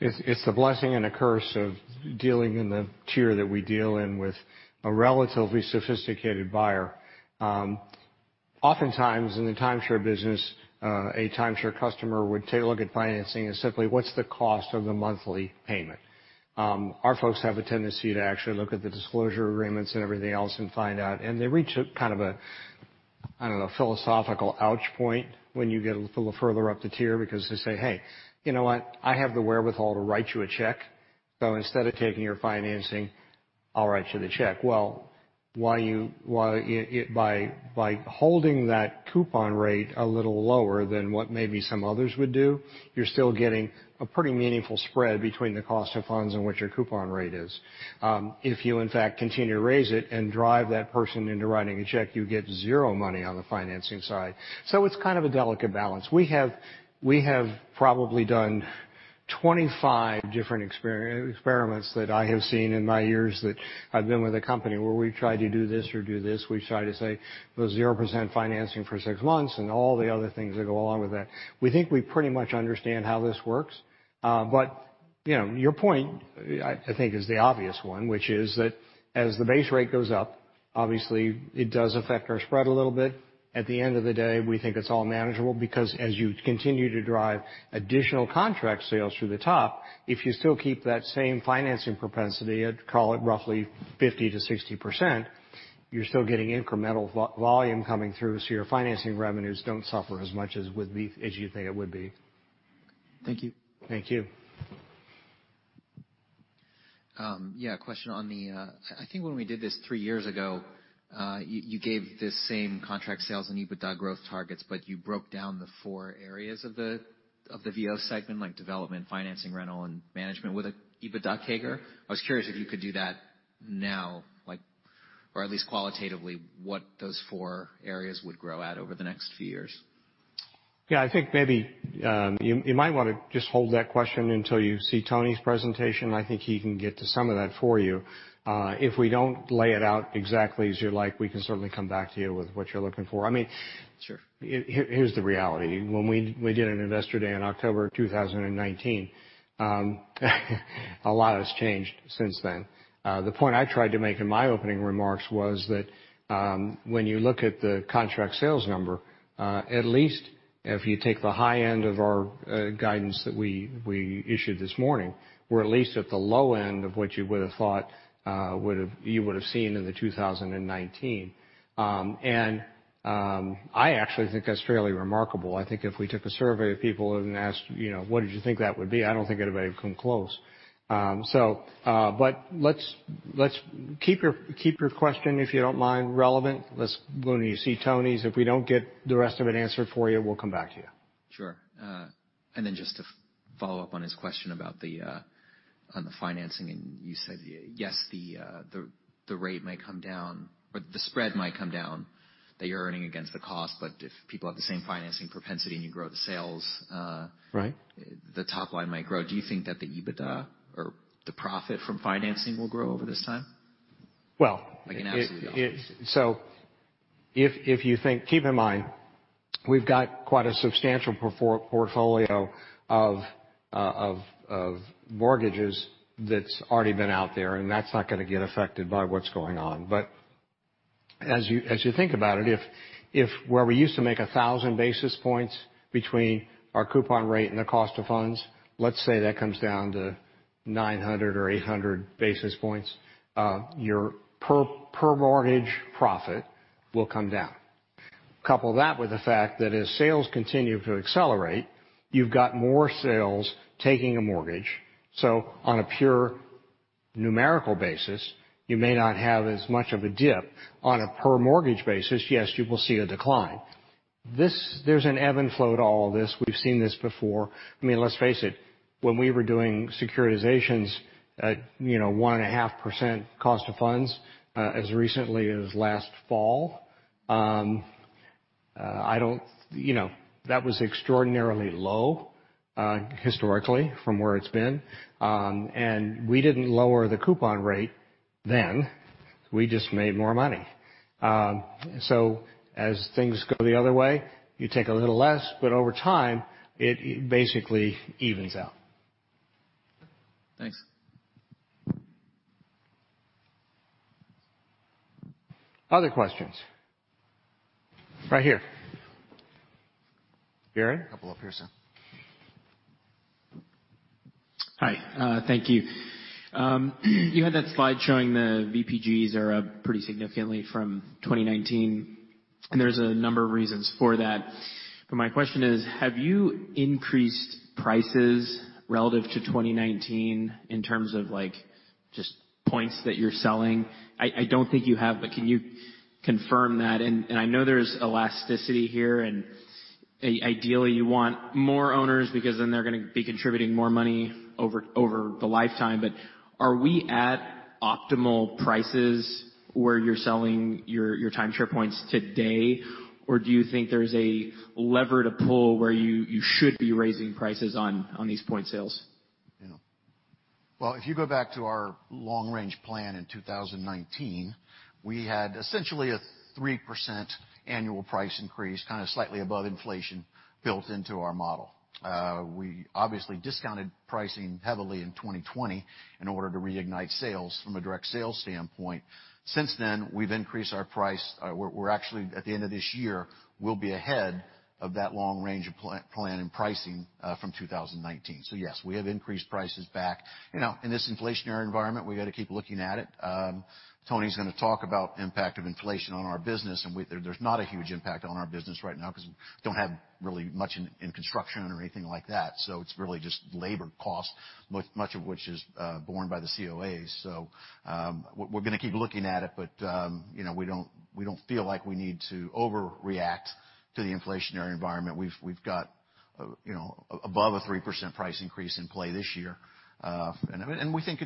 It's the blessing and a curse of dealing in the tier that we deal in with a relatively sophisticated buyer. Oftentimes in the timeshare business, a timeshare customer would take a look at financing as simply what's the cost of the monthly payment. Our folks have a tendency to actually look at the disclosure agreements and everything else and find out, and they reach a kind of, I don't know, philosophical ouch point when you get a little further up the tier because they say, "Hey, you know what? I have the wherewithal to write you a check." Instead of taking your financing, I'll write you the check. Well, by holding that coupon rate a little lower than what maybe some others would do, you're still getting a pretty meaningful spread between the cost of funds and what your coupon rate is. If you, in fact, continue to raise it and drive that person into writing a check, you get zero money on the financing side. It's kind of a delicate balance. We have probably done 25 different experiments that I have seen in my years that I've been with the company where we've tried to do this. We've tried to say it was 0% financing for six months and all the other things that go along with that. We think we pretty much understand how this works. You know, your point, I think is the obvious one, which is that as the base rate goes up, obviously it does affect our spread a little bit. At the end of the day, we think it's all manageable because as you continue to drive additional contract sales through the top, if you still keep that same financing propensity at, call it, roughly 50%-60%, you're still getting incremental volume coming through, so your financing revenues don't suffer as much as you think it would be. Thank you. Thank you. Yeah, a question. I think when we did this three years ago, you gave the same contract sales and EBITDA growth targets, but you broke down the four areas of the VO segment, like development, financing, rental, and management with the EBITDA CAGR. I was curious if you could do that now, like, or at least qualitatively, what those four areas would grow at over the next few years. Yeah. I think maybe you might wanna just hold that question until you see Tony's presentation. I think he can get to some of that for you. If we don't lay it out exactly as you'd like, we can certainly come back to you with what you're looking for. I mean. Sure. Here's the reality. When we did an investor day in October of 2019, a lot has changed since then. The point I tried to make in my opening remarks was that, when you look at the contract sales number, at least if you take the high end of our guidance that we issued this morning, we're at least at the low end of what you would've thought, you would've seen in the 2019. I actually think that's fairly remarkable. I think if we took a survey of people and asked, you know, "What did you think that would be?" I don't think anybody would come close. Let's keep your question, if you don't mind, relevant. When you see Tony's, if we don't get the rest of it answered for you, we'll come back to you. Sure. Just to follow up on his question about the financing, and you said, yes, the rate may come down, but the spread might come down, that you're earning against the cost, but if people have the same financing propensity and you grow the sales. Right. The top line might grow. Do you think that the EBITDA or the profit from financing will grow over this time? Well, it. Like in absolute dollars. If you think, keep in mind, we've got quite a substantial portfolio of mortgages that's already been out there, and that's not gonna get affected by what's going on. As you think about it, if where we used to make 1,000 basis points between our coupon rate and the cost of funds, let's say that comes down to 900 or 800 basis points, your per mortgage profit will come down. Couple that with the fact that as sales continue to accelerate, you've got more sales taking a mortgage. On a pure numerical basis, you may not have as much of a dip. On a per mortgage basis, yes, you will see a decline. This. There's an ebb and flow to all of this. We've seen this before. I mean, let's face it, when we were doing securitizations at, you know, 1.5% cost of funds, as recently as last fall. You know, that was extraordinarily low, historically from where it's been. We didn't lower the coupon rate then. We just made more money. As things go the other way, you take a little less, but over time, it basically evens out. Thanks. Other questions? Right here. Aaron? Hi. Thank you. You had that slide showing the VPGs are up pretty significantly from 2019, and there's a number of reasons for that. My question is, have you increased prices relative to 2019 in terms of, like, just points that you're selling? I don't think you have, but can you confirm that? I know there's elasticity here and ideally you want more owners because then they're gonna be contributing more money over the lifetime. Are we at optimal prices where you're selling your timeshare points today, or do you think there's a lever to pull where you should be raising prices on these point sales? Well, if you go back to our long-range plan in 2019, we had essentially a 3% annual price increase, kind of slightly above inflation built into our model. We obviously discounted pricing heavily in 2020 in order to reignite sales from a direct sales standpoint. Since then, we've increased our price. We're actually at the end of this year, we'll be ahead of that long-range plan and pricing from 2019. Yes, we have increased prices back. You know, in this inflationary environment, we've got to keep looking at it. Tony's gonna talk about impact of inflation on our business, and there's not a huge impact on our business right now because we don't have really much in construction or anything like that, so it's really just labor cost, much of which is borne by the COAs. We're gonna keep looking at it, but you know, we don't feel like we need to overreact to the inflationary environment. We've got you know, above 3% price increase in play this year. We think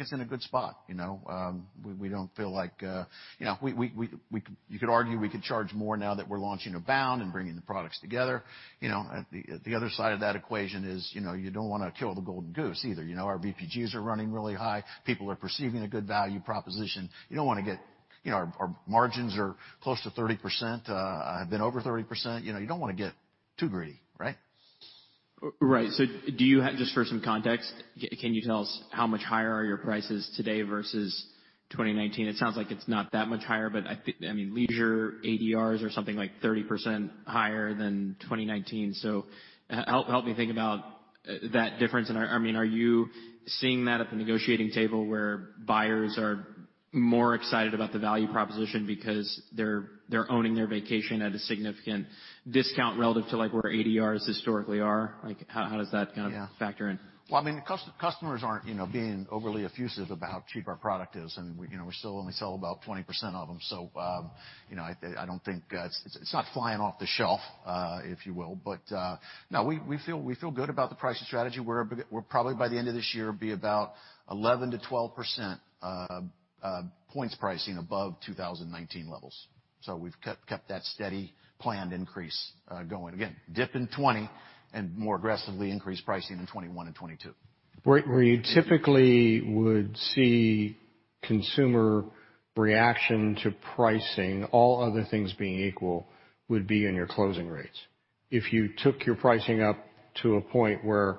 it's in a good spot, you know. We don't feel like you know, you could argue we could charge more now that we're launching Abound and bringing the products together. You know, the other side of that equation is, you know, you don't wanna kill the golden goose either. You know, our VPGs are running really high. People are perceiving a good value proposition. You know, our margins are close to 30%, have been over 30%. You know, you don't wanna get too greedy, right? Right. Just for some context, can you tell us how much higher are your prices today versus 2019? It sounds like it's not that much higher, but I mean, leisure ADRs are something like 30% higher than 2019. Help me think about that difference. I mean, are you seeing that at the negotiating table where buyers are more excited about the value proposition because they're owning their vacation at a significant discount relative to, like, where ADRs historically are? Like, how does that kind of factor in? Well, I mean, customers aren't, you know, being overly effusive about how cheap our product is. You know, we still only sell about 20% of them. You know, it's not flying off the shelf, if you will. No, we feel good about the pricing strategy. We're probably by the end of this year be about 11%-12% points pricing above 2019 levels. We've kept that steady planned increase going. Again, dip in 2020 and more aggressively increased pricing in 2021 and 2022. Where you typically would see consumer reaction to pricing, all other things being equal, would be in your closing rates. If you took your pricing up to a point where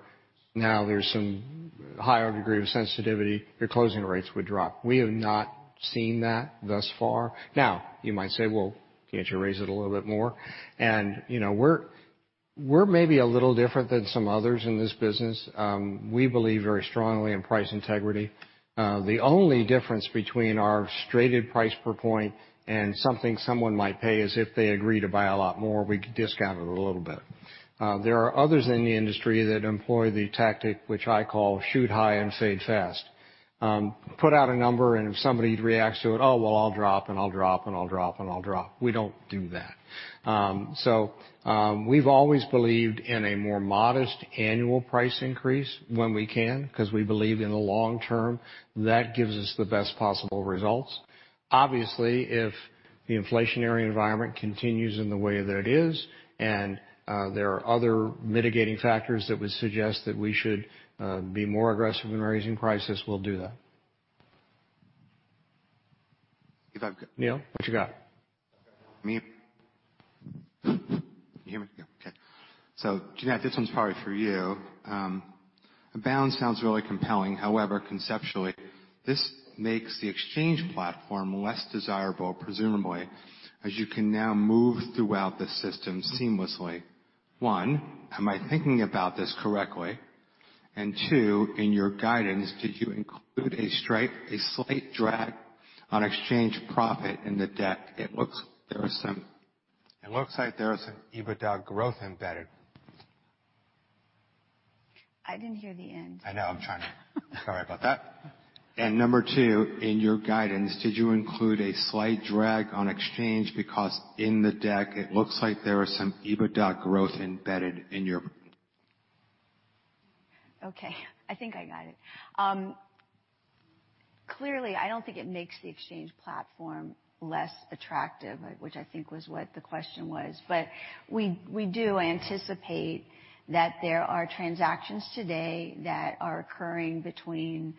now there's some higher degree of sensitivity, your closing rates would drop. We have not seen that thus far. Now, you might say, "Well, can't you raise it a little bit more?" you know, we're maybe a little different than some others in this business. We believe very strongly in price integrity. The only difference between our stated price per point and something someone might pay is if they agree to buy a lot more, we discount it a little bit. There are others in the industry that employ the tactic, which I call shoot high and fade fast. Put out a number, and if somebody reacts to it, "Oh, well, I'll drop." We don't do that. We've always believed in a more modest annual price increase when we can, 'cause we believe in the long term, that gives us the best possible results. Obviously, if the inflationary environment continues in the way that it is, and there are other mitigating factors that would suggest that we should be more aggressive in raising prices, we'll do that. If I- Neal, what you got? Me? Can you hear me? Yeah. Okay. Jeanette, this one's probably for you. Abound sounds really compelling. However, conceptually, this makes the exchange platform less desirable, presumably, as you can now move throughout the system seamlessly. One, am I thinking about this correctly? Two, in your guidance, did you include a slight drag on exchange profit in the deck? It looks like there is some EBITDA growth embedded. I didn't hear the end. I know. Sorry about that. Number two, in your guidance, did you include a slight drag on exchange? Because in the deck, it looks like there is some EBITDA growth embedded in your Okay. I think I got it. Clearly, I don't think it makes the exchange platform less attractive, which I think was what the question was. We do anticipate that there are transactions today that are occurring between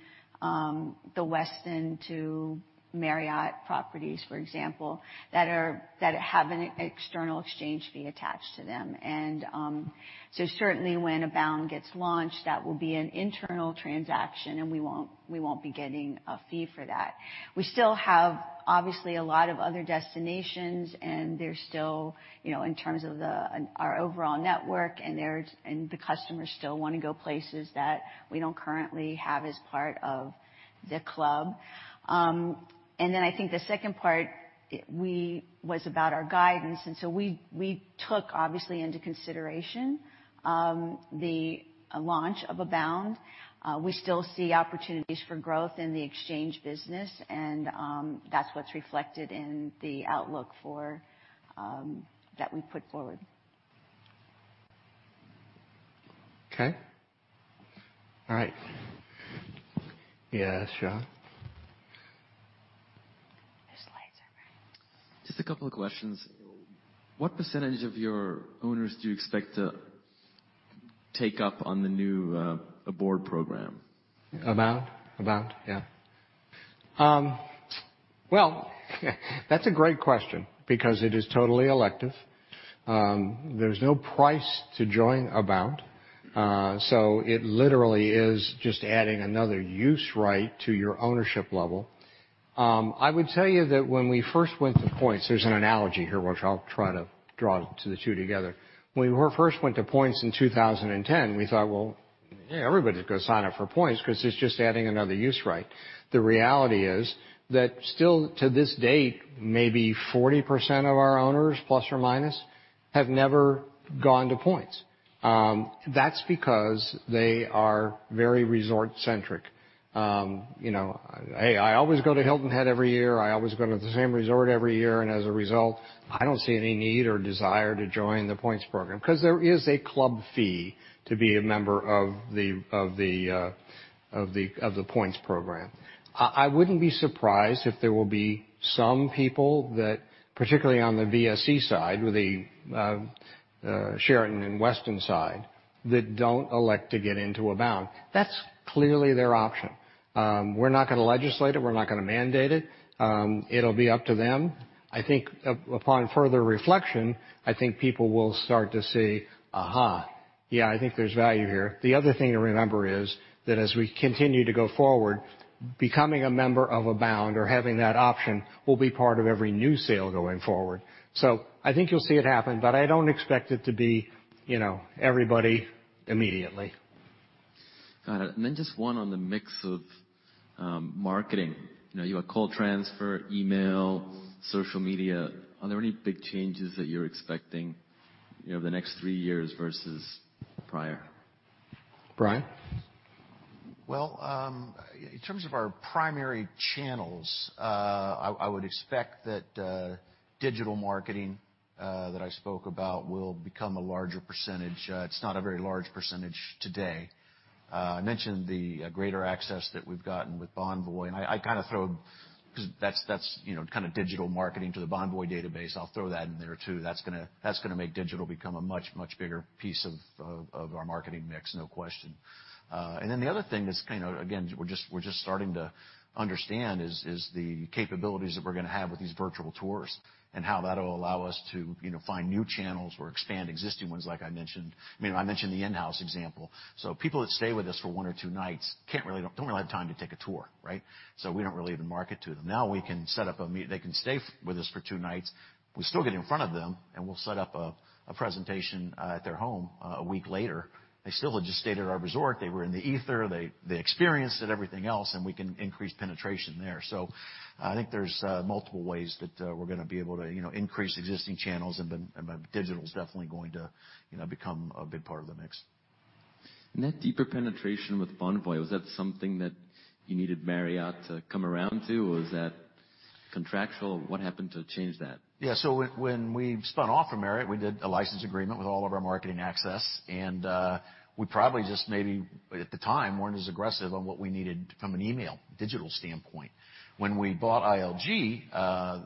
the Westin to Marriott properties, for example, that have an external exchange fee attached to them. Certainly when Abound gets launched, that will be an internal transaction, and we won't be getting a fee for that. We still have, obviously, a lot of other destinations, and there's still in terms of our overall network, and the customers still wanna go places that we don't currently have as part of the club. Then I think the second part was about our guidance. We took, obviously, into consideration the launch of Abound. We still see opportunities for growth in the exchange business, and that's what's reflected in the outlook that we put forward. Okay. All right. Yes, Sean? Just a couple of questions. What percentage of your owners do you expect to take up on the new Abound program? Abound? Abound, yeah. Well, that's a great question because it is totally elective. There's no price to join Abound, so it literally is just adding another use right to your ownership level. I would tell you that when we first went to points, there's an analogy here which I'll try to draw to the two together. When we first went to points in 2010, we thought, well, everybody's gonna sign up for points 'cause it's just adding another use right. The reality is that still to this date, maybe 40% of our owners, ±, have never gone to points. That's because they are very resort centric. You know, "Hey, I always go to Hilton Head every year. I always go to the same resort every year, and as a result, I don't see any need or desire to join the points program," 'cause there is a club fee to be a member of the points program. I wouldn't be surprised if there will be some people that, particularly on the VSC side or Sheraton and Westin side, that don't elect to get into Abound. That's clearly their option. We're not gonna legislate it. We're not gonna mandate it. It'll be up to them. I think upon further reflection, I think people will start to see, "Aha. Yeah, I think there's value here." The other thing to remember is that as we continue to go forward, becoming a member of Abound or having that option will be part of every new sale going forward. I think you'll see it happen, but I don't expect it to be, you know, everybody immediately. Got it. Just one on the mix of marketing. You know, you have call transfer, email, social media. Are there any big changes that you're expecting, you know, the next three years versus prior? Brian? Well, in terms of our primary channels, I would expect that digital marketing that I spoke about will become a larger percentage. It's not a very large percentage today. I mentioned the greater access that we've gotten with Bonvoy, and 'cause that's you know kind of digital marketing to the Bonvoy database. I'll throw that in there, too. That's gonna make digital become a much, much bigger piece of our marketing mix, no question. The other thing that's kinda again we're just starting to understand is the capabilities that we're gonna have with these virtual tours and how that'll allow us to you know find new channels or expand existing ones like I mentioned. I mean, I mentioned the in-house example. People that stay with us for one or two nights don't really have time to take a tour, right? We don't really even market to them. Now they can stay with us for two nights. We still get in front of them, and we'll set up a presentation at their home a week later. They still have just stayed at our resort. They were in the ether. They experienced it, everything else, and we can increase penetration there. I think there's multiple ways that we're gonna be able to, you know, increase existing channels, and digital's definitely going to, you know, become a big part of the mix. That deeper penetration with Bonvoy, was that something that you needed Marriott to come around to, or was that contractual? What happened to change that? Yeah. When we spun off from Marriott, we did a license agreement with all of our marketing access, and we probably just maybe at the time weren't as aggressive on what we needed from an email digital standpoint. When we bought ILG,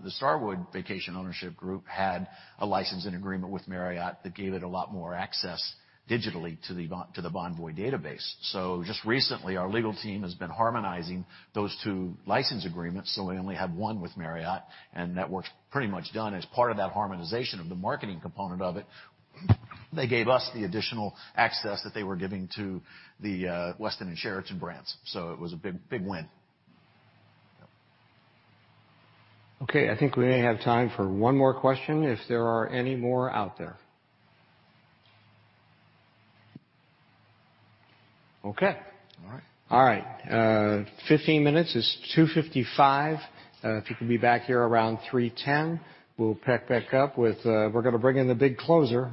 the Starwood Vacation Ownership group had a licensing agreement with Marriott that gave it a lot more access digitally to the Bonvoy database. Just recently, our legal team has been harmonizing those two license agreements, so we only have one with Marriott, and that work's pretty much done. As part of that harmonization of the marketing component of it, they gave us the additional access that they were giving to the Westin and Sheraton brands. It was a big win. Okay. I think we may have time for one more question if there are any more out there. Okay. All right. 15 minutes. It's 2:55 P.M. If you can be back here around 3:10 P.M., we'll pick back up with, we're gonna bring in the big closer.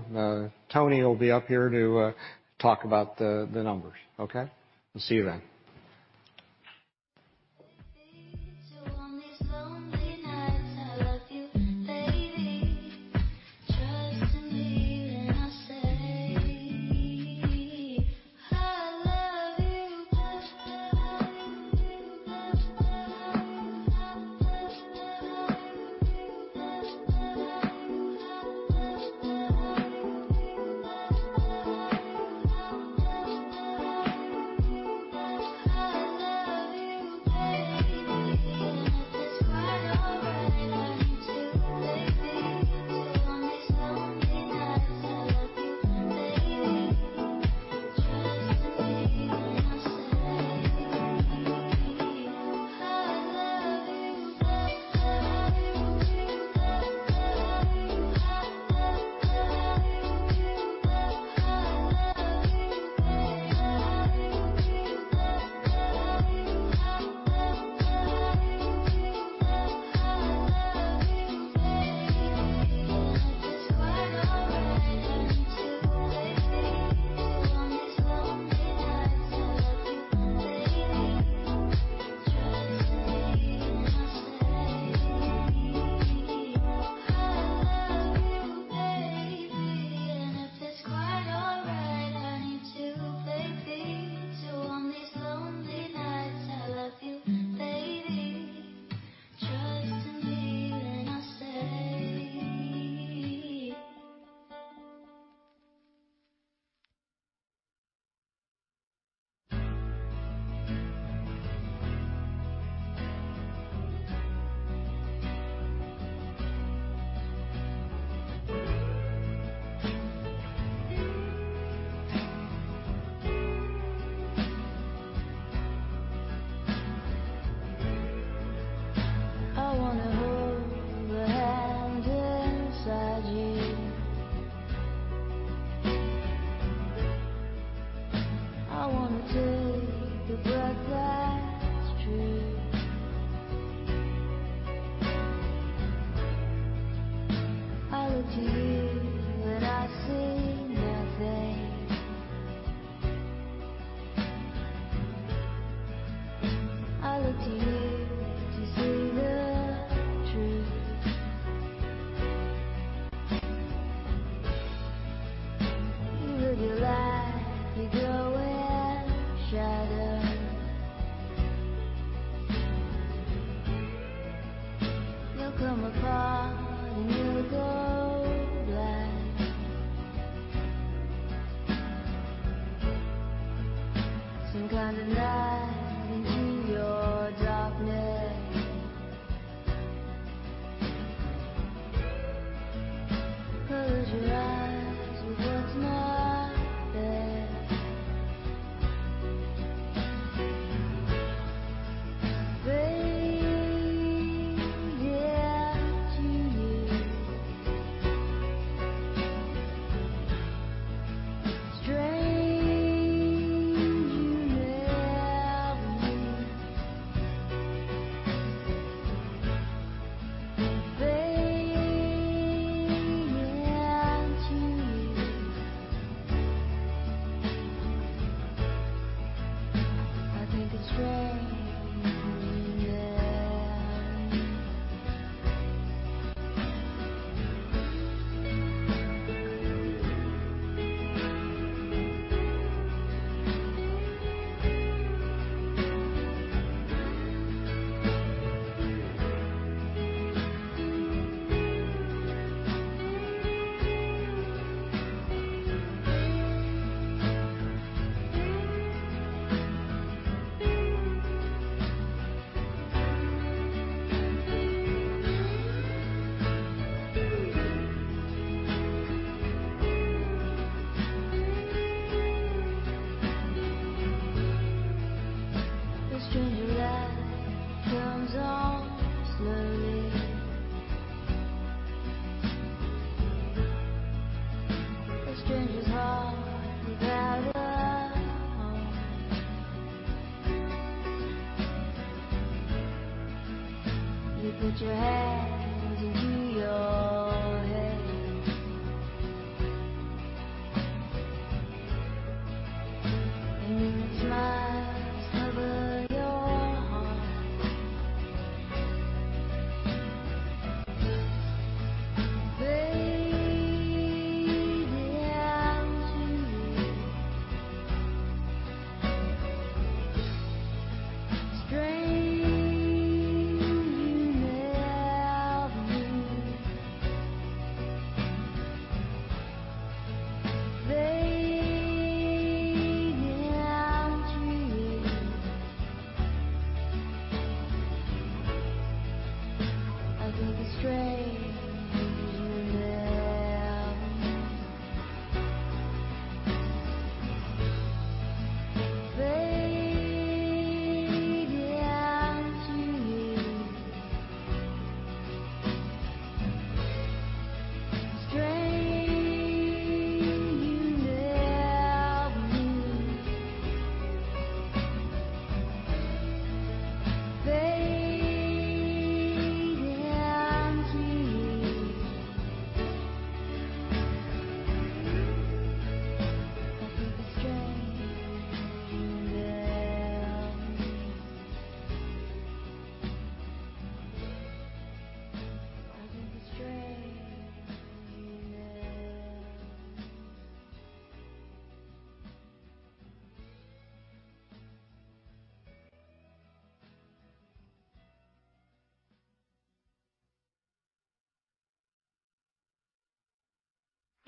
Tony will be up here to talk about the numbers, okay? We'll see you then.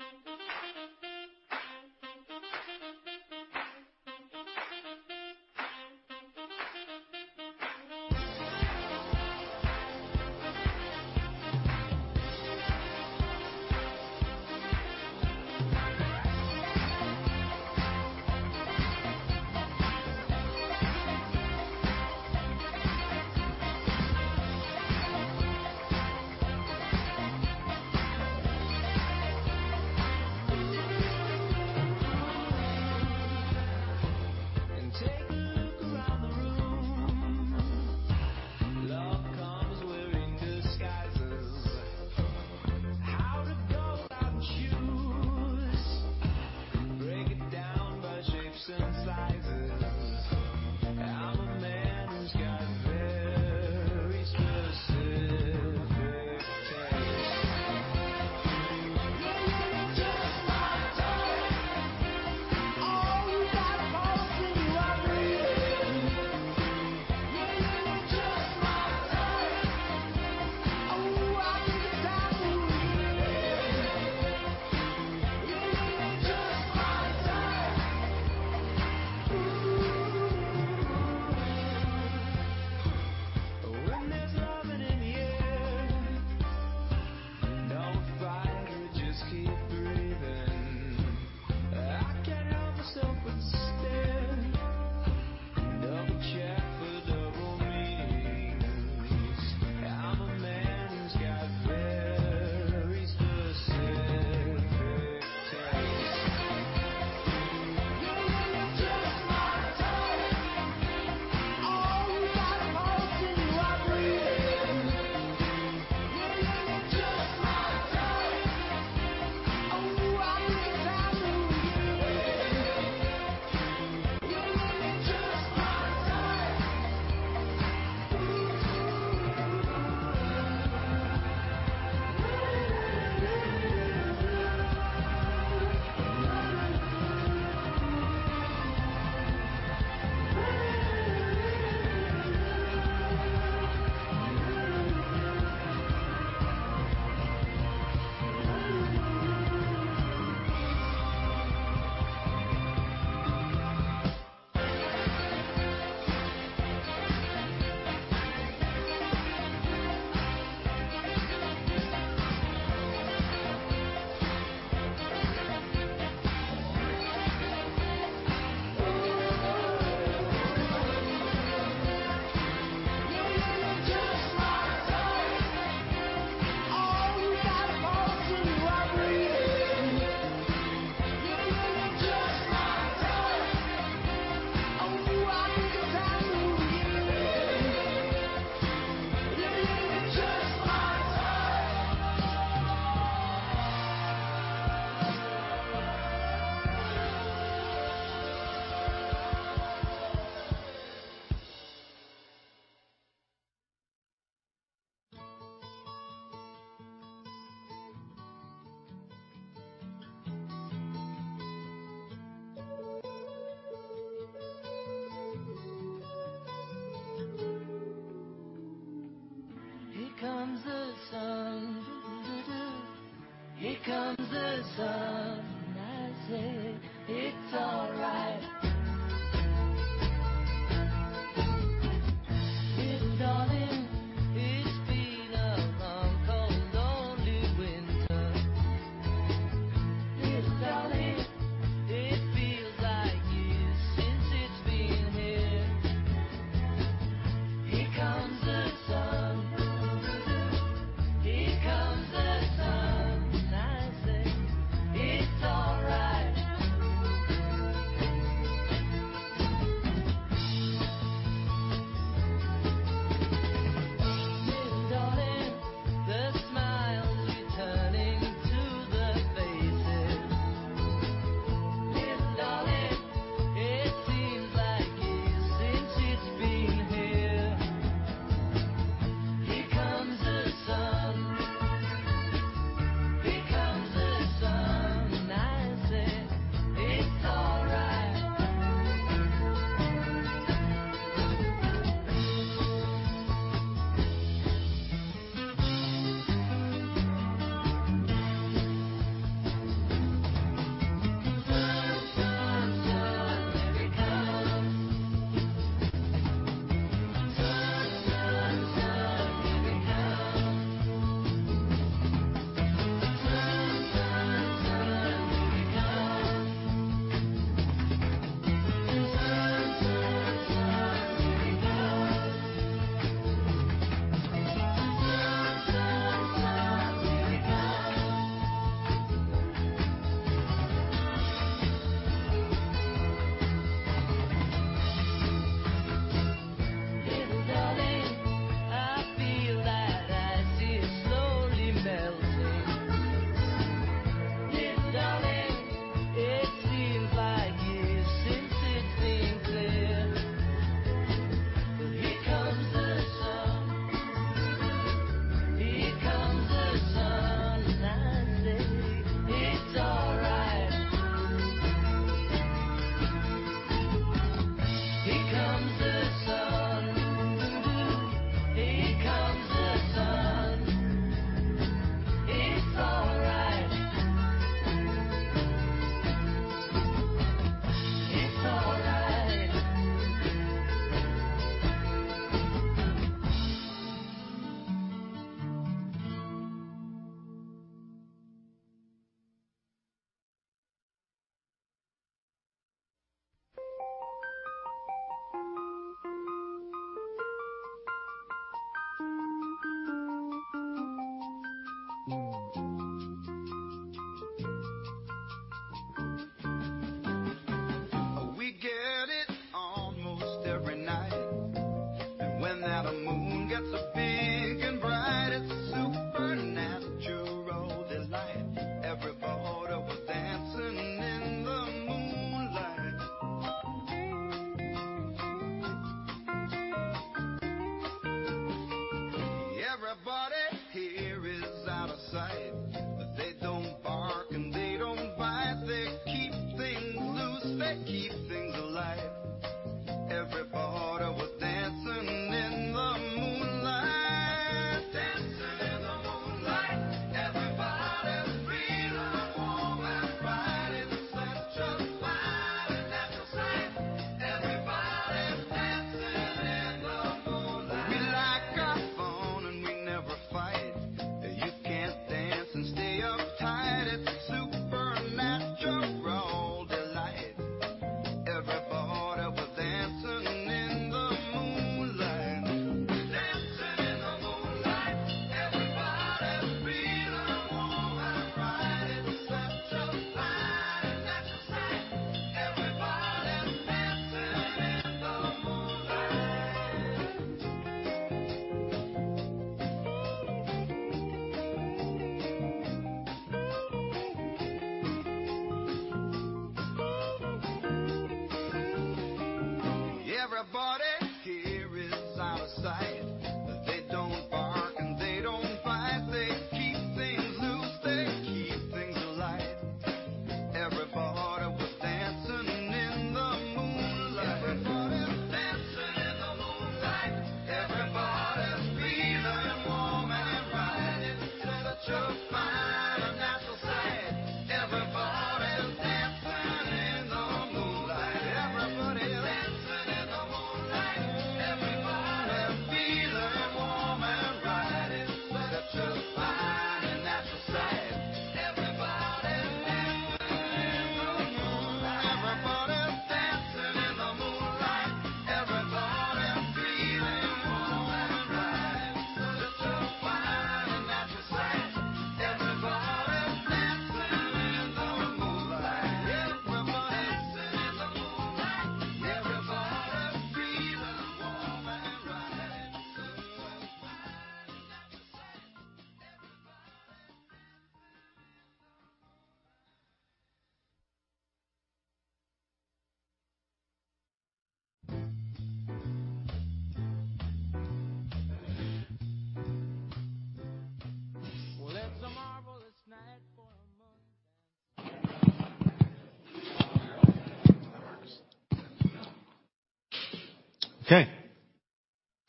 Okay.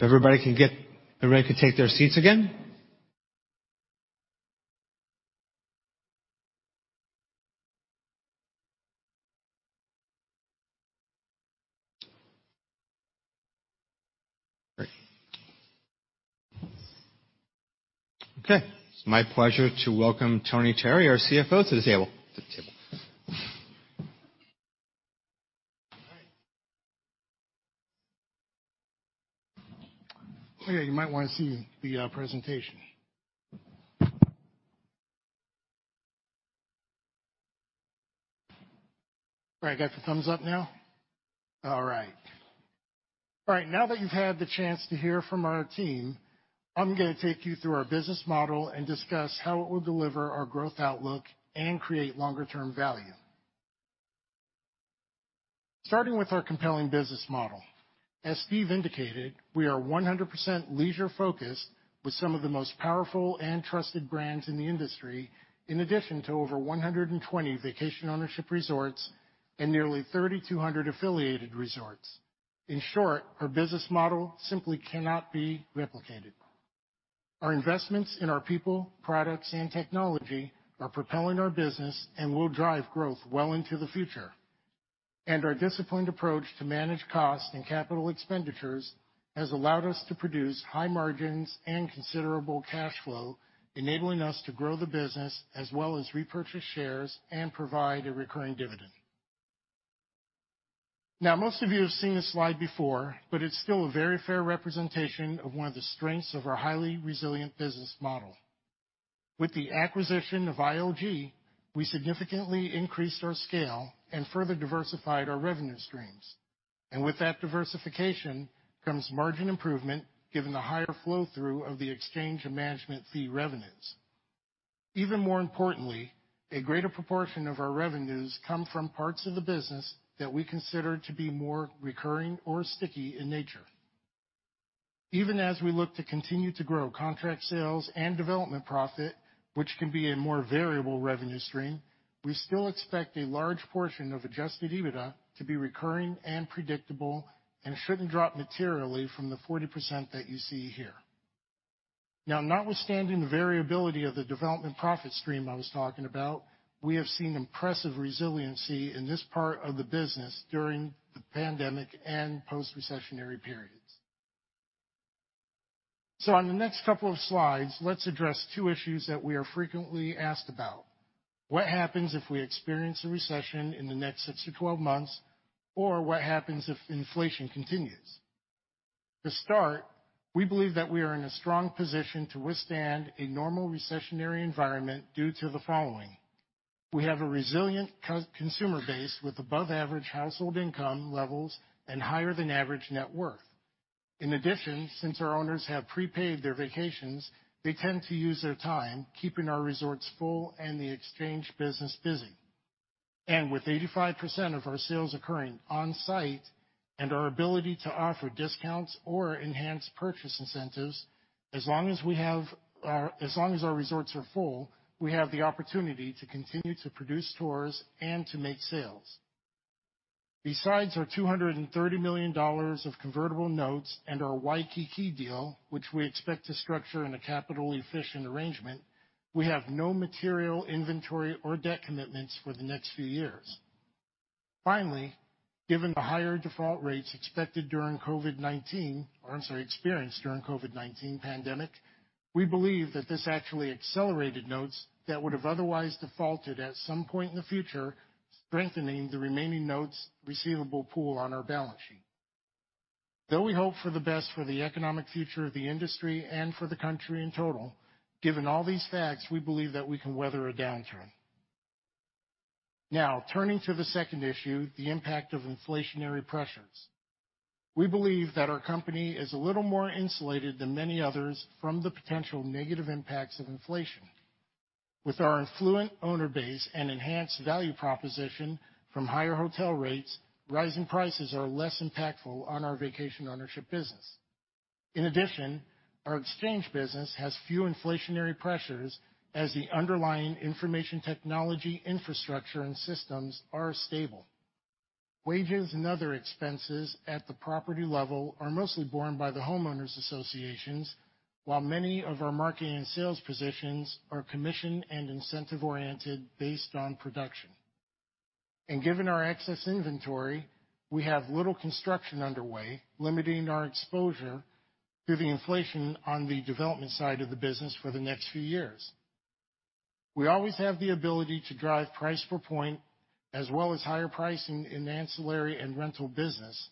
Everybody could take their seats again. Great. Okay. It's my pleasure to welcome Anthony Terry, our CFO, to the table. All right. Oh yeah, you might wanna see the presentation. All right, got the thumbs up now? All right. All right, now that you've had the chance to hear from our team, I'm gonna take you through our business model and discuss how it will deliver our growth outlook and create longer term value. Starting with our compelling business model. As Steve indicated, we are 100% leisure focused with some of the most powerful and trusted brands in the industry, in addition to over 120 vacation ownership resorts and nearly 3,200 affiliated resorts. In short, our business model simply cannot be replicated. Our investments in our people, products, and technology are propelling our business and will drive growth well into the future. Our disciplined approach to manage costs and capital expenditures has allowed us to produce high margins and considerable cash flow, enabling us to grow the business as well as repurchase shares and provide a recurring dividend. Now, most of you have seen this slide before, but it's still a very fair representation of one of the strengths of our highly resilient business model. With the acquisition of ILG, we significantly increased our scale and further diversified our revenue streams. With that diversification comes margin improvement, given the higher flow through of the exchange of management fee revenues. Even more importantly, a greater proportion of our revenues come from parts of the business that we consider to be more recurring or sticky in nature. Even as we look to continue to grow contract sales and development profit, which can be a more variable revenue stream, we still expect a large portion of adjusted EBITDA to be recurring and predictable and shouldn't drop materially from the 40% that you see here. Now notwithstanding variability of the development profit stream I was talking about, we have seen impressive resiliency in this part of the business during the pandemic and post-recessionary periods. On the next couple of slides, let's address two issues that we are frequently asked about. What happens if we experience a recession in the next 6-12 months, or what happens if inflation continues? To start, we believe that we are in a strong position to withstand a normal recessionary environment due to the following: We have a resilient consumer base with above average household income levels and higher than average net worth. In addition, since our owners have prepaid their vacations, they tend to use their time keeping our resorts full and the exchange business busy. With 85% of our sales occurring on site and our ability to offer discounts or enhanced purchase incentives, as long as our resorts are full, we have the opportunity to continue to produce tours and to make sales. Besides our $230 million of convertible notes and our Waikiki deal, which we expect to structure in a capital-efficient arrangement, we have no material inventory or debt commitments for the next few years. Finally, given the higher default rates experienced during COVID-19 pandemic, we believe that this actually accelerated notes that would have otherwise defaulted at some point in the future, strengthening the remaining notes receivable pool on our balance sheet. Though we hope for the best for the economic future of the industry and for the country in total, given all these facts, we believe that we can weather a downturn. Now, turning to the second issue, the impact of inflationary pressures. We believe that our company is a little more insulated than many others from the potential negative impacts of inflation. With our affluent owner base and enhanced value proposition from higher hotel rates, rising prices are less impactful on our vacation ownership business. In addition, our exchange business has few inflationary pressures as the underlying information technology infrastructure and systems are stable. Wages and other expenses at the property level are mostly borne by the homeowners associations, while many of our marketing and sales positions are commission and incentive-oriented based on production. Given our excess inventory, we have little construction underway, limiting our exposure to the inflation on the development side of the business for the next few years. We always have the ability to drive price per point as well as higher pricing in ancillary and rental business,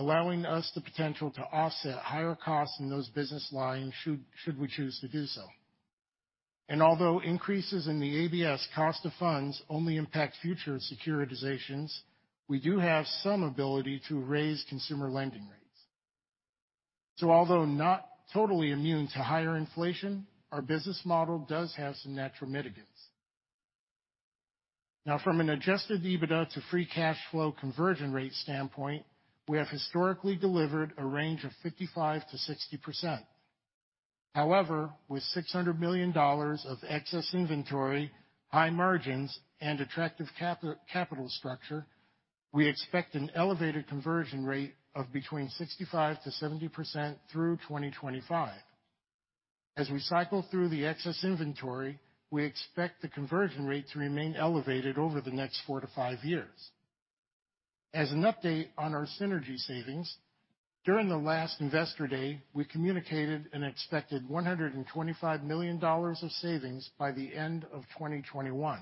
allowing us the potential to offset higher costs in those business lines should we choose to do so. Although increases in the ABS cost of funds only impact future securitizations, we do have some ability to raise consumer lending rates. Although not totally immune to higher inflation, our business model does have some natural mitigants. Now from an adjusted EBITDA to free cash flow conversion rate standpoint, we have historically delivered a range of 55%-60%. However, with $600 million of excess inventory, high margins, and attractive capital structure, we expect an elevated conversion rate of between 65%-70% through 2025. As we cycle through the excess inventory, we expect the conversion rate to remain elevated over the next 4 to 5 years. As an update on our synergy savings, during the last Investor Day, we communicated an expected $125 million of savings by the end of 2021.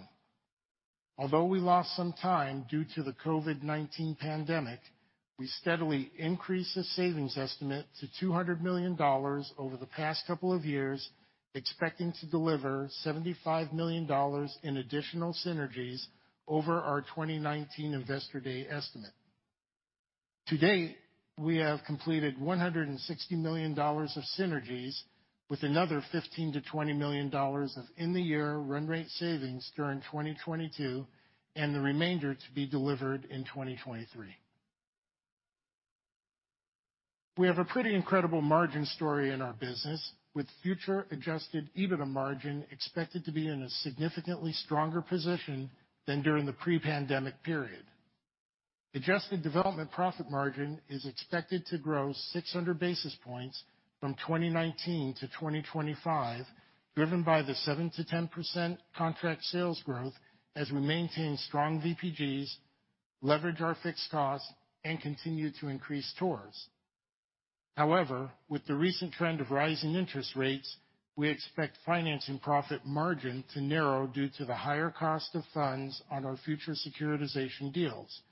Although we lost some time due to the COVID-19 pandemic, we steadily increased the savings estimate to $200 million over the past couple of years, expecting to deliver $75 million in additional synergies over our 2019 Investor Day estimate. To date, we have completed $160 million of synergies with another $15 million-$20 million of in-the-year run rate savings during 2022, and the remainder to be delivered in 2023. We have a pretty incredible margin story in our business, with future adjusted EBITDA margin expected to be in a significantly stronger position than during the pre-pandemic period. Adjusted development profit margin is expected to grow 600 basis points from 2019 to 2025, driven by the 7%-10% contract sales growth as we maintain strong VPGs, leverage our fixed costs, and continue to increase tours. However, with the recent trend of rising interest rates, we expect financing profit margin to narrow due to the higher cost of funds on our future securitization deals.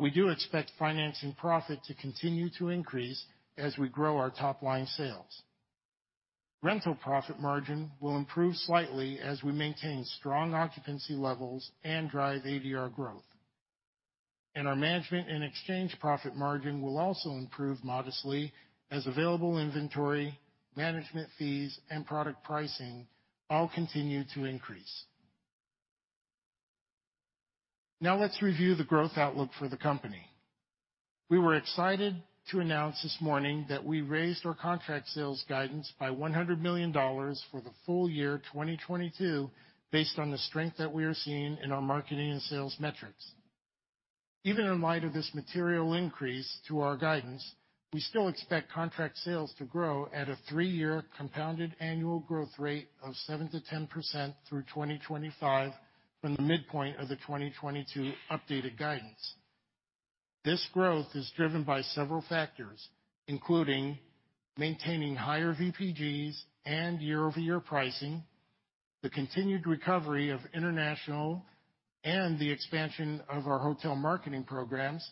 We do expect financing profit to continue to increase as we grow our top-line sales. Rental profit margin will improve slightly as we maintain strong occupancy levels and drive ADR growth. Our management and exchange profit margin will also improve modestly as available inventory, management fees, and product pricing all continue to increase. Now let's review the growth outlook for the company. We were excited to announce this morning that we raised our contract sales guidance by $100 million for the full year 2022 based on the strength that we are seeing in our marketing and sales metrics. Even in light of this material increase to our guidance, we still expect contract sales to grow at a three-year compounded annual growth rate of 7%-10% through 2025 from the midpoint of the 2022 updated guidance. This growth is driven by several factors, including maintaining higher VPGs and year-over-year pricing, the continued recovery of international and the expansion of our hotel marketing programs,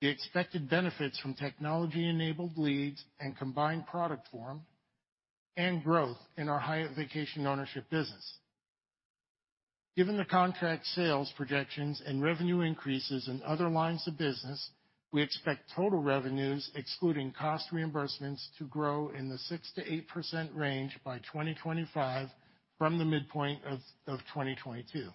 the expected benefits from technology-enabled leads and combined product form, and growth in our Hyatt Vacation Ownership business. Given the contract sales projections and revenue increases in other lines of business, we expect total revenues excluding cost reimbursements to grow in the 6%-8% range by 2025 from the midpoint of 2022.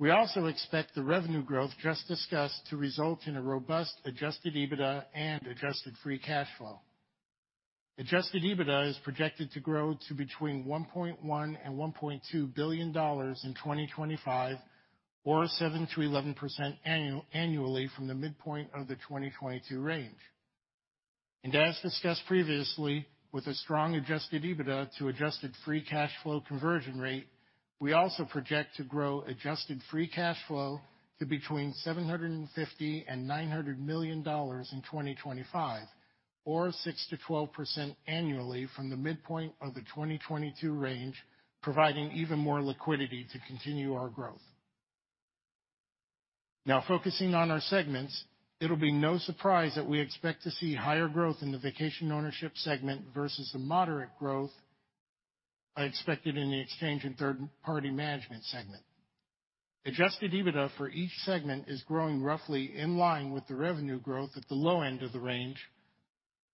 We also expect the revenue growth just discussed to result in a robust adjusted EBITDA and adjusted free cash flow. Adjusted EBITDA is projected to grow to between $1.1 billion and $1.2 billion in 2025 or 7%-11% annually from the midpoint of the 2022 range. As discussed previously, with a strong adjusted EBITDA to adjusted free cash flow conversion rate, we also project to grow adjusted free cash flow to between $750 million and $900 million in 2025 or 6%-12% annually from the midpoint of the 2022 range, providing even more liquidity to continue our growth. Now focusing on our segments, it'll be no surprise that we expect to see higher growth in the vacation ownership segment versus the moderate growth expected in the exchange and third-party management segment. Adjusted EBITDA for each segment is growing roughly in line with the revenue growth at the low end of the range,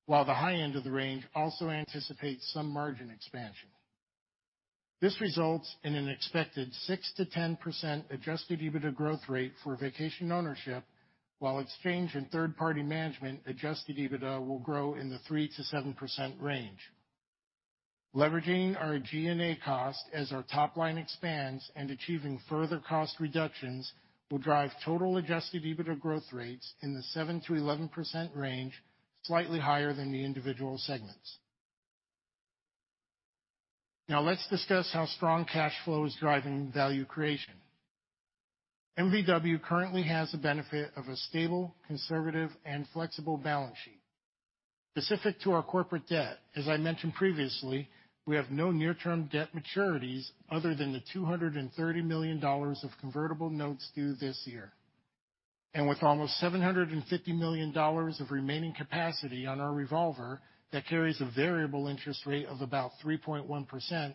while the high end of the range also anticipates some margin expansion. This results in an expected 6%-10% adjusted EBITDA growth rate for vacation ownership, while exchange and third-party management adjusted EBITDA will grow in the 3%-7% range. Leveraging our G&A cost as our top line expands and achieving further cost reductions will drive total adjusted EBITDA growth rates in the 7%-11% range, slightly higher than the individual segments. Now let's discuss how strong cash flow is driving value creation. MVW currently has the benefit of a stable, conservative, and flexible balance sheet. Specific to our corporate debt, as I mentioned previously, we have no near-term debt maturities other than the $230 million of convertible notes due this year. With almost $750 million of remaining capacity on our revolver that carries a variable interest rate of about 3.1%,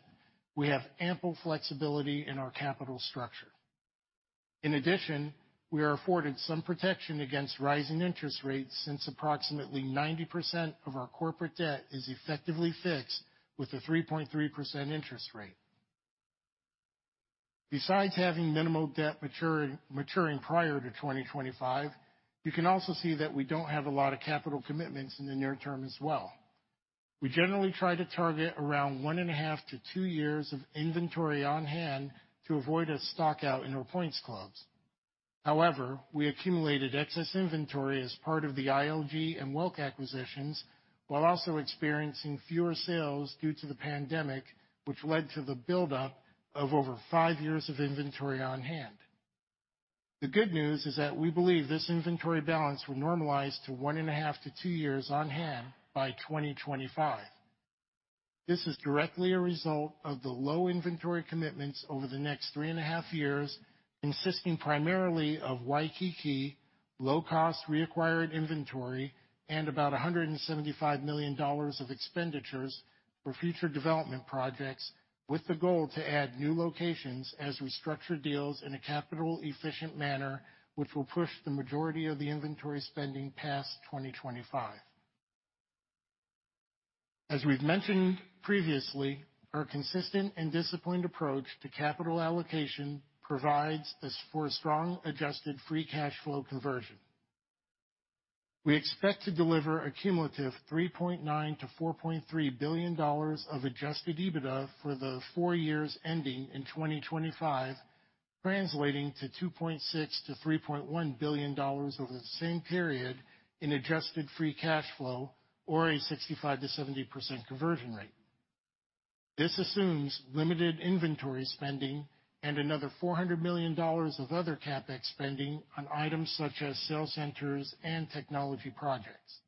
we have ample flexibility in our capital structure. In addition, we are afforded some protection against rising interest rates since approximately 90% of our corporate debt is effectively fixed with a 3.3% interest rate. Besides having minimal debt maturing prior to 2025, you can also see that we don't have a lot of capital commitments in the near term as well. We generally try to target around 1.5-2 years of inventory on-hand to avoid a stock-out in our points clubs. However, we accumulated excess inventory as part of the ILG and Welk acquisitions, while also experiencing fewer sales due to the pandemic, which led to the buildup of over 5 years of inventory on-hand. The good news is that we believe this inventory balance will normalize to 1.5-2 years on-hand by 2025. This is directly a result of the low inventory commitments over the next 3.5 years, consisting primarily of Waikiki, low-cost reacquired inventory, and about $175 million of expenditures for future development projects with the goal to add new locations as we structure deals in a capital-efficient manner which will push the majority of the inventory spending past 2025. As we've mentioned previously, our consistent and disciplined approach to capital allocation provides us for a strong adjusted free cash flow conversion. We expect to deliver a cumulative $3.9 billion-$4.3 billion of adjusted EBITDA for the four years ending in 2025, translating to $2.6 billion-$3.1 billion over the same period in adjusted free cash flow or a 65%-70% conversion rate. This assumes limited inventory spending and another $400 million of other CapEx spending on items such as sales centers and technology projects.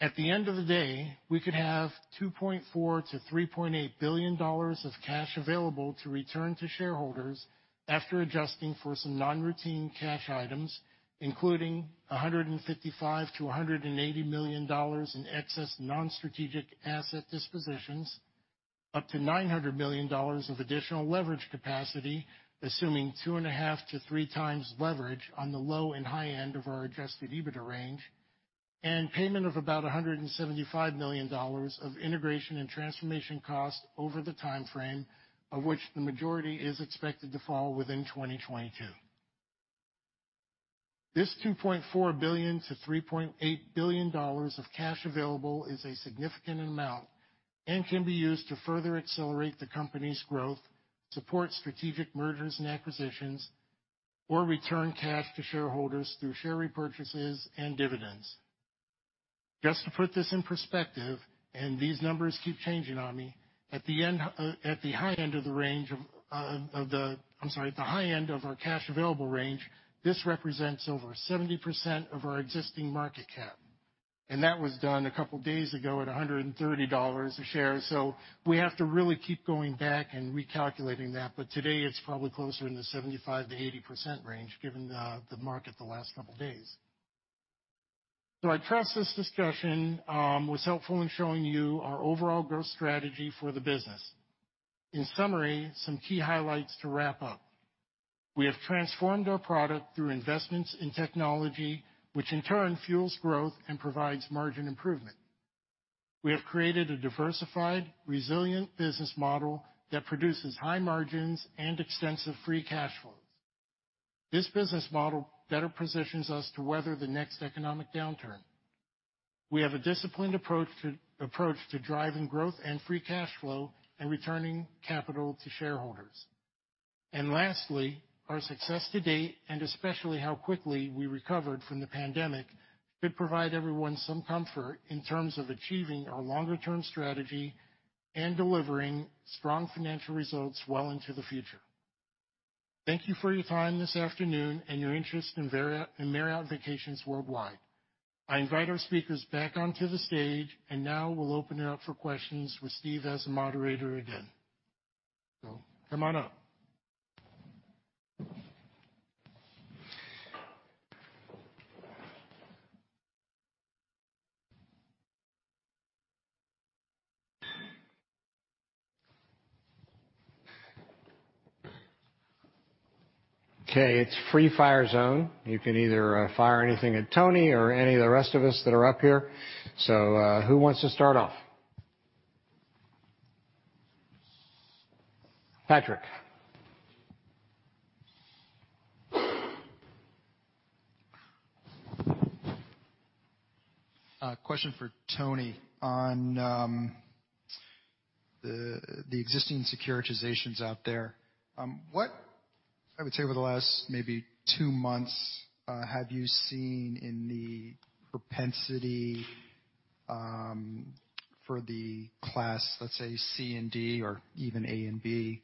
At the end of the day, we could have $2.4 billion-$3.8 billion of cash available to return to shareholders after adjusting for some non-routine cash items, including $155 million-$180 million in excess non-strategic asset dispositions, up to $900 million of additional leverage capacity, assuming 2.5x-3x leverage on the low and high end of our adjusted EBITDA range, and payment of about $175 million of integration and transformation costs over the time frame of which the majority is expected to fall within 2022. This $2.4 billion-$3.8 billion of cash available is a significant amount and can be used to further accelerate the company's growth, support strategic mergers and acquisitions, or return cash to shareholders through share repurchases and dividends. Just to put this in perspective, and these numbers keep changing on me, at the high end of our cash available range, this represents over 70% of our existing market cap, and that was done a couple days ago at $130 a share. We have to really keep going back and recalculating that. Today, it's probably closer in the 75%-80% range given the market the last couple days. I trust this discussion was helpful in showing you our overall growth strategy for the business. In summary, some key highlights to wrap up. We have transformed our product through investments in technology, which in turn fuels growth and provides margin improvement. We have created a diversified, resilient business model that produces high margins and extensive free cash flows. This business model better positions us to weather the next economic downturn. We have a disciplined approach to driving growth and free cash flow and returning capital to shareholders. Lastly, our success to date, and especially how quickly we recovered from the pandemic, could provide everyone some comfort in terms of achieving our longer-term strategy and delivering strong financial results well into the future. Thank you for your time this afternoon and your interest in Marriott Vacations Worldwide. I invite our speakers back onto the stage, and now we'll open it up for questions with Steve as the moderator again. Come on up. Okay, it's free fire zone. You can either fire anything at Tony or any of the rest of us that are up here. Who wants to start off? Patrick. Question for Tony. On the existing securitizations out there, what I would say over the last maybe 2 months have you seen in the propensity for the class, let's say C and D, or even A and B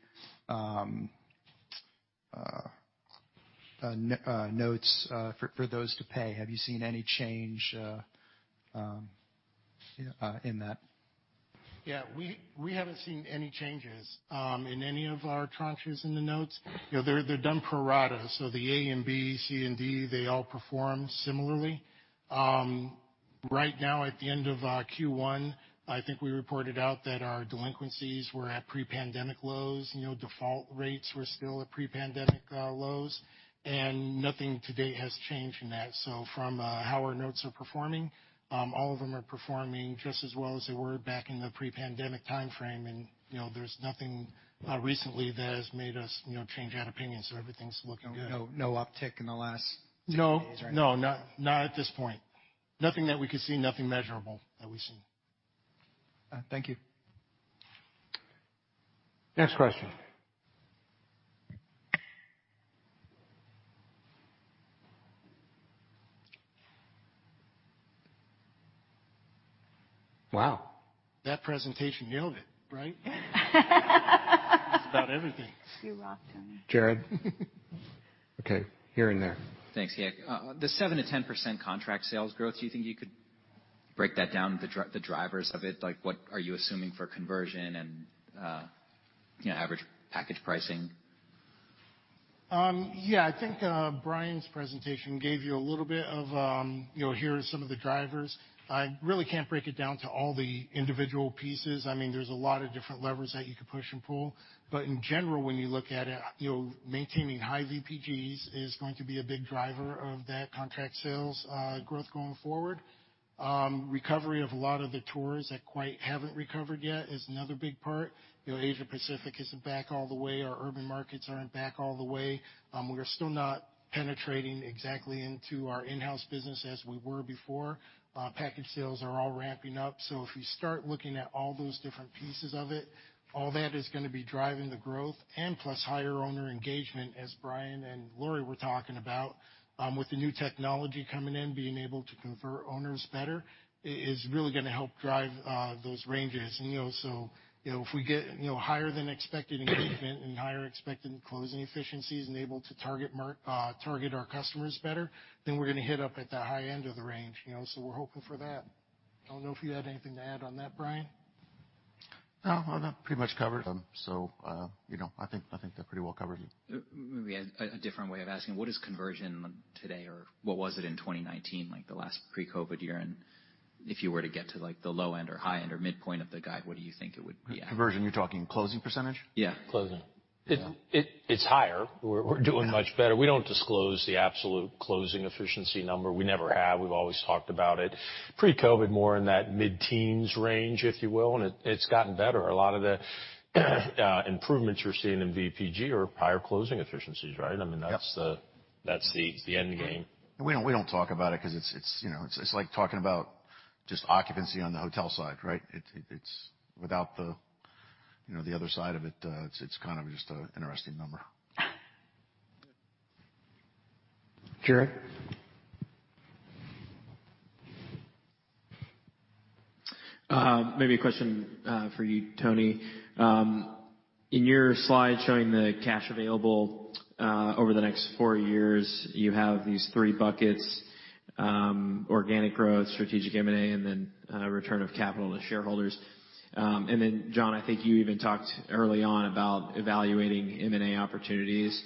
and notes for those to pay? Have you seen any change in that? Yeah, we haven't seen any changes in any of our tranches in the notes. You know, they're done pro rata, so the A and B, C and D, they all perform similarly. Right now, at the end of Q1, I think we reported out that our delinquencies were at pre-pandemic lows. You know, default rates were still at pre-pandemic lows, and nothing to date has changed in that. From how our notes are performing, all of them are performing just as well as they were back in the pre-pandemic timeframe. You know, there's nothing recently that has made us change our opinion. Everything's looking good. No, no uptick in the last six months or anything? No, not at this point. Nothing that we can see, nothing measurable that we've seen. Thank you. Next question. Wow. That presentation nailed it, right? It's about everything. You rocked them. Jared? Okay, here and there. Thanks. Yeah, the 7%-10% contract sales growth, do you think you could break that down, the drivers of it? Like, what are you assuming for conversion and, you know, average package pricing? Yeah. I think Brian's presentation gave you a little bit of, you know, here are some of the drivers. I really can't break it down to all the individual pieces. I mean, there's a lot of different levers that you could push and pull. In general, when you look at it, you know, maintaining high VPGs is going to be a big driver of that contract sales growth going forward. Recovery of a lot of the tours that haven't quite recovered yet is another big part. You know, Asia-Pacific isn't back all the way. Our urban markets aren't back all the way. We're still not penetrating exactly into our in-house business as we were before. Package sales are all ramping up. If you start looking at all those different pieces of it, all that is gonna be driving the growth and plus higher owner engagement, as Brian and Lori were talking about. With the new technology coming in, being able to convert owners better is really gonna help drive those ranges. You know, if we get higher than expected engagement and higher expected closing efficiencies and able to target our customers better, then we're gonna hit up at that high end of the range, you know, so we're hoping for that. I don't know if you had anything to add on that, Brian. No, that pretty much covered them. You know, I think they're pretty well covered. Maybe a different way of asking: What is conversion today, or what was it in 2019, like, the last pre-COVID year? If you were to get to, like, the low end or high end or midpoint of the guide, what do you think it would be? Conversion, you're talking closing percentage? Yeah. Closing. It's higher. We're doing much better. We don't disclose the absolute closing efficiency number. We never have. We've always talked about it. Pre-COVID, more in that mid-teens range, if you will, and it's gotten better. A lot of the improvements you're seeing in VPG are prior closing efficiencies, right? I mean Yep. That's the end game. We don't talk about it 'cause it's, you know, it's like talking about just occupancy on the hotel side, right? It's without the, you know, the other side of it's kind of just an interesting number. Jared. Maybe a question for you, Tony. In your slide showing the cash available over the next four years, you have these three buckets: organic growth, strategic M&A, and then return of capital to shareholders. John, I think you even talked early on about evaluating M&A opportunities.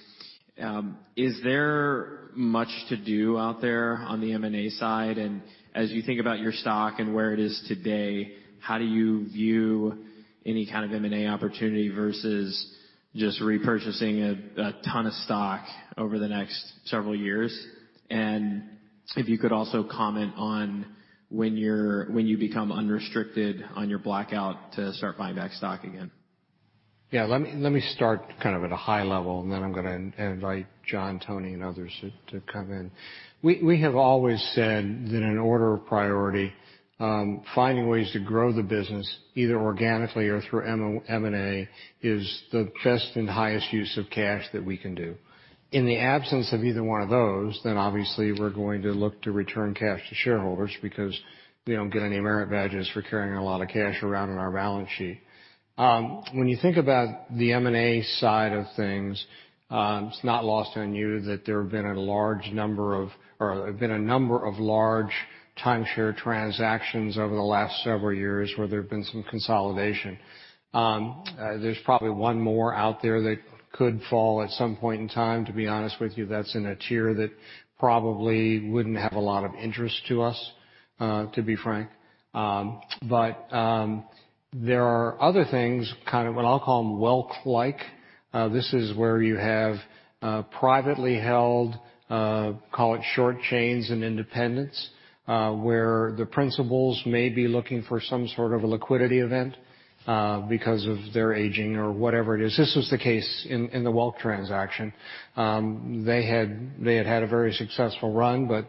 Is there much to do out there on the M&A side? As you think about your stock and where it is today, how do you view any kind of M&A opportunity versus just repurchasing a ton of stock over the next several years? If you could also comment on when you become unrestricted on your blackout to start buying back stock again. Yeah. Let me start kind of at a high level, and then I'm gonna invite John, Tony, and others to come in. We have always said that in order of priority, finding ways to grow the business, either organically or through M&A, is the best and highest use of cash that we can do. In the absence of either one of those, then obviously we're going to look to return cash to shareholders because we don't get any merit badges for carrying a lot of cash around in our balance sheet. When you think about the M&A side of things, it's not lost on you that there have been a number of large timeshare transactions over the last several years where there have been some consolidation. There's probably one more out there that could fall at some point in time, to be honest with you, that's in a tier that probably wouldn't have a lot of interest to us, to be frank. There are other things kind of, well, I'll call them Welk-like. This is where you have privately held, call it short chains and independents, where the principals may be looking for some sort of a liquidity event, because of their aging or whatever it is. This was the case in the Welk transaction. They had had a very successful run, but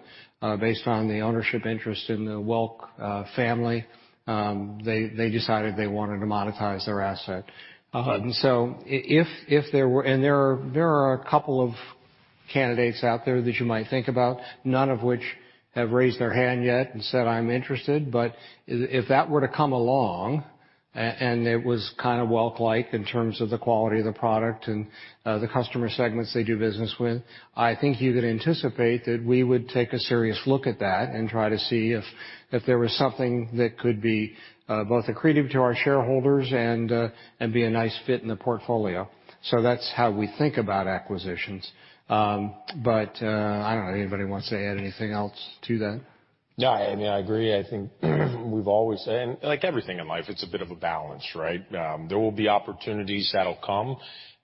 based on the ownership interest in the Welk family, they decided they wanted to monetize their asset. If there were, and there are a couple of candidates out there that you might think about, none of which have raised their hand yet and said, "I'm interested." But if that were to come along and it was kind of Welk-like in terms of the quality of the product and the customer segments they do business with, I think you could anticipate that we would take a serious look at that and try to see if there was something that could be both accretive to our shareholders and be a nice fit in the portfolio. That's how we think about acquisitions. I don't know if anybody wants to add anything else to that. No, I mean, I agree. I think we've always said. Like everything in life, it's a bit of a balance, right? There will be opportunities that'll come.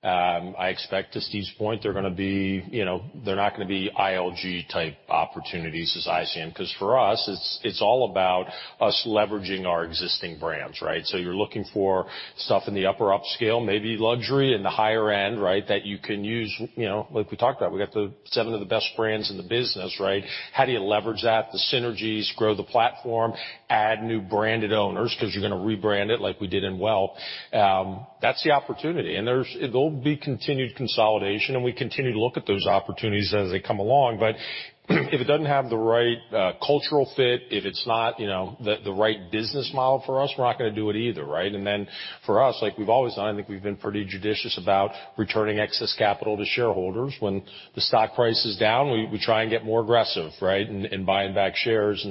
I expect to Steve's point, they're gonna be, you know, they're not gonna be ILG-type opportunities as I see them, because for us, it's all about us leveraging our existing brands, right? So you're looking for stuff in the upper upscale, maybe luxury in the higher end, right? That you can use, you know, like we talked about. We got the seven of the best brands in the business, right? How do you leverage that? The synergies, grow the platform, add new branded owners because you're gonna rebrand it like we did in Welk. That's the opportunity. There's continued consolidation, and we continue to look at those opportunities as they come along. If it doesn't have the right cultural fit, if it's not, you know, the right business model for us, we're not gonna do it either, right? Then for us, like we've always done, I think we've been pretty judicious about returning excess capital to shareholders. When the stock price is down, we try and get more aggressive, right? In buying back shares.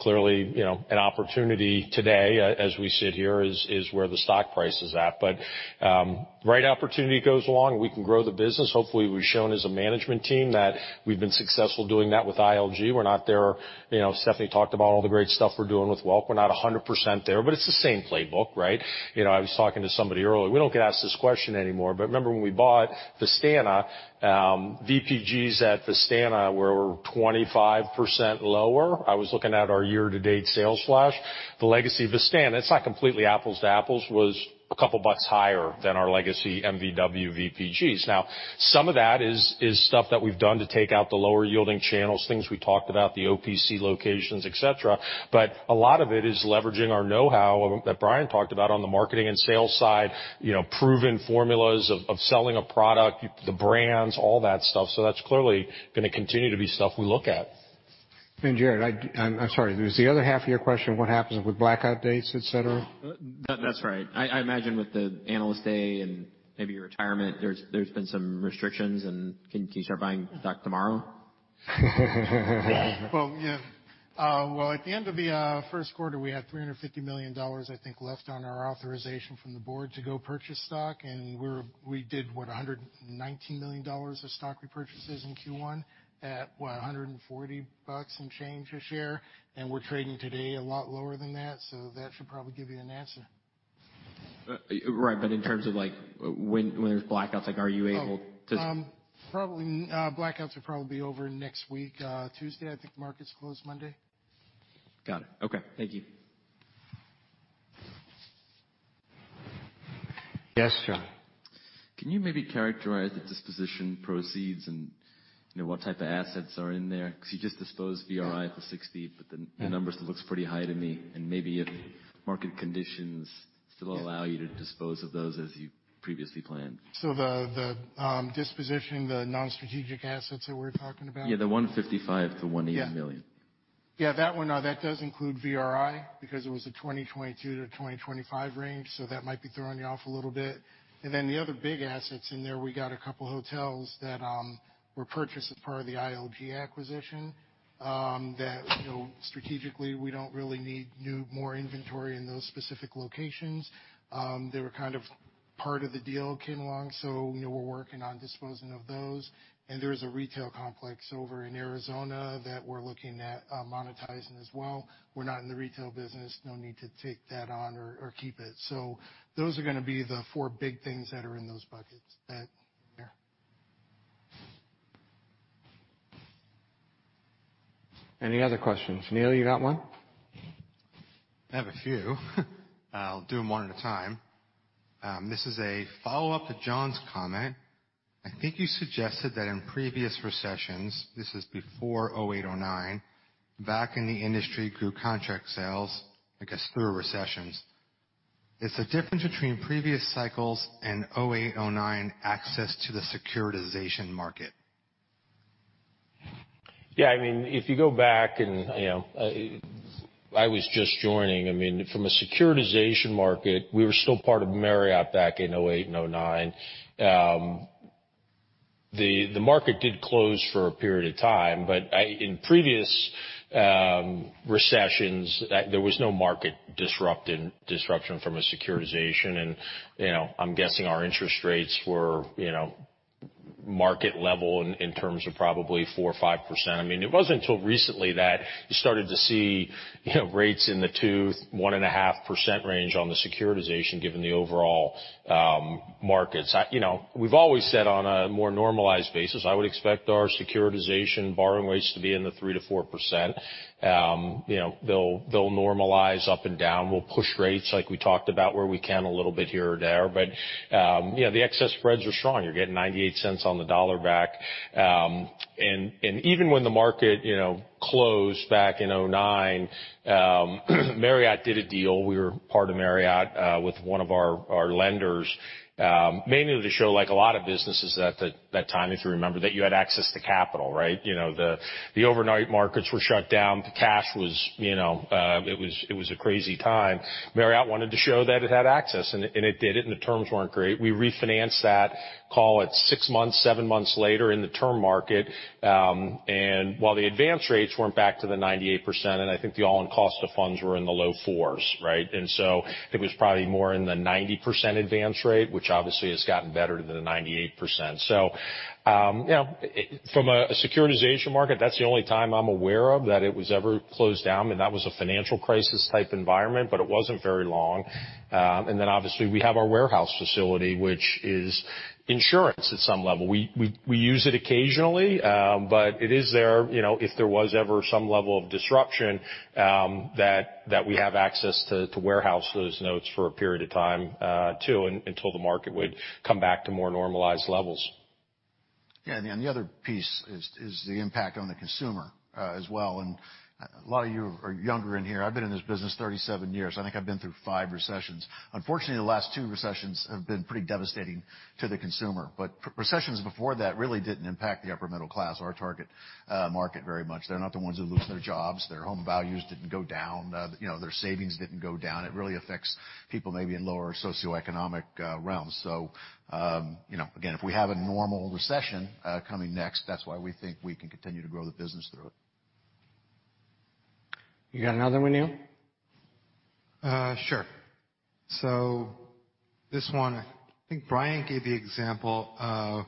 Clearly, you know, an opportunity today as we sit here is where the stock price is at. If the right opportunity comes along, we can grow the business. Hopefully, we've shown as a management team that we've been successful doing that with ILG. We're not there. You know, Stephanie talked about all the great stuff we're doing with Welk. We're not a hundred percent there, but it's the same playbook, right? You know, I was talking to somebody earlier. We don't get asked this question anymore, but remember when we bought Vistana. VPGs at Vistana were 25% lower. I was looking at our year-to-date sales flush. The legacy of Vistana, it's not completely apples to apples, was a couple bucks higher than our legacy MVW VPGs. Now, some of that is stuff that we've done to take out the lower yielding channels, things we talked about, the OPC locations, et cetera. A lot of it is leveraging our know-how that Brian talked about on the marketing and sales side, you know, proven formulas of selling a product, the brands, all that stuff. That's clearly gonna continue to be stuff we look at. Jared, I'm sorry. There's the other half of your question, what happens with blackout dates, et cetera? That's right. I imagine with the Analyst Day and maybe your retirement, there's been some restrictions. Can you start buying back tomorrow? Well, yeah. Well, at the end of the first quarter, we had $350 million, I think, left on our authorization from the board to go purchase stock. We did, what? $119 million of stock repurchases in Q1 at, what? $140 bucks and change a share. We're trading today a lot lower than that. That should probably give you an answer. Right. In terms of like when there's blackouts, like, are you able to? Blackouts will probably be over next week, Tuesday. I think markets close Monday. Got it. Okay. Thank you. Yes, John. Can you maybe characterize the disposition proceeds and, you know, what type of assets are in there? Because you just disposed VRI for $60, but the numbers looks pretty high to me, and maybe if market conditions still allow you to dispose of those as you previously planned. The disposition, the non-strategic assets that we're talking about? Yeah, the $155 million-$180 million. Yeah. Yeah, that one. No, that does include VRI because it was a 2022-2025 range, so that might be throwing you off a little bit. The other big assets in there, we got a couple hotels that were purchased as part of the ILG acquisition, you know, strategically, we don't really need new, more inventory in those specific locations. They were kind of part of the deal came along, so, you know, we're working on disposing of those. There is a retail complex over in Arizona that we're looking at monetizing as well. We're not in the retail business. No need to take that on or keep it. Those are gonna be the four big things that are in those buckets. That there. Any other questions? Neal, you got one? I have a few. I'll do them one at a time. This is a follow-up to John's comment. I think you suggested that in previous recessions, this is before 2008, 2009, back in the industry, gross contract sales, I guess, through recessions. Is the difference between previous cycles and 2008, 2009 access to the securitization market? Yeah, I mean, if you go back and, you know, I was just joining. I mean, from a securitization market, we were still part of Marriott back in 2008 and 2009. The market did close for a period of time, but in previous recessions, there was no market disruption from a securitization. You know, I'm guessing our interest rates were, you know, market level in terms of probably 4% or 5%. I mean, it wasn't until recently that you started to see, you know, rates in the 2%, 1.5% range on the securitization given the overall markets. You know, we've always said on a more normalized basis, I would expect our securitization borrowing rates to be in the 3%-4%. You know, they'll normalize up and down. We'll push rates like we talked about where we can a little bit here or there. You know, the excess spreads are strong. You're getting 98 cents on the dollar back. Even when the market, you know, closed back in 2009, Marriott did a deal. We were part of Marriott with one of our lenders mainly to show like a lot of businesses at that time, if you remember, that you had access to capital, right? You know, the overnight markets were shut down. The cash was, you know, it was a crazy time. Marriott wanted to show that it had access, and it did it, and the terms weren't great. We refinanced that, call it 6 months, 7 months later in the term market, and while the advance rates weren't back to the 98%, and I think the all-in cost of funds were in the low fours, right? It was probably more in the 90% advance rate, which obviously has gotten better than the 98%. You know, from a securitization market, that's the only time I'm aware of that it was ever closed down, and that was a financial crisis type environment, but it wasn't very long. Then obviously we have our warehouse facility, which is insurance at some level. We use it occasionally, but it is there, you know, if there was ever some level of disruption, that we have access to warehouse those notes for a period of time, too, until the market would come back to more normalized levels. Yeah. The other piece is the impact on the consumer, as well. A lot of you are younger in here. I've been in this business 37 years. I think I've been through 5 recessions. Unfortunately, the last two recessions have been pretty devastating to the consumer. Recessions before that really didn't impact the upper middle class, our target, market very much. They're not the ones who lose their jobs. Their home values didn't go down. You know, their savings didn't go down. It really affects people maybe in lower socioeconomic, realms. You know, again, if we have a normal recession, coming next, that's why we think we can continue to grow the business through it. You got another one, Neal? This one, I think Brian gave the example of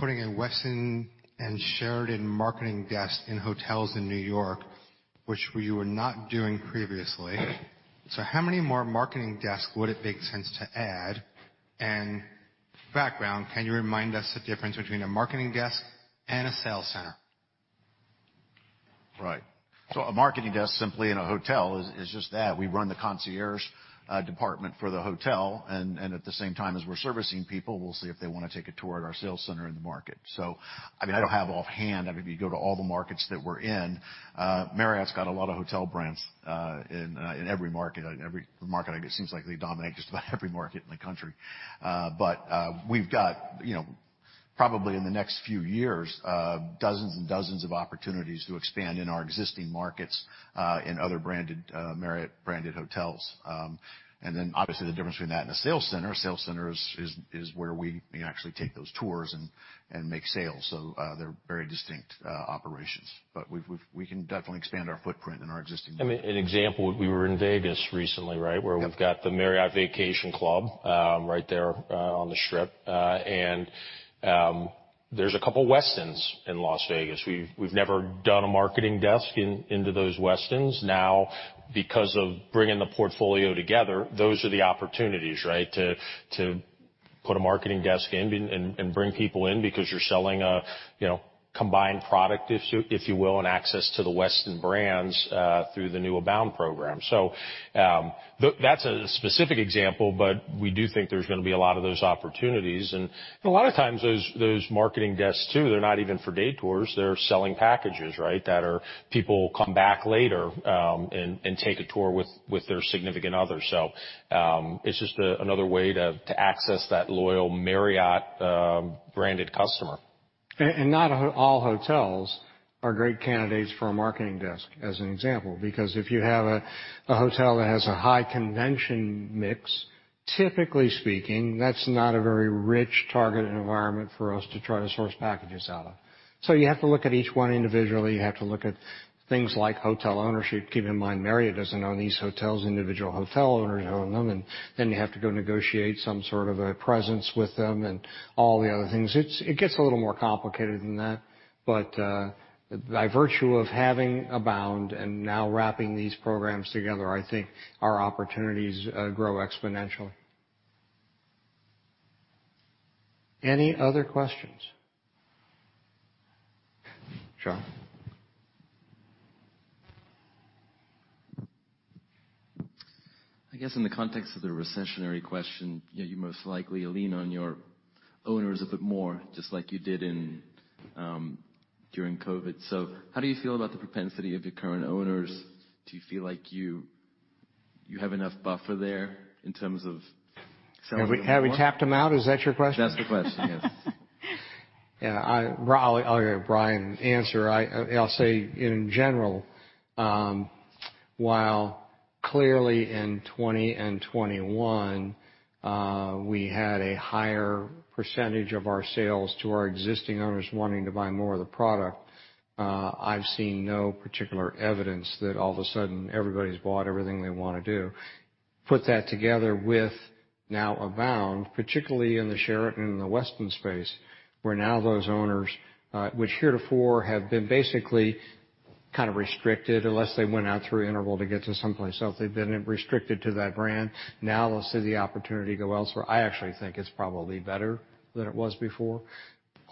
putting a Westin and Sheraton marketing desk in hotels in New York, which you were not doing previously. How many more marketing desks would it make sense to add? Background, can you remind us the difference between a marketing desk and a sales center? Right. A marketing desk simply in a hotel is just that. We run the concierge department for the hotel, and at the same time as we're servicing people, we'll see if they wanna take a tour at our sales center in the market. I mean, I don't have offhand. I mean, if you go to all the markets that we're in, Marriott's got a lot of hotel brands in every market. Every market, I guess, seems like they dominate just about every market in the country. We've got, you know, probably in the next few years, dozens and dozens of opportunities to expand in our existing markets in other Marriott branded hotels. Obviously the difference between that and a sales center, a sales center is where we actually take those tours and make sales. They're very distinct operations. We can definitely expand our footprint in our existing- I mean, an example, we were in Vegas recently, right? Yep. Where we've got the Marriott Vacation Club right there on the Strip. There's a couple Westins in Las Vegas. We've never done a marketing desk into those Westins. Now, because of bringing the portfolio together, those are the opportunities, right? To put a marketing desk in and bring people in because you're selling a, you know, combined product, if you will, and access to the Westin brands through the new Abound program. That's a specific example, but we do think there's gonna be a lot of those opportunities. A lot of times, those marketing desks, too, they're not even for day tours. They're selling packages, right? That are people come back later and take a tour with their significant others. It's just another way to access that loyal Marriott branded customer. Not all hotels are great candidates for a marketing desk, as an example, because if you have a hotel that has a high convention mix. Typically speaking, that's not a very rich target environment for us to try to source packages out of. You have to look at each one individually. You have to look at things like hotel ownership. Keep in mind, Marriott doesn't own these hotels, individual hotel owners own them, and then you have to go negotiate some sort of a presence with them and all the other things. It gets a little more complicated than that. By virtue of having Abound and now wrapping these programs together, I think our opportunities grow exponentially. Any other questions? Sean? I guess in the context of the recessionary question, you know, you most likely lean on your owners a bit more, just like you did during COVID. How do you feel about the propensity of your current owners? Do you feel like you have enough buffer there in terms of selling more? Have we tapped them out? Is that your question? That's the question, yes. Yeah, well, I'll let Brian answer. I'll say in general, while clearly in 2020 and 2021, we had a higher percentage of our sales to our existing owners wanting to buy more of the product, I've seen no particular evidence that all of a sudden everybody's bought everything they wanna do. Put that together with now Abound, particularly in the Sheraton and the Westin space, where now those owners, which heretofore have been basically kind of restricted unless they went out through Interval to get to someplace else, they've been restricted to that brand. Now they'll see the opportunity to go elsewhere. I actually think it's probably better than it was before.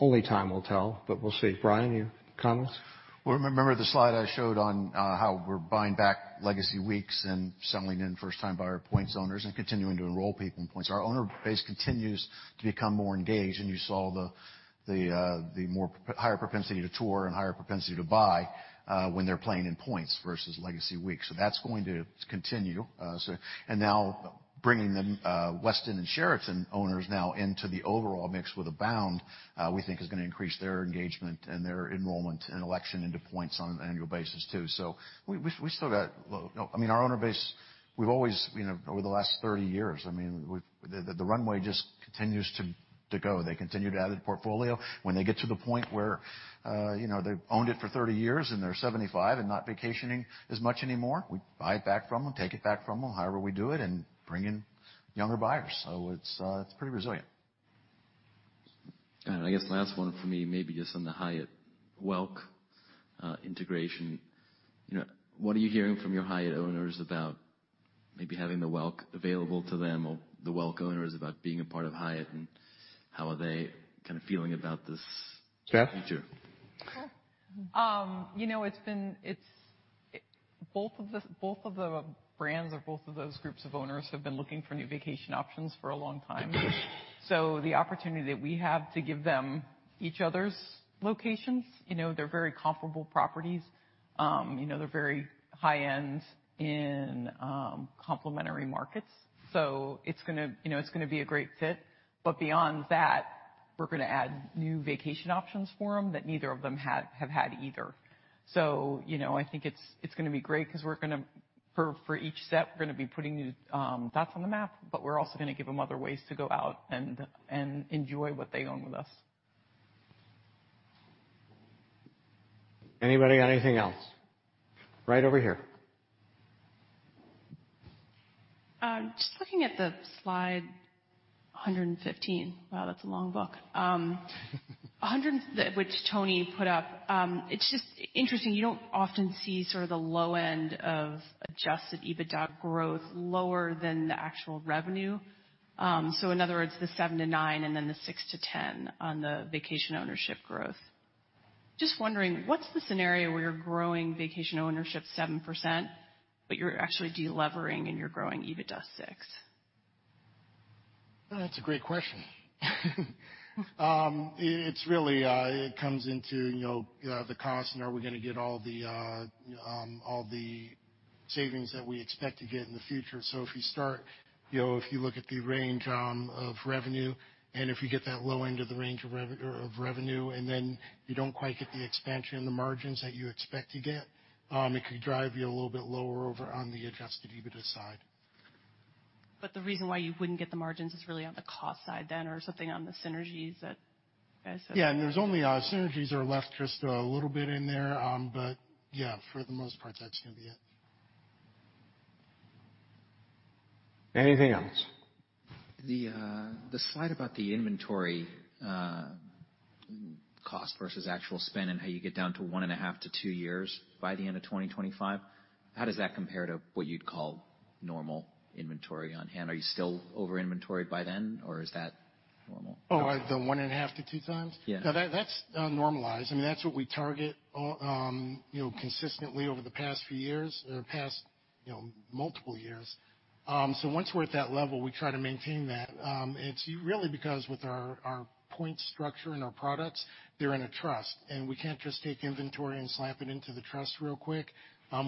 Only time will tell, but we'll see. Brian, your comments? Well, remember the slide I showed on how we're buying back legacy weeks and selling in first-time buyer points owners and continuing to enroll people in points. Our owner base continues to become more engaged, and you saw higher propensity to tour and higher propensity to buy when they're playing in points versus legacy weeks. That's going to continue. Now bringing the Westin and Sheraton owners into the overall mix with Abound, we think is gonna increase their engagement and their enrollment and election into points on an annual basis, too. Well, no, I mean, our owner base, we've always, you know, over the last 30 years, I mean, the runway just continues to go. They continue to add to the Portfolio. When they get to the point where, you know, they've owned it for 30 years and they're 75 and not vacationing as much anymore, we buy it back from them, take it back from them, however we do it, and bring in younger buyers. It's pretty resilient. I guess the last one for me, maybe just on the Hyatt Welk integration. You know, what are you hearing from your Hyatt owners about maybe having the Welk available to them or the Welk owners about being a part of Hyatt, and how are they kinda feeling about this? Steph? -future? Sure. You know, both of the brands or both of those groups of owners have been looking for new vacation options for a long time. The opportunity that we have to give them each other's locations, you know, they're very comparable properties. You know, they're very high-end in complementary markets. It's gonna, you know, it's gonna be a great fit. Beyond that, we're gonna add new vacation options for them that neither of them have had either. You know, I think it's gonna be great 'cause for each set, we're gonna be putting new dots on the map, but we're also gonna give them other ways to go out and enjoy what they own with us. Anybody got anything else? Right over here. Just looking at the slide 115. Wow, that's a long book. Which Tony put up. It's just interesting, you don't often see sort of the low end of adjusted EBITDA growth lower than the actual revenue. So in other words, the 7%-9% and then the 6%-10% on the vacation ownership growth. Just wondering, what's the scenario where you're growing vacation ownership 7%, but you're actually de-levering and you're growing EBITDA 6%? That's a great question. It's really, it comes into, you know, the cost and are we gonna get all the savings that we expect to get in the future. If you look at the range of revenue, and if you get that low end of the range of revenue, and then you don't quite get the expansion in the margins that you expect to get, it could drive you a little bit lower over on the Adjusted EBITDA side. The reason why you wouldn't get the margins is really on the cost side then or something on the synergies that you guys said? Yeah. There's only synergies are left just a little bit in there. Yeah, for the most part, that's gonna be it. Anything else? The slide about the inventory cost versus actual spend and how you get down to 1.5-2 years by the end of 2025, how does that compare to what you'd call normal inventory on hand? Are you still over-inventoried by then or is that normal? Oh, the 1.5x-2x? Yeah. No, that's normalized. I mean, that's what we target, you know, consistently over the past few years or past multiple years. Once we're at that level, we try to maintain that. It's really because with our point structure and our products, they're in a trust, and we can't just take inventory and slap it into the trust real quick.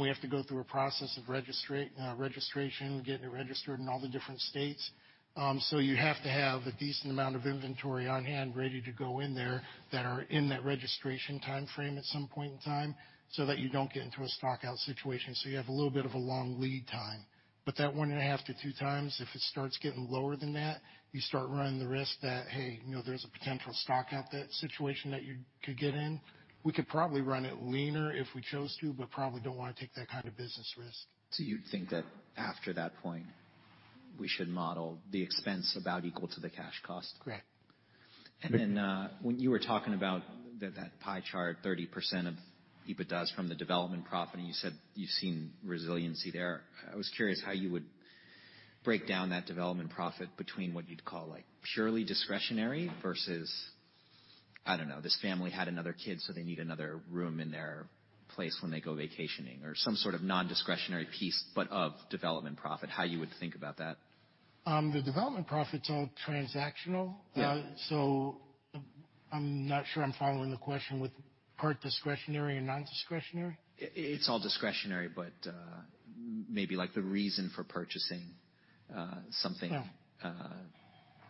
We have to go through a process of registration, getting it registered in all the different states. You have to have a decent amount of inventory on hand ready to go in there that are in that registration timeframe at some point in time so that you don't get into a stock-out situation. You have a little bit of a long lead time. That 1.5x-2x, if it starts getting lower than that, you start running the risk that, hey, you know, there's a potential stockout situation that you could get in. We could probably run it leaner if we chose to, but probably don't wanna take that kind of business risk. You'd think that after that point, we should model the expense about equal to the cash cost? Correct. When you were talking about that pie chart, 30% of EBITDA from the development profit, and you said you've seen resiliency there. I was curious how you would break down that development profit between what you'd call, like, purely discretionary versus, I don't know, this family had another kid, so they need another room in their place when they go vacationing or some sort of non-discretionary piece, but of development profit, how you would think about that. The development profit's all transactional. I'm not sure I'm following the question with part discretionary and non-discretionary. It's all discretionary, but maybe like the reason for purchasing something.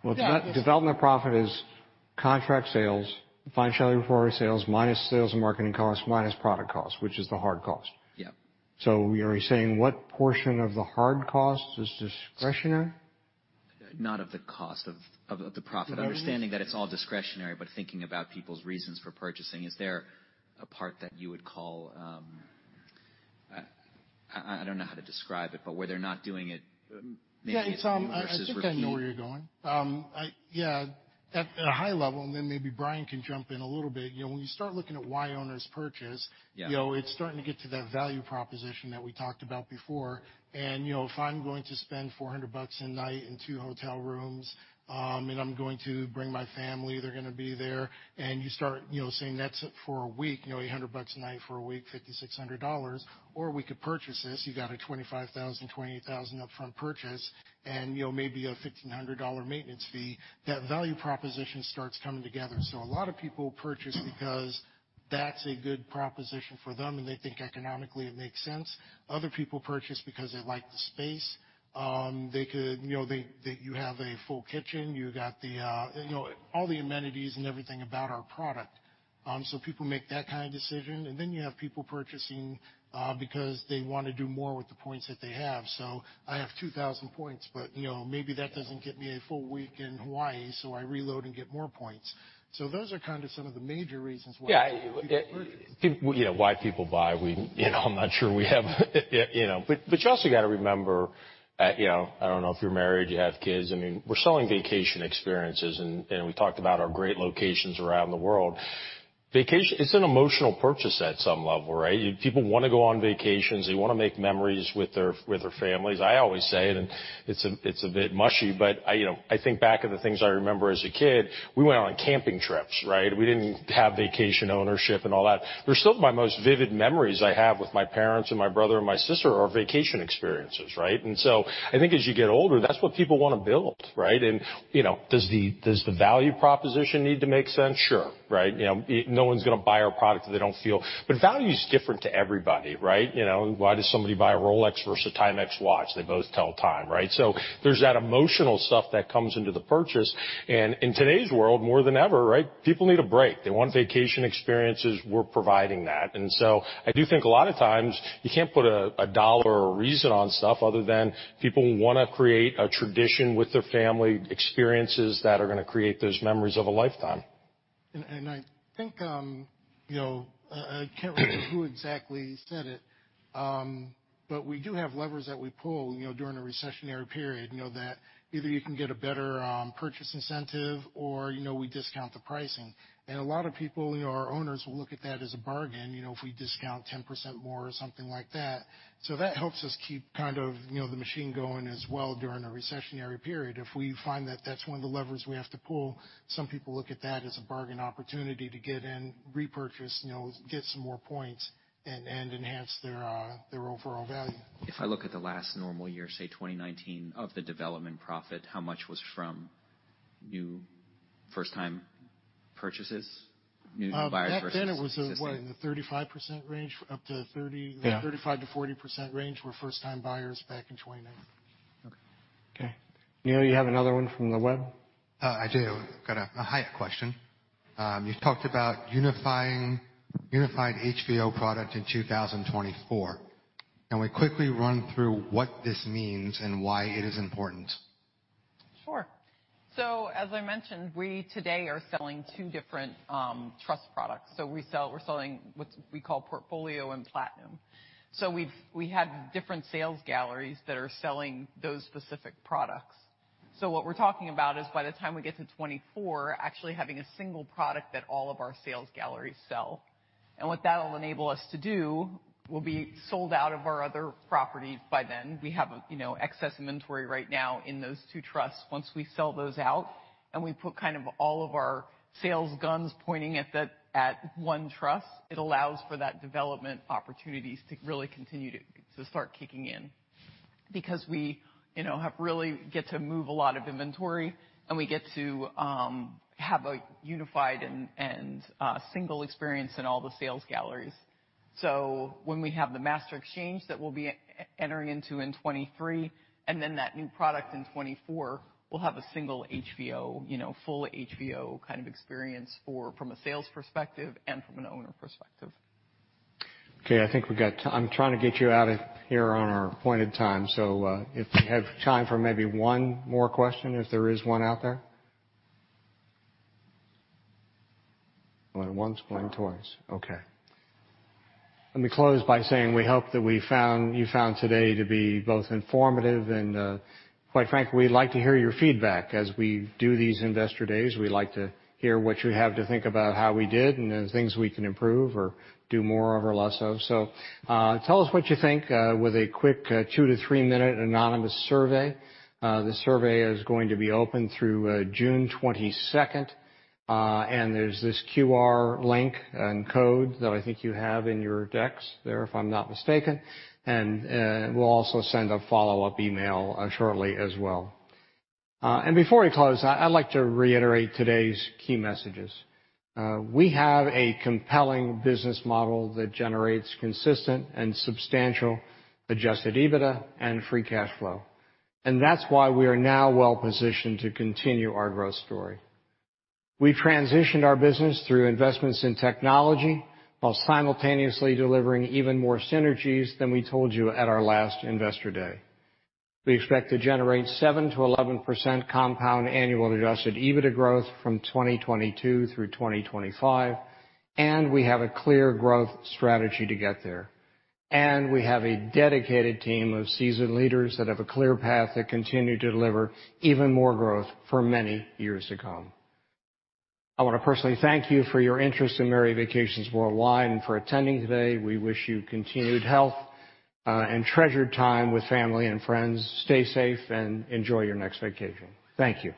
Well, development profit is contract sales, financed sales, minus sales and marketing costs, minus product costs, which is the hard cost. Yeah. Are you saying what portion of the hard cost is discretionary? Net of the cost of the profit. The revenues? Understanding that it's all discretionary, but thinking about people's reasons for purchasing. Is there a part that you would call, I don't know how to describe it, but where they're not doing it, maybe it's versus repeat- Yeah. Tom, I think I know where you're going. At a high level, maybe Brian can jump in a little bit. You know, when you start looking at why owners purchase. You know, it's starting to get to that value proposition that we talked about before. You know, if I'm going to spend $400 a night in two hotel rooms, and I'm going to bring my family, they're gonna be there, and you start, you know, saying that's it for a week, you know, $800 a night for a week, $5,600, or we could purchase this, you got a $25,000-$28,000 upfront purchase and, you know, maybe a $1,500 maintenance fee, that value proposition starts coming together. A lot of people purchase because that's a good proposition for them, and they think economically it makes sense. Other people purchase because they like the space. You have a full kitchen, you got the, you know, all the amenities and everything about our product. People make that kind of decision, and then you have people purchasing, because they wanna do more with the points that they have. I have 2,000 points, but, you know, maybe that doesn't get me a full week in Hawaii, so I reload and get more points. Those are kinda some of the major reasons why people purchase. Yeah. You know, why people buy. You know, I'm not sure we have. You know. You also gotta remember. You know, I don't know if you're married, you have kids. I mean, we're selling vacation experiences, and we talked about our great locations around the world. Vacation. It's an emotional purchase at some level, right? People wanna go on vacations. They wanna make memories with their families. I always say, and it's a bit mushy, but I, you know, I think back on the things I remember as a kid. We went on camping trips, right? We didn't have vacation ownership and all that. They're still my most vivid memories I have with my parents and my brother and my sister are vacation experiences, right? I think as you get older, that's what people wanna build, right? You know, does the value proposition need to make sense? Sure, right. You know, no one's gonna buy our product if they don't feel. Value is different to everybody, right? You know, why does somebody buy a Rolex versus a Timex watch? They both tell time, right? There's that emotional stuff that comes into the purchase. In today's world, more than ever, right, people need a break. They want vacation experiences. We're providing that. I do think a lot of times you can't put a dollar or a reason on stuff other than people wanna create a tradition with their family, experiences that are gonna create those memories of a lifetime. I think, you know, I can't remember who exactly said it, but we do have levers that we pull, you know, during a recessionary period. You know, that either you can get a better purchase incentive or, you know, we discount the pricing. A lot of people, you know, our owners will look at that as a bargain, you know, if we discount 10% more or something like that. That helps us keep kind of, you know, the machine going as well during a recessionary period. If we find that that's one of the levers we have to pull, some people look at that as a bargain opportunity to get in, repurchase, you know, get some more points and enhance their their overall value. If I look at the last normal year, say 2019, of the development profit, how much was from new first-time purchases? New buyers versus existing. Back then, it was, what, in the 35% range, up to 30- Yeah. 35%-40% range were first-time buyers back in 2019. Okay. Neal, you have another one from the web? I do. Got a Hyatt question. You talked about unifying HVO product in 2024. Can we quickly run through what this means and why it is important? As I mentioned, we today are selling two different trust products. We're selling what we call Portfolio and Platinum. We had different sales galleries that are selling those specific products. What we're talking about is by the time we get to 2024, actually having a single product that all of our sales galleries sell. What that'll enable us to do, we'll be sold out of our other properties by then. We have, you know, excess inventory right now in those two trusts. Once we sell those out and we put kind of all of our sales guns pointing at one trust, it allows for that development opportunities to really continue to start kicking in because we, you know, have really get to move a lot of inventory, and we get to have a unified and single experience in all the sales galleries. When we have the master exchange that we'll be entering into in 2023, and then that new product in 2024, we'll have a single HVO, you know, full HVO kind of experience from a sales perspective and from an owner perspective. Okay, I'm trying to get you out of here on our appointed time, so if we have time for maybe one more question, if there is one out there. Going once, going twice. Okay. Let me close by saying we hope that you found today to be both informative and quite frankly, we'd like to hear your feedback. As we do these investor days, we like to hear what you have to think about how we did and the things we can improve or do more of or less of. So tell us what you think with a quick 2-3-minute anonymous survey. The survey is going to be open through June twenty-second. And there's this QR link and code that I think you have in your decks there, if I'm not mistaken. We'll also send a follow-up email, shortly as well. Before we close, I'd like to reiterate today's key messages. We have a compelling business model that generates consistent and substantial adjusted EBITDA and free cash flow. That's why we are now well-positioned to continue our growth story. We've transitioned our business through investments in technology while simultaneously delivering even more synergies than we told you at our last investor day. We expect to generate 7%-11% compound annual adjusted EBITDA growth from 2022 through 2025, and we have a clear growth strategy to get there. We have a dedicated team of seasoned leaders that have a clear path to continue to deliver even more growth for many years to come. I wanna personally thank you for your interest in Marriott Vacations Worldwide and for attending today. We wish you continued health and treasured time with family and friends. Stay safe and enjoy your next vacation. Thank you.